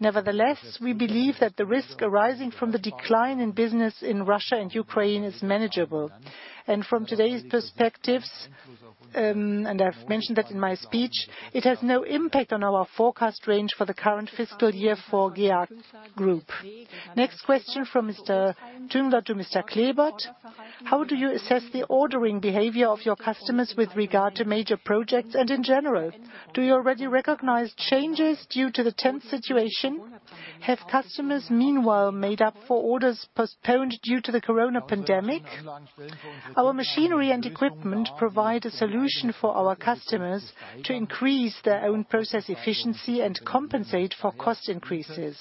Nevertheless, we believe that the risk arising from the decline in business in Russia and Ukraine is manageable. From today's perspectives, and I've mentioned that in my speech, it has no impact on our forecast range for the current fiscal year for GEA Group. Next question from Mr. Tüngler to Mr. Klebert. How do you assess the ordering behavior of your customers with regard to major projects, and in general? Do you already recognize changes due to the tense situation? Have customers meanwhile made up for orders postponed due to the coronavirus pandemic? Our machinery and equipment provide a solution for our customers to increase their own process efficiency and compensate for cost increases.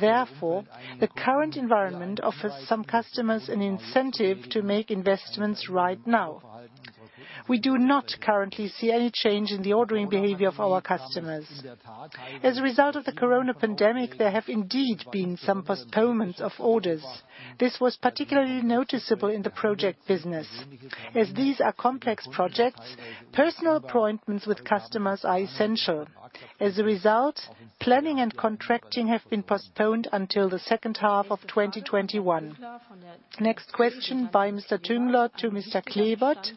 Therefore, the current environment offers some customers an incentive to make investments right now. We do not currently see any change in the ordering behavior of our customers. As a result of the coronavirus pandemic, there have indeed been some postponements of orders. This was particularly noticeable in the project business. As these are complex projects, personal appointments with customers are essential. As a result, planning and contracting have been postponed until the second half of 2021. Next question by Mr. Tüngler to Mr. Klebert.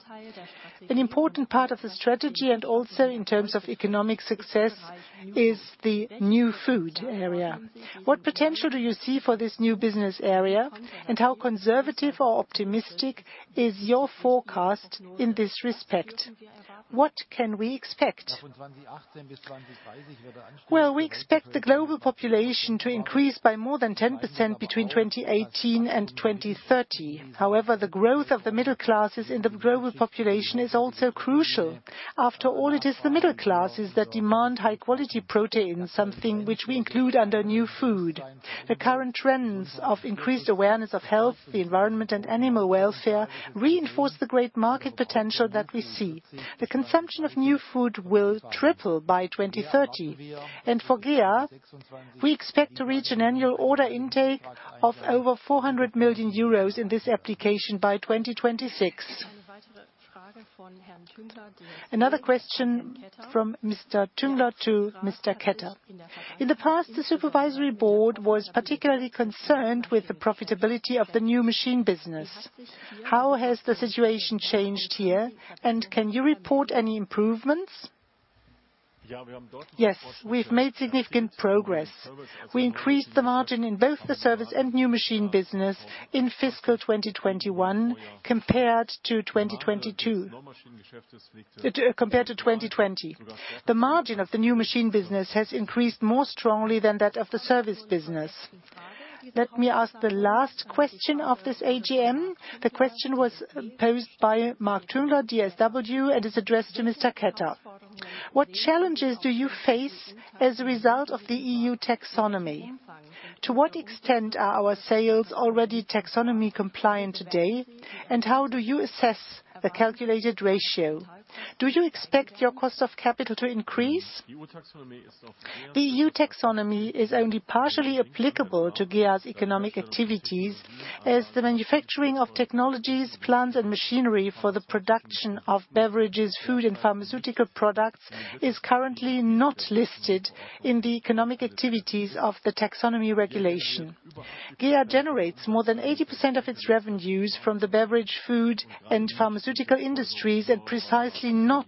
An important part of the strategy and also in terms of economic success is the new food area. What potential do you see for this new business area? And how conservative or optimistic is your forecast in this respect? What can we expect? Well, we expect the global population to increase by more than 10% between 2018 and 2030. However, the growth of the middle classes in the global population is also crucial. After all, it is the middle classes that demand high quality protein, something which we include under new food. The current trends of increased awareness of health, the environment, and animal welfare reinforce the great market potential that we see. The consumption of new food will triple by 2030. For GEA, we expect to reach an annual order intake of over 400 million euros in this application by 2026. Another question from Mr. Tüngler to Mr. Ketter. In the past, the Supervisory Board was particularly concerned with the profitability of the new machine business. How has the situation changed here, and can you report any improvements? Yes. We've made significant progress. We increased the margin in both the service and new machine business in fiscal 2021 compared to 2020. The margin of the new machine business has increased more strongly than that of the service business. Let me ask the last question of this AGM. The question was posed by Marc Tüngler, DSW, and is addressed to Mr. Ketter. What challenges do you face as a result of the EU Taxonomy? To what extent are our sales already Taxonomy-compliant today? And how do you assess the calculated ratio? Do you expect your cost of capital to increase? The EU Taxonomy is only partially applicable to GEA's economic activities, as the manufacturing of technologies, plants, and machinery for the production of beverages, food, and pharmaceutical products is currently not listed in the economic activities of the Taxonomy Regulation. GEA generates more than 80% of its revenues from the beverage, food, and pharmaceutical industries, and precisely not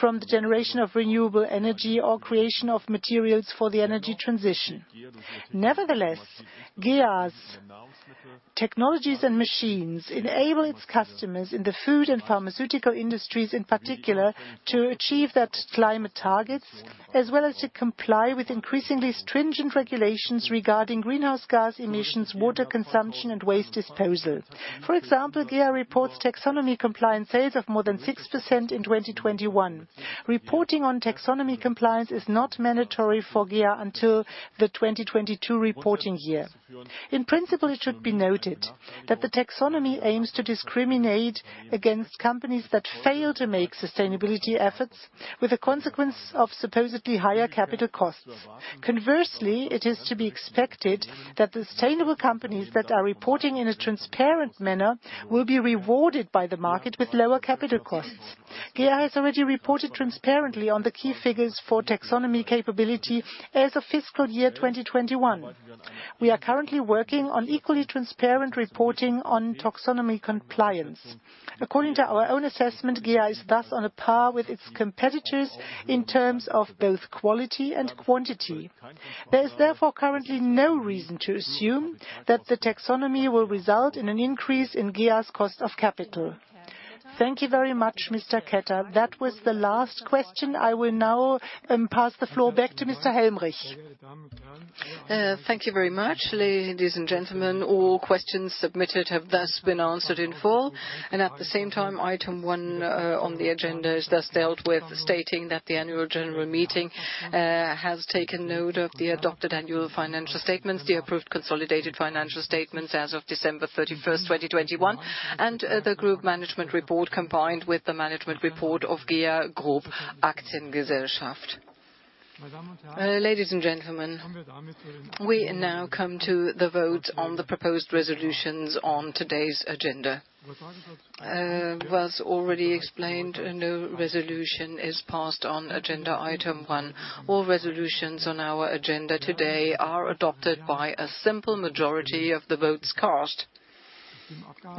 from the generation of renewable energy or creation of materials for the energy transition. Nevertheless, GEA's technologies and machines enable its customers in the food and pharmaceutical industries in particular, to achieve their climate targets, as well as to comply with increasingly stringent regulations regarding greenhouse gas emissions, water consumption, and waste disposal. For example, GEA reports Taxonomy compliance sales of more than 6% in 2021. Reporting on Taxonomy compliance is not mandatory for GEA until the 2022 reporting year. In principle, it should be noted that the taxonomy aims to discriminate against companies that fail to make sustainability efforts with a consequence of supposedly higher capital costs. Conversely, it is to be expected that the sustainable companies that are reporting in a transparent manner will be rewarded by the market with lower capital costs. GEA has already reported transparently on the key figures for taxonomy capability as of fiscal year 2021. We are currently working on equally transparent reporting on Taxonomy compliance. According to our own assessment, GEA is thus on a par with its competitors in terms of both quality and quantity. There is therefore currently no reason to assume that the taxonomy will result in an increase in GEA's cost of capital. Thank you very much, Mr. Ketter. That was the last question. I will now pass the floor back to Mr. Helmrich. Thank you very much. Ladies and gentlemen, all questions submitted have thus been answered in full. At the same time, item one on the agenda is thus dealt with, stating that the Annual General Meeting has taken note of the adopted annual financial statements, the approved consolidated financial statements as of December 31, 2021, and the Group management report, combined with the management report of GEA Group Aktiengesellschaft. Ladies and gentlemen, we now come to the vote on the proposed resolutions on today's agenda. As already explained, no resolution is passed on agenda item one. All resolutions on our agenda today are adopted by a simple majority of the votes cast.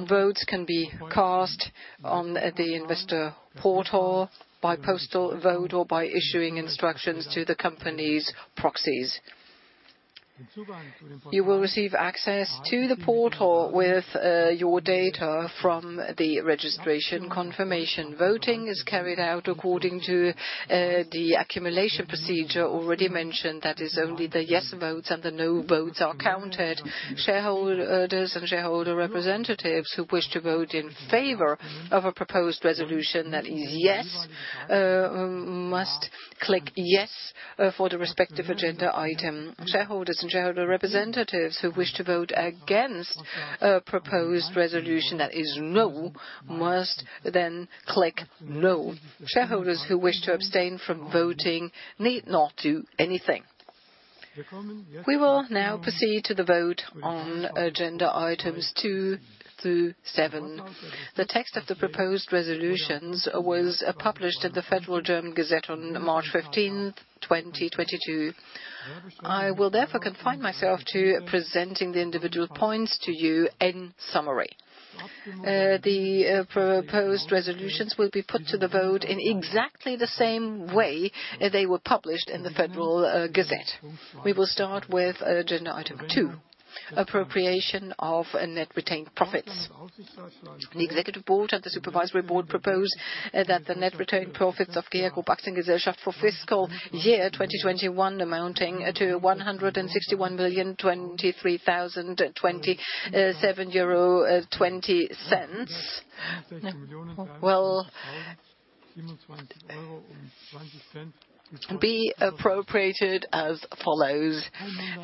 Votes can be cast on the investor portal by postal vote or by issuing instructions to the company's proxies. You will receive access to the portal with your data from the registration confirmation. Voting is carried out according to the accumulation procedure already mentioned, that is only the Yes votes and the No votes are counted. Shareholders and shareholder representatives who wish to vote in favor of a proposed resolution that is yes must click yes for the respective agenda item. Shareholders and shareholder representatives who wish to vote against a proposed resolution that is no must then click no. Shareholders who wish to abstain from voting need not do anything. We will now proceed to the vote on agenda items 2 through 7. The text of the proposed resolutions was published in the Federal Gazette on March 15, 2022. I will therefore confine myself to presenting the individual points to you in summary. The proposed resolutions will be put to the vote in exactly the same way they were published in the Federal Gazette. We will start with agenda item two, appropriation of net retained profits. The Executive Board and the Supervisory Board propose that the net retained profits of GEA Group Aktiengesellschaft for fiscal year 2021 amounting to EUR 161,023,027.20 will be appropriated as follows.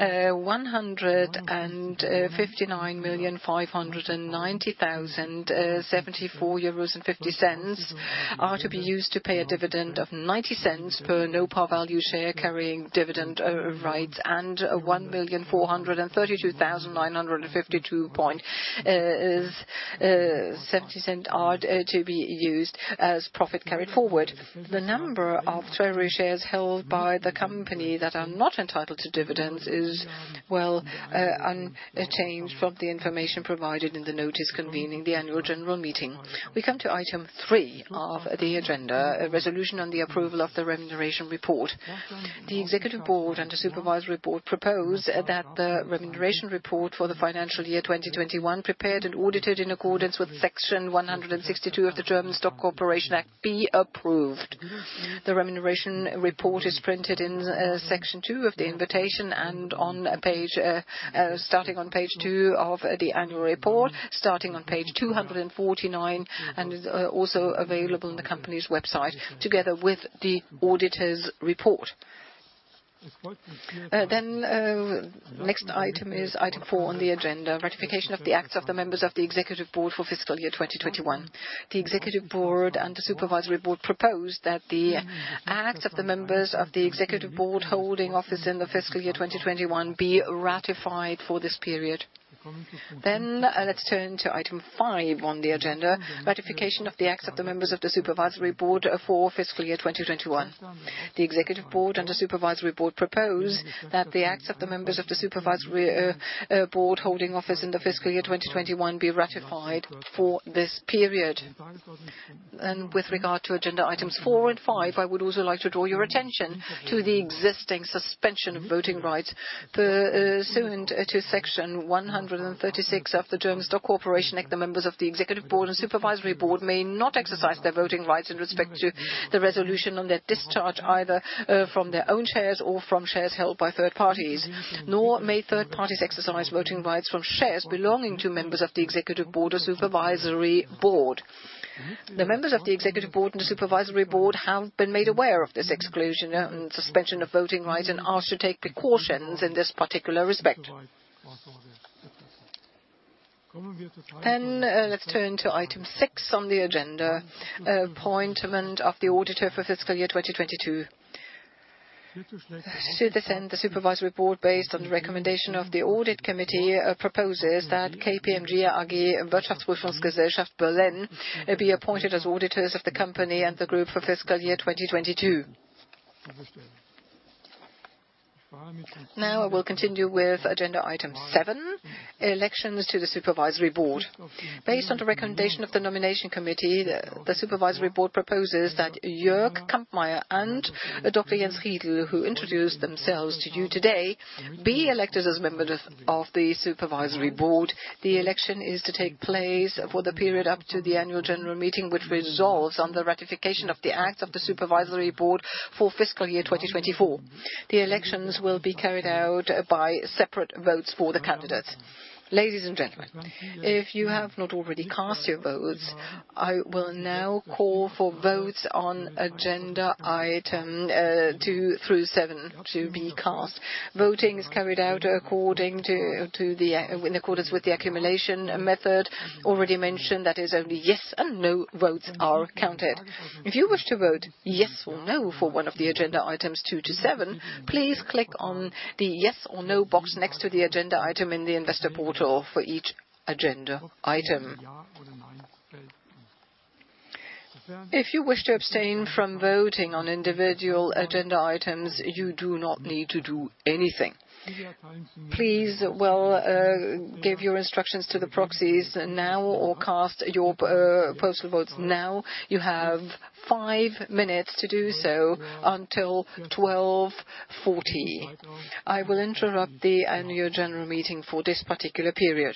159,590,074.50 euros are to be used to pay a dividend of 0.90 EUR per no-par-value share carrying dividend rights and 1,432,952.70 are to be used as profit carried forward. The number of treasury shares held by the company that are not entitled to dividends is unchanged from the information provided in the notice convening the Annual General Meeting. We come to item 3 of the agenda, a resolution on the approval of the remuneration report. The Executive Board and the Supervisory Board propose that the remuneration report for the financial year 2021 prepared and audited in accordance with Section 162 of the German Stock Corporation Act be approved. The remuneration report is printed in section two of the invitation and on page starting on page 2 of the annual report, starting on page 249, and is also available on the company's website together with the auditor's report. Next item is item 4 on the agenda, ratification of the acts of the members of the Executive Board for fiscal year 2021. The Executive Board and the Supervisory Board propose that the acts of the members of the Executive Board holding office in the fiscal year 2021 be ratified for this period. Let's turn to item five on the agenda, ratification of the acts of the members of the Supervisory Board for fiscal year 2021. The Executive Board and the Supervisory Board propose that the acts of the members of the Supervisory Board holding office in the fiscal year 2021 be ratified for this period. With regard to agenda items 4 and 5, I would also like to draw your attention to the existing suspension of voting rights pursuant to Section 136 of the German Stock Corporation Act. The members of the Executive Board and Supervisory Board may not exercise their voting rights with respect to the resolution on their discharge, either, from their own shares or from shares held by third parties. Nor may third parties exercise voting rights from shares belonging to members of the Executive Board or Supervisory Board. The members of the Executive Board and the Supervisory Board have been made aware of this exclusion and suspension of voting rights and asked to take precautions in this particular respect. Let's turn to item 6 on the agenda, appointment of the auditor for fiscal year 2022. To this end, the Supervisory Board, based on the recommendation of the Audit Committee, proposes that KPMG AG be appointed as auditors of the company and the Group for fiscal year 2022. Now I will continue with agenda item 7, elections to the Supervisory Board. Based on the recommendation of the Nomination Committee, the Supervisory Board proposes that Jörg Kampmeyer and Dr. Jens Riedl, who introduced themselves to you today, be elected as members of the Supervisory Board. The election is to take place for the period up to the Annual General Meeting, which resolves on the ratification of the acts of the Supervisory Board for fiscal year 2024. The elections will be carried out by separate votes for the candidates. Ladies and gentlemen, if you have not already cast your votes, I will now call for votes on agenda item 2 through 7 to be cast. Voting is carried out according to in accordance with the accumulation method already mentioned, that is only yes and no votes are counted. If you wish to vote yes or no for one of the agenda items 2 to 7, please click on the yes or no box next to the agenda item in the investor portal for each agenda item. If you wish to abstain from voting on individual agenda items, you do not need to do anything. Please give your instructions to the proxies now or cast your postal votes now. You have 5 minutes to do so until 12:40 P.M. I will interrupt the Annual General Meeting for this particular period.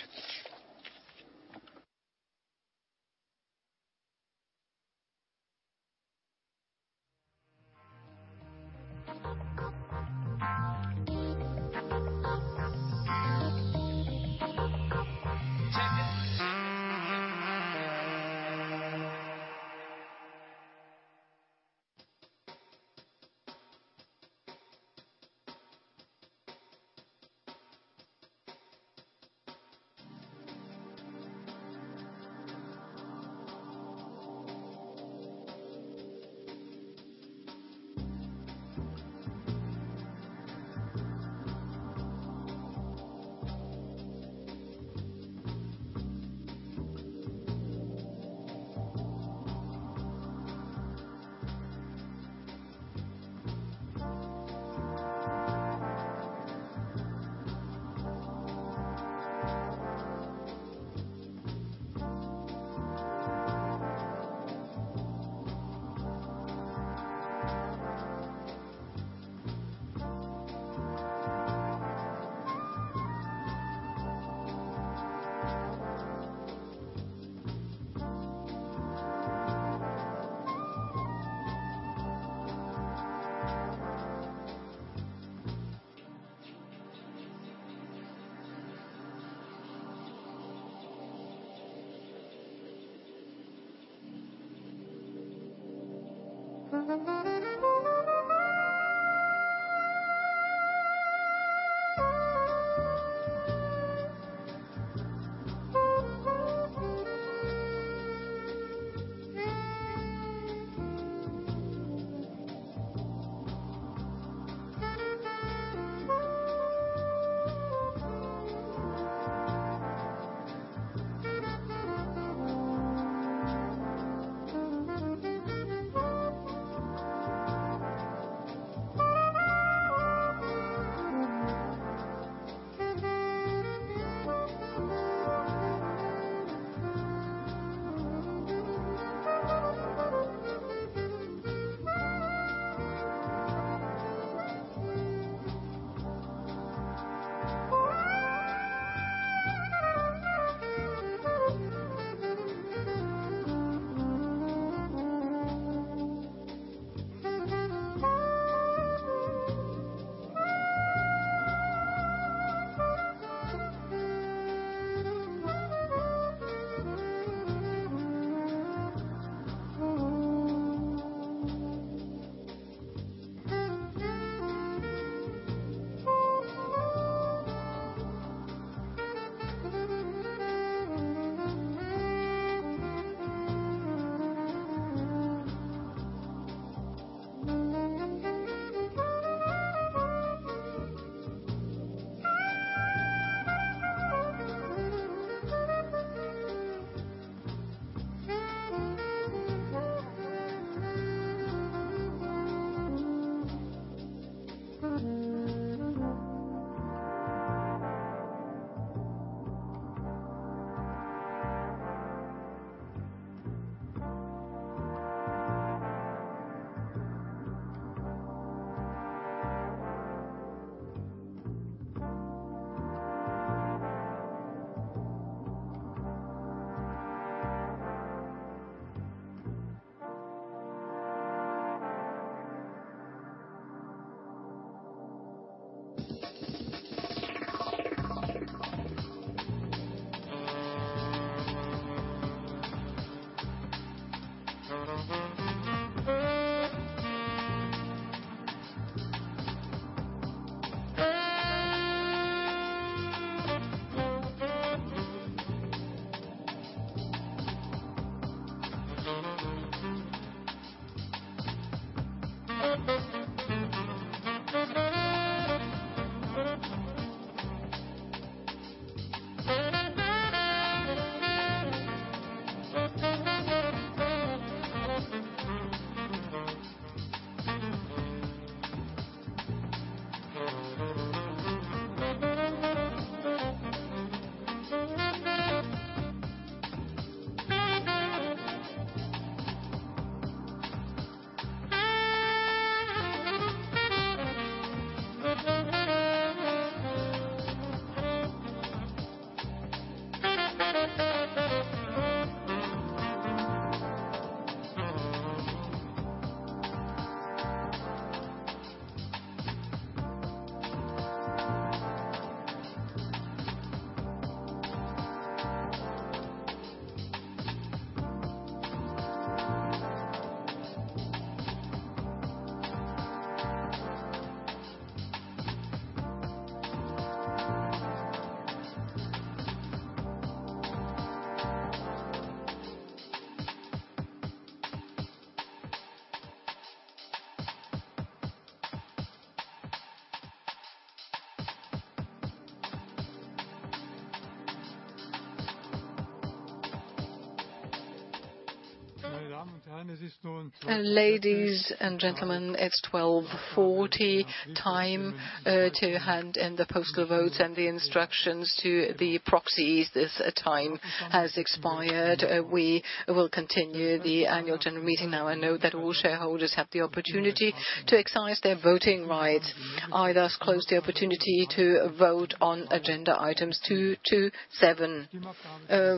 Ladies and gentlemen, it's 12:40. Time to hand in the postal votes and the instructions to the proxies. This time has expired. We will continue the Annual General Meeting now and note that all shareholders have the opportunity to exercise their voting rights. I thus close the opportunity to vote on agenda items 2-7.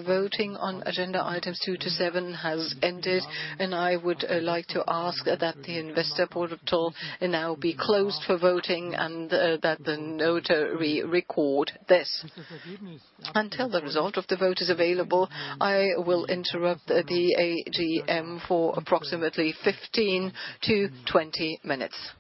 Voting on agenda items 2-7 has ended, and I would like to ask that the investor portal now be closed for voting and that the notary record this. Until the result of the vote is available, I will interrupt the AGM for approximately 15-20 minutes.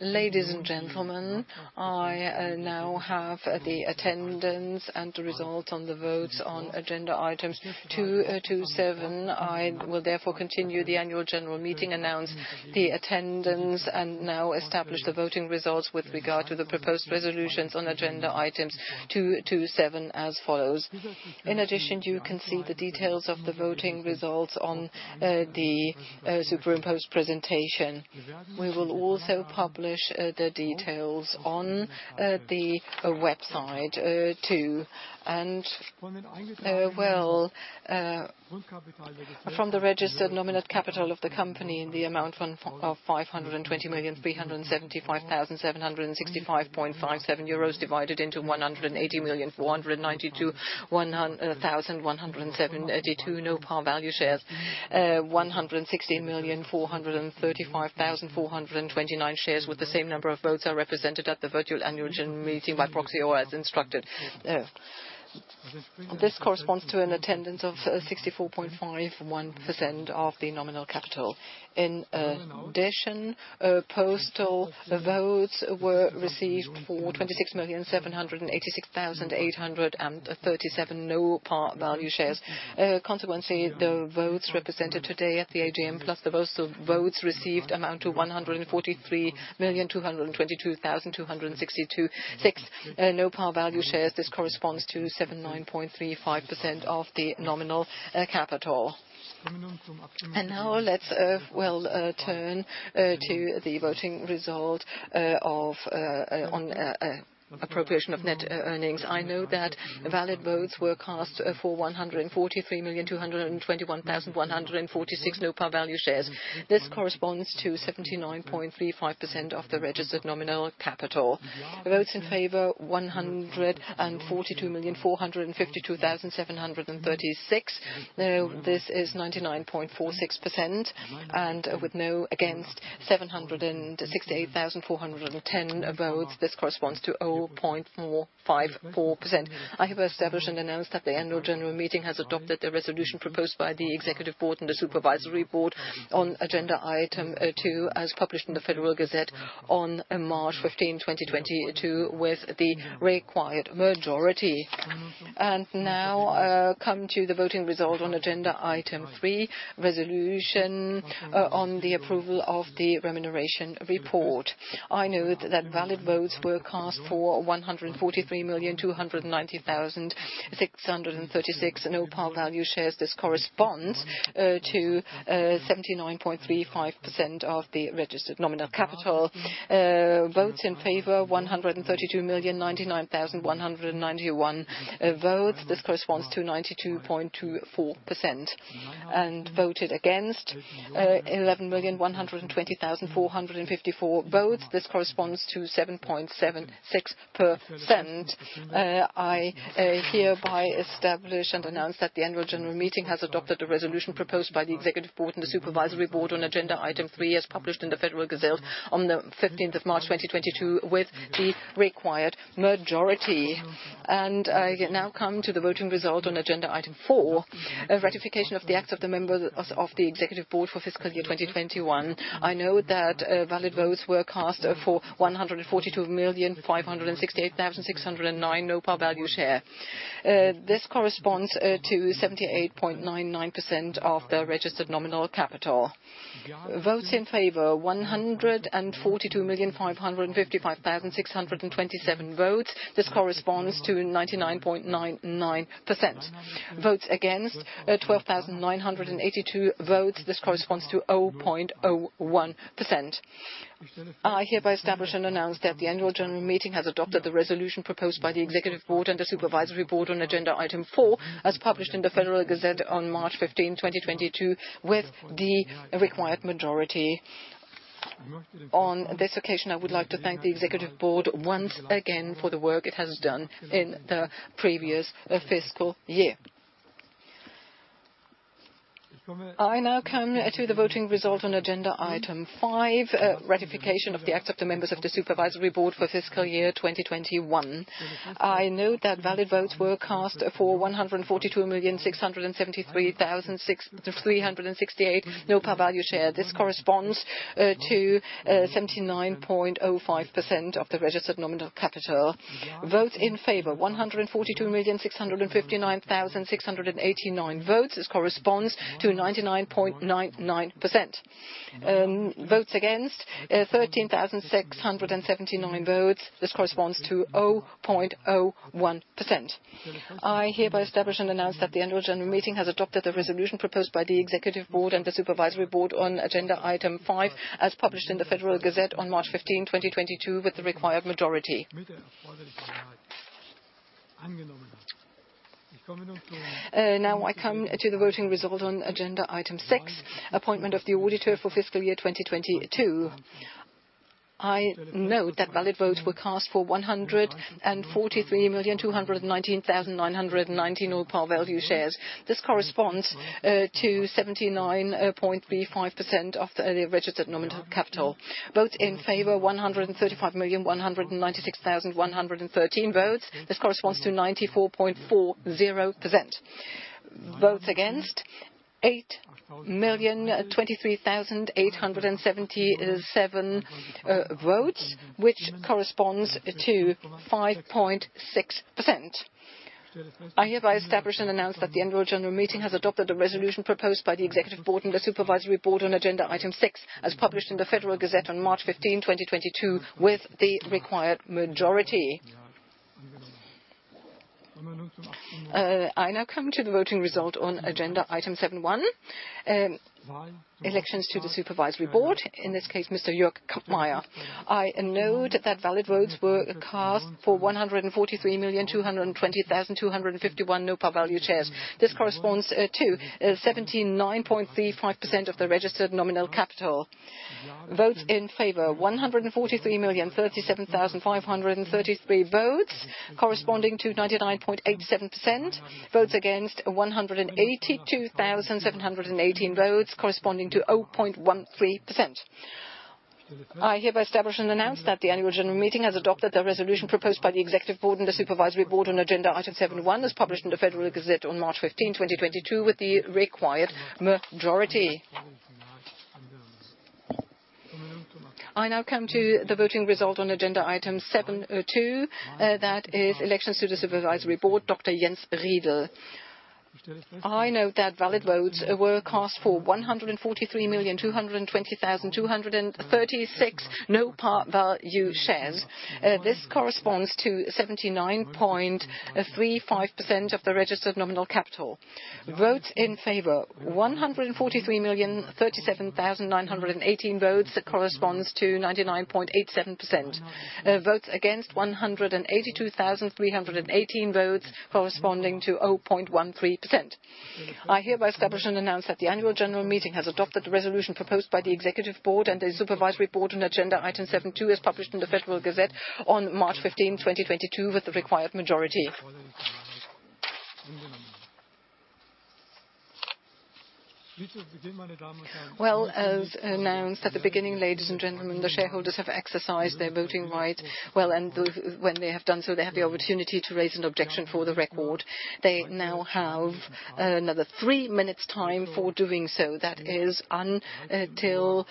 Ladies and gentlemen, I now have the attendance and the results on the votes on agenda items two to seven. I will therefore continue the Annual General Meeting, announce the attendance, and now establish the voting results with regard to the proposed resolutions on agenda items two to seven as follows. In addition, you can see the details of the voting results on the superimposed presentation. We will also publish the details on the website too. From the registered nominal capital of the company in the amount of 520,375,765.57 euros divided into 180,492,172 no-par-value shares. 160,435,429 shares with the same number of votes are represented at the virtual Annual General Meeting by proxy or as instructed. This corresponds to an attendance of 64.51% of the nominal capital. In addition, postal votes were received for 26,786,837 no-par-value shares. Consequently, the votes represented today at the AGM plus the votes received amount to 143,222,266 no-par-value shares. This corresponds to 79.35% of the nominal capital. Now let's turn to the voting result on appropriation of net earnings. I know that valid votes were cast for 143,221,146 no-par-value shares. This corresponds to 79.35% of the registered nominal capital. Votes in favor, 142,452,736. Now, this is 99.46%. With no against, 768,410 votes. This corresponds to 0.454%. I have established and announced that the Annual General Meeting has adopted the resolution proposed by the Executive Board and the Supervisory Board on agenda item two, as published in the Federal Gazette on March 15, 2022, with the required majority. Now I come to the voting result on agenda item 3, resolution on the approval of the remuneration report. I know that valid votes were cast for 143,290,636 no-par-value shares. This corresponds to 79.35% of the registered nominal capital. Votes in favor, 132,099,191 votes. This corresponds to 92.24%. Voted against, 11,120,454 votes. This corresponds to 7.76%. I hereby establish and announce that the Annual General Meeting has adopted a resolution proposed by the Executive Board and the Supervisory Board on agenda item 3, as published in the Federal Gazette on the 15th of March, 2022, with the required majority. I now come to the voting result on agenda item 4, a ratification of the acts of the members of the Executive Board for fiscal year 2021. I know that valid votes were cast for 142,568,609 no-par-value share. This corresponds to 78.99% of the registered nominal capital. Votes in favor, 142,555,627 votes. This corresponds to 99.99%. Votes against, 12,982 votes. This corresponds to 0.01%. I hereby establish and announce that the Annual General Meeting has adopted the resolution proposed by the Executive Board and the Supervisory Board on agenda item 4, as published in the Federal Gazette on March 15, 2022, with the required majority. On this occasion, I would like to thank the Executive Board once again for the work it has done in the previous fiscal year. I now come to the voting result on agenda item 5, ratification of the acts of the members of the Supervisory Board for fiscal year 2021. I know that valid votes were cast for 142,673,368 no-par value share. This corresponds to 79.05% of the registered nominal capital. Votes in favor, 142,659,689 votes. This corresponds to 99.99%. Votes against, 13,679 votes. This corresponds to 0.01%. I hereby establish and announce that the Annual General Meeting has adopted the resolution proposed by the Executive Board and the Supervisory Board on agenda item 5, as published in the Federal Gazette on March 15, 2022, with the required majority. Now I come to the voting result on agenda item 6, appointment of the auditor for fiscal year 2022. I note that valid votes were cast for 143,219,919 no-par value shares. This corresponds to 79.35% of the registered nominal capital. Votes in favor, 135,196,113 votes. This corresponds to 94.40%. Votes against, 8,023,877 votes, which corresponds to 5.6%. I hereby establish and announce that the Annual General Meeting has adopted the resolution proposed by the Executive Board and the Supervisory Board on agenda item 6, as published in the Federal Gazette on March fifteenth, 2022, with the required majority. I now come to the voting result on agenda item 7.1, elections to the Supervisory Board. In this case, Mr. Jörg Kampmeyer. I note that valid votes were cast for 143,220,251 no-par value shares. This corresponds to 79.35% of the registered nominal capital. Votes in favor, 143,037,533 votes, corresponding to 99.87%. Votes against, 182,718 votes, corresponding to 0.13%. I hereby establish and announce that the Annual General Meeting has adopted the resolution proposed by the Executive Board and the Supervisory Board on agenda item 7.1, as published in the Federal Gazette on March fifteenth, 2022, with the required majority. I now come to the voting result on agenda item 7.2, that is elections to the Supervisory Board, Dr. Jens Riedl. I note that valid votes were cast for 143,220,236 no-par-value shares. This corresponds to 79.35% of the registered nominal capital. Votes in favor, 143,037,918 votes, that corresponds to 99.87%. Votes against, 182,318 votes, corresponding to 0.13%. I hereby establish and announce that the Annual General Meeting has adopted the resolution proposed by the Executive Board and the Supervisory Board on agenda item 7.2, as published in the Federal Gazette on March fifteenth, 2022, with the required majority. Well, as announced at the beginning, ladies and gentlemen, the shareholders have exercised their voting right well, and when they have done so, they have the opportunity to raise an objection for the record. They now have another three minutes time for doing so. That is until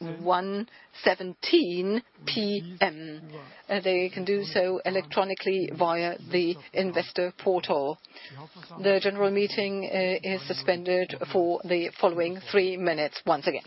1:17 P.M. They can do so electronically via the investor portal. The general meeting is suspended for the following three minutes once again.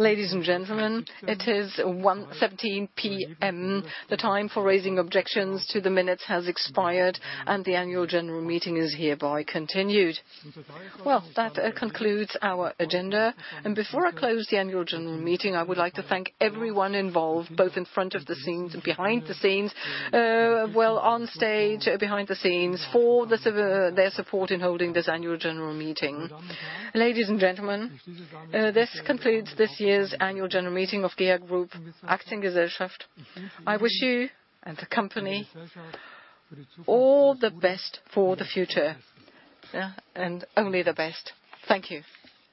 Ladies and gentlemen, it is 1:17 P.M. The time for raising objections to the minutes has expired, and the Annual General Meeting is hereby continued. Well, that concludes our agenda. Before I close the Annual General Meeting, I would like to thank everyone involved, both in front of the scenes and behind the scenes, well, on stage, behind the scenes, for their support in holding this Annual General Meeting. Ladies and gentlemen, this concludes this year's Annual General Meeting of GEA Group Aktiengesellschaft. I wish you and the company all the best for the future. Only the best. Thank you.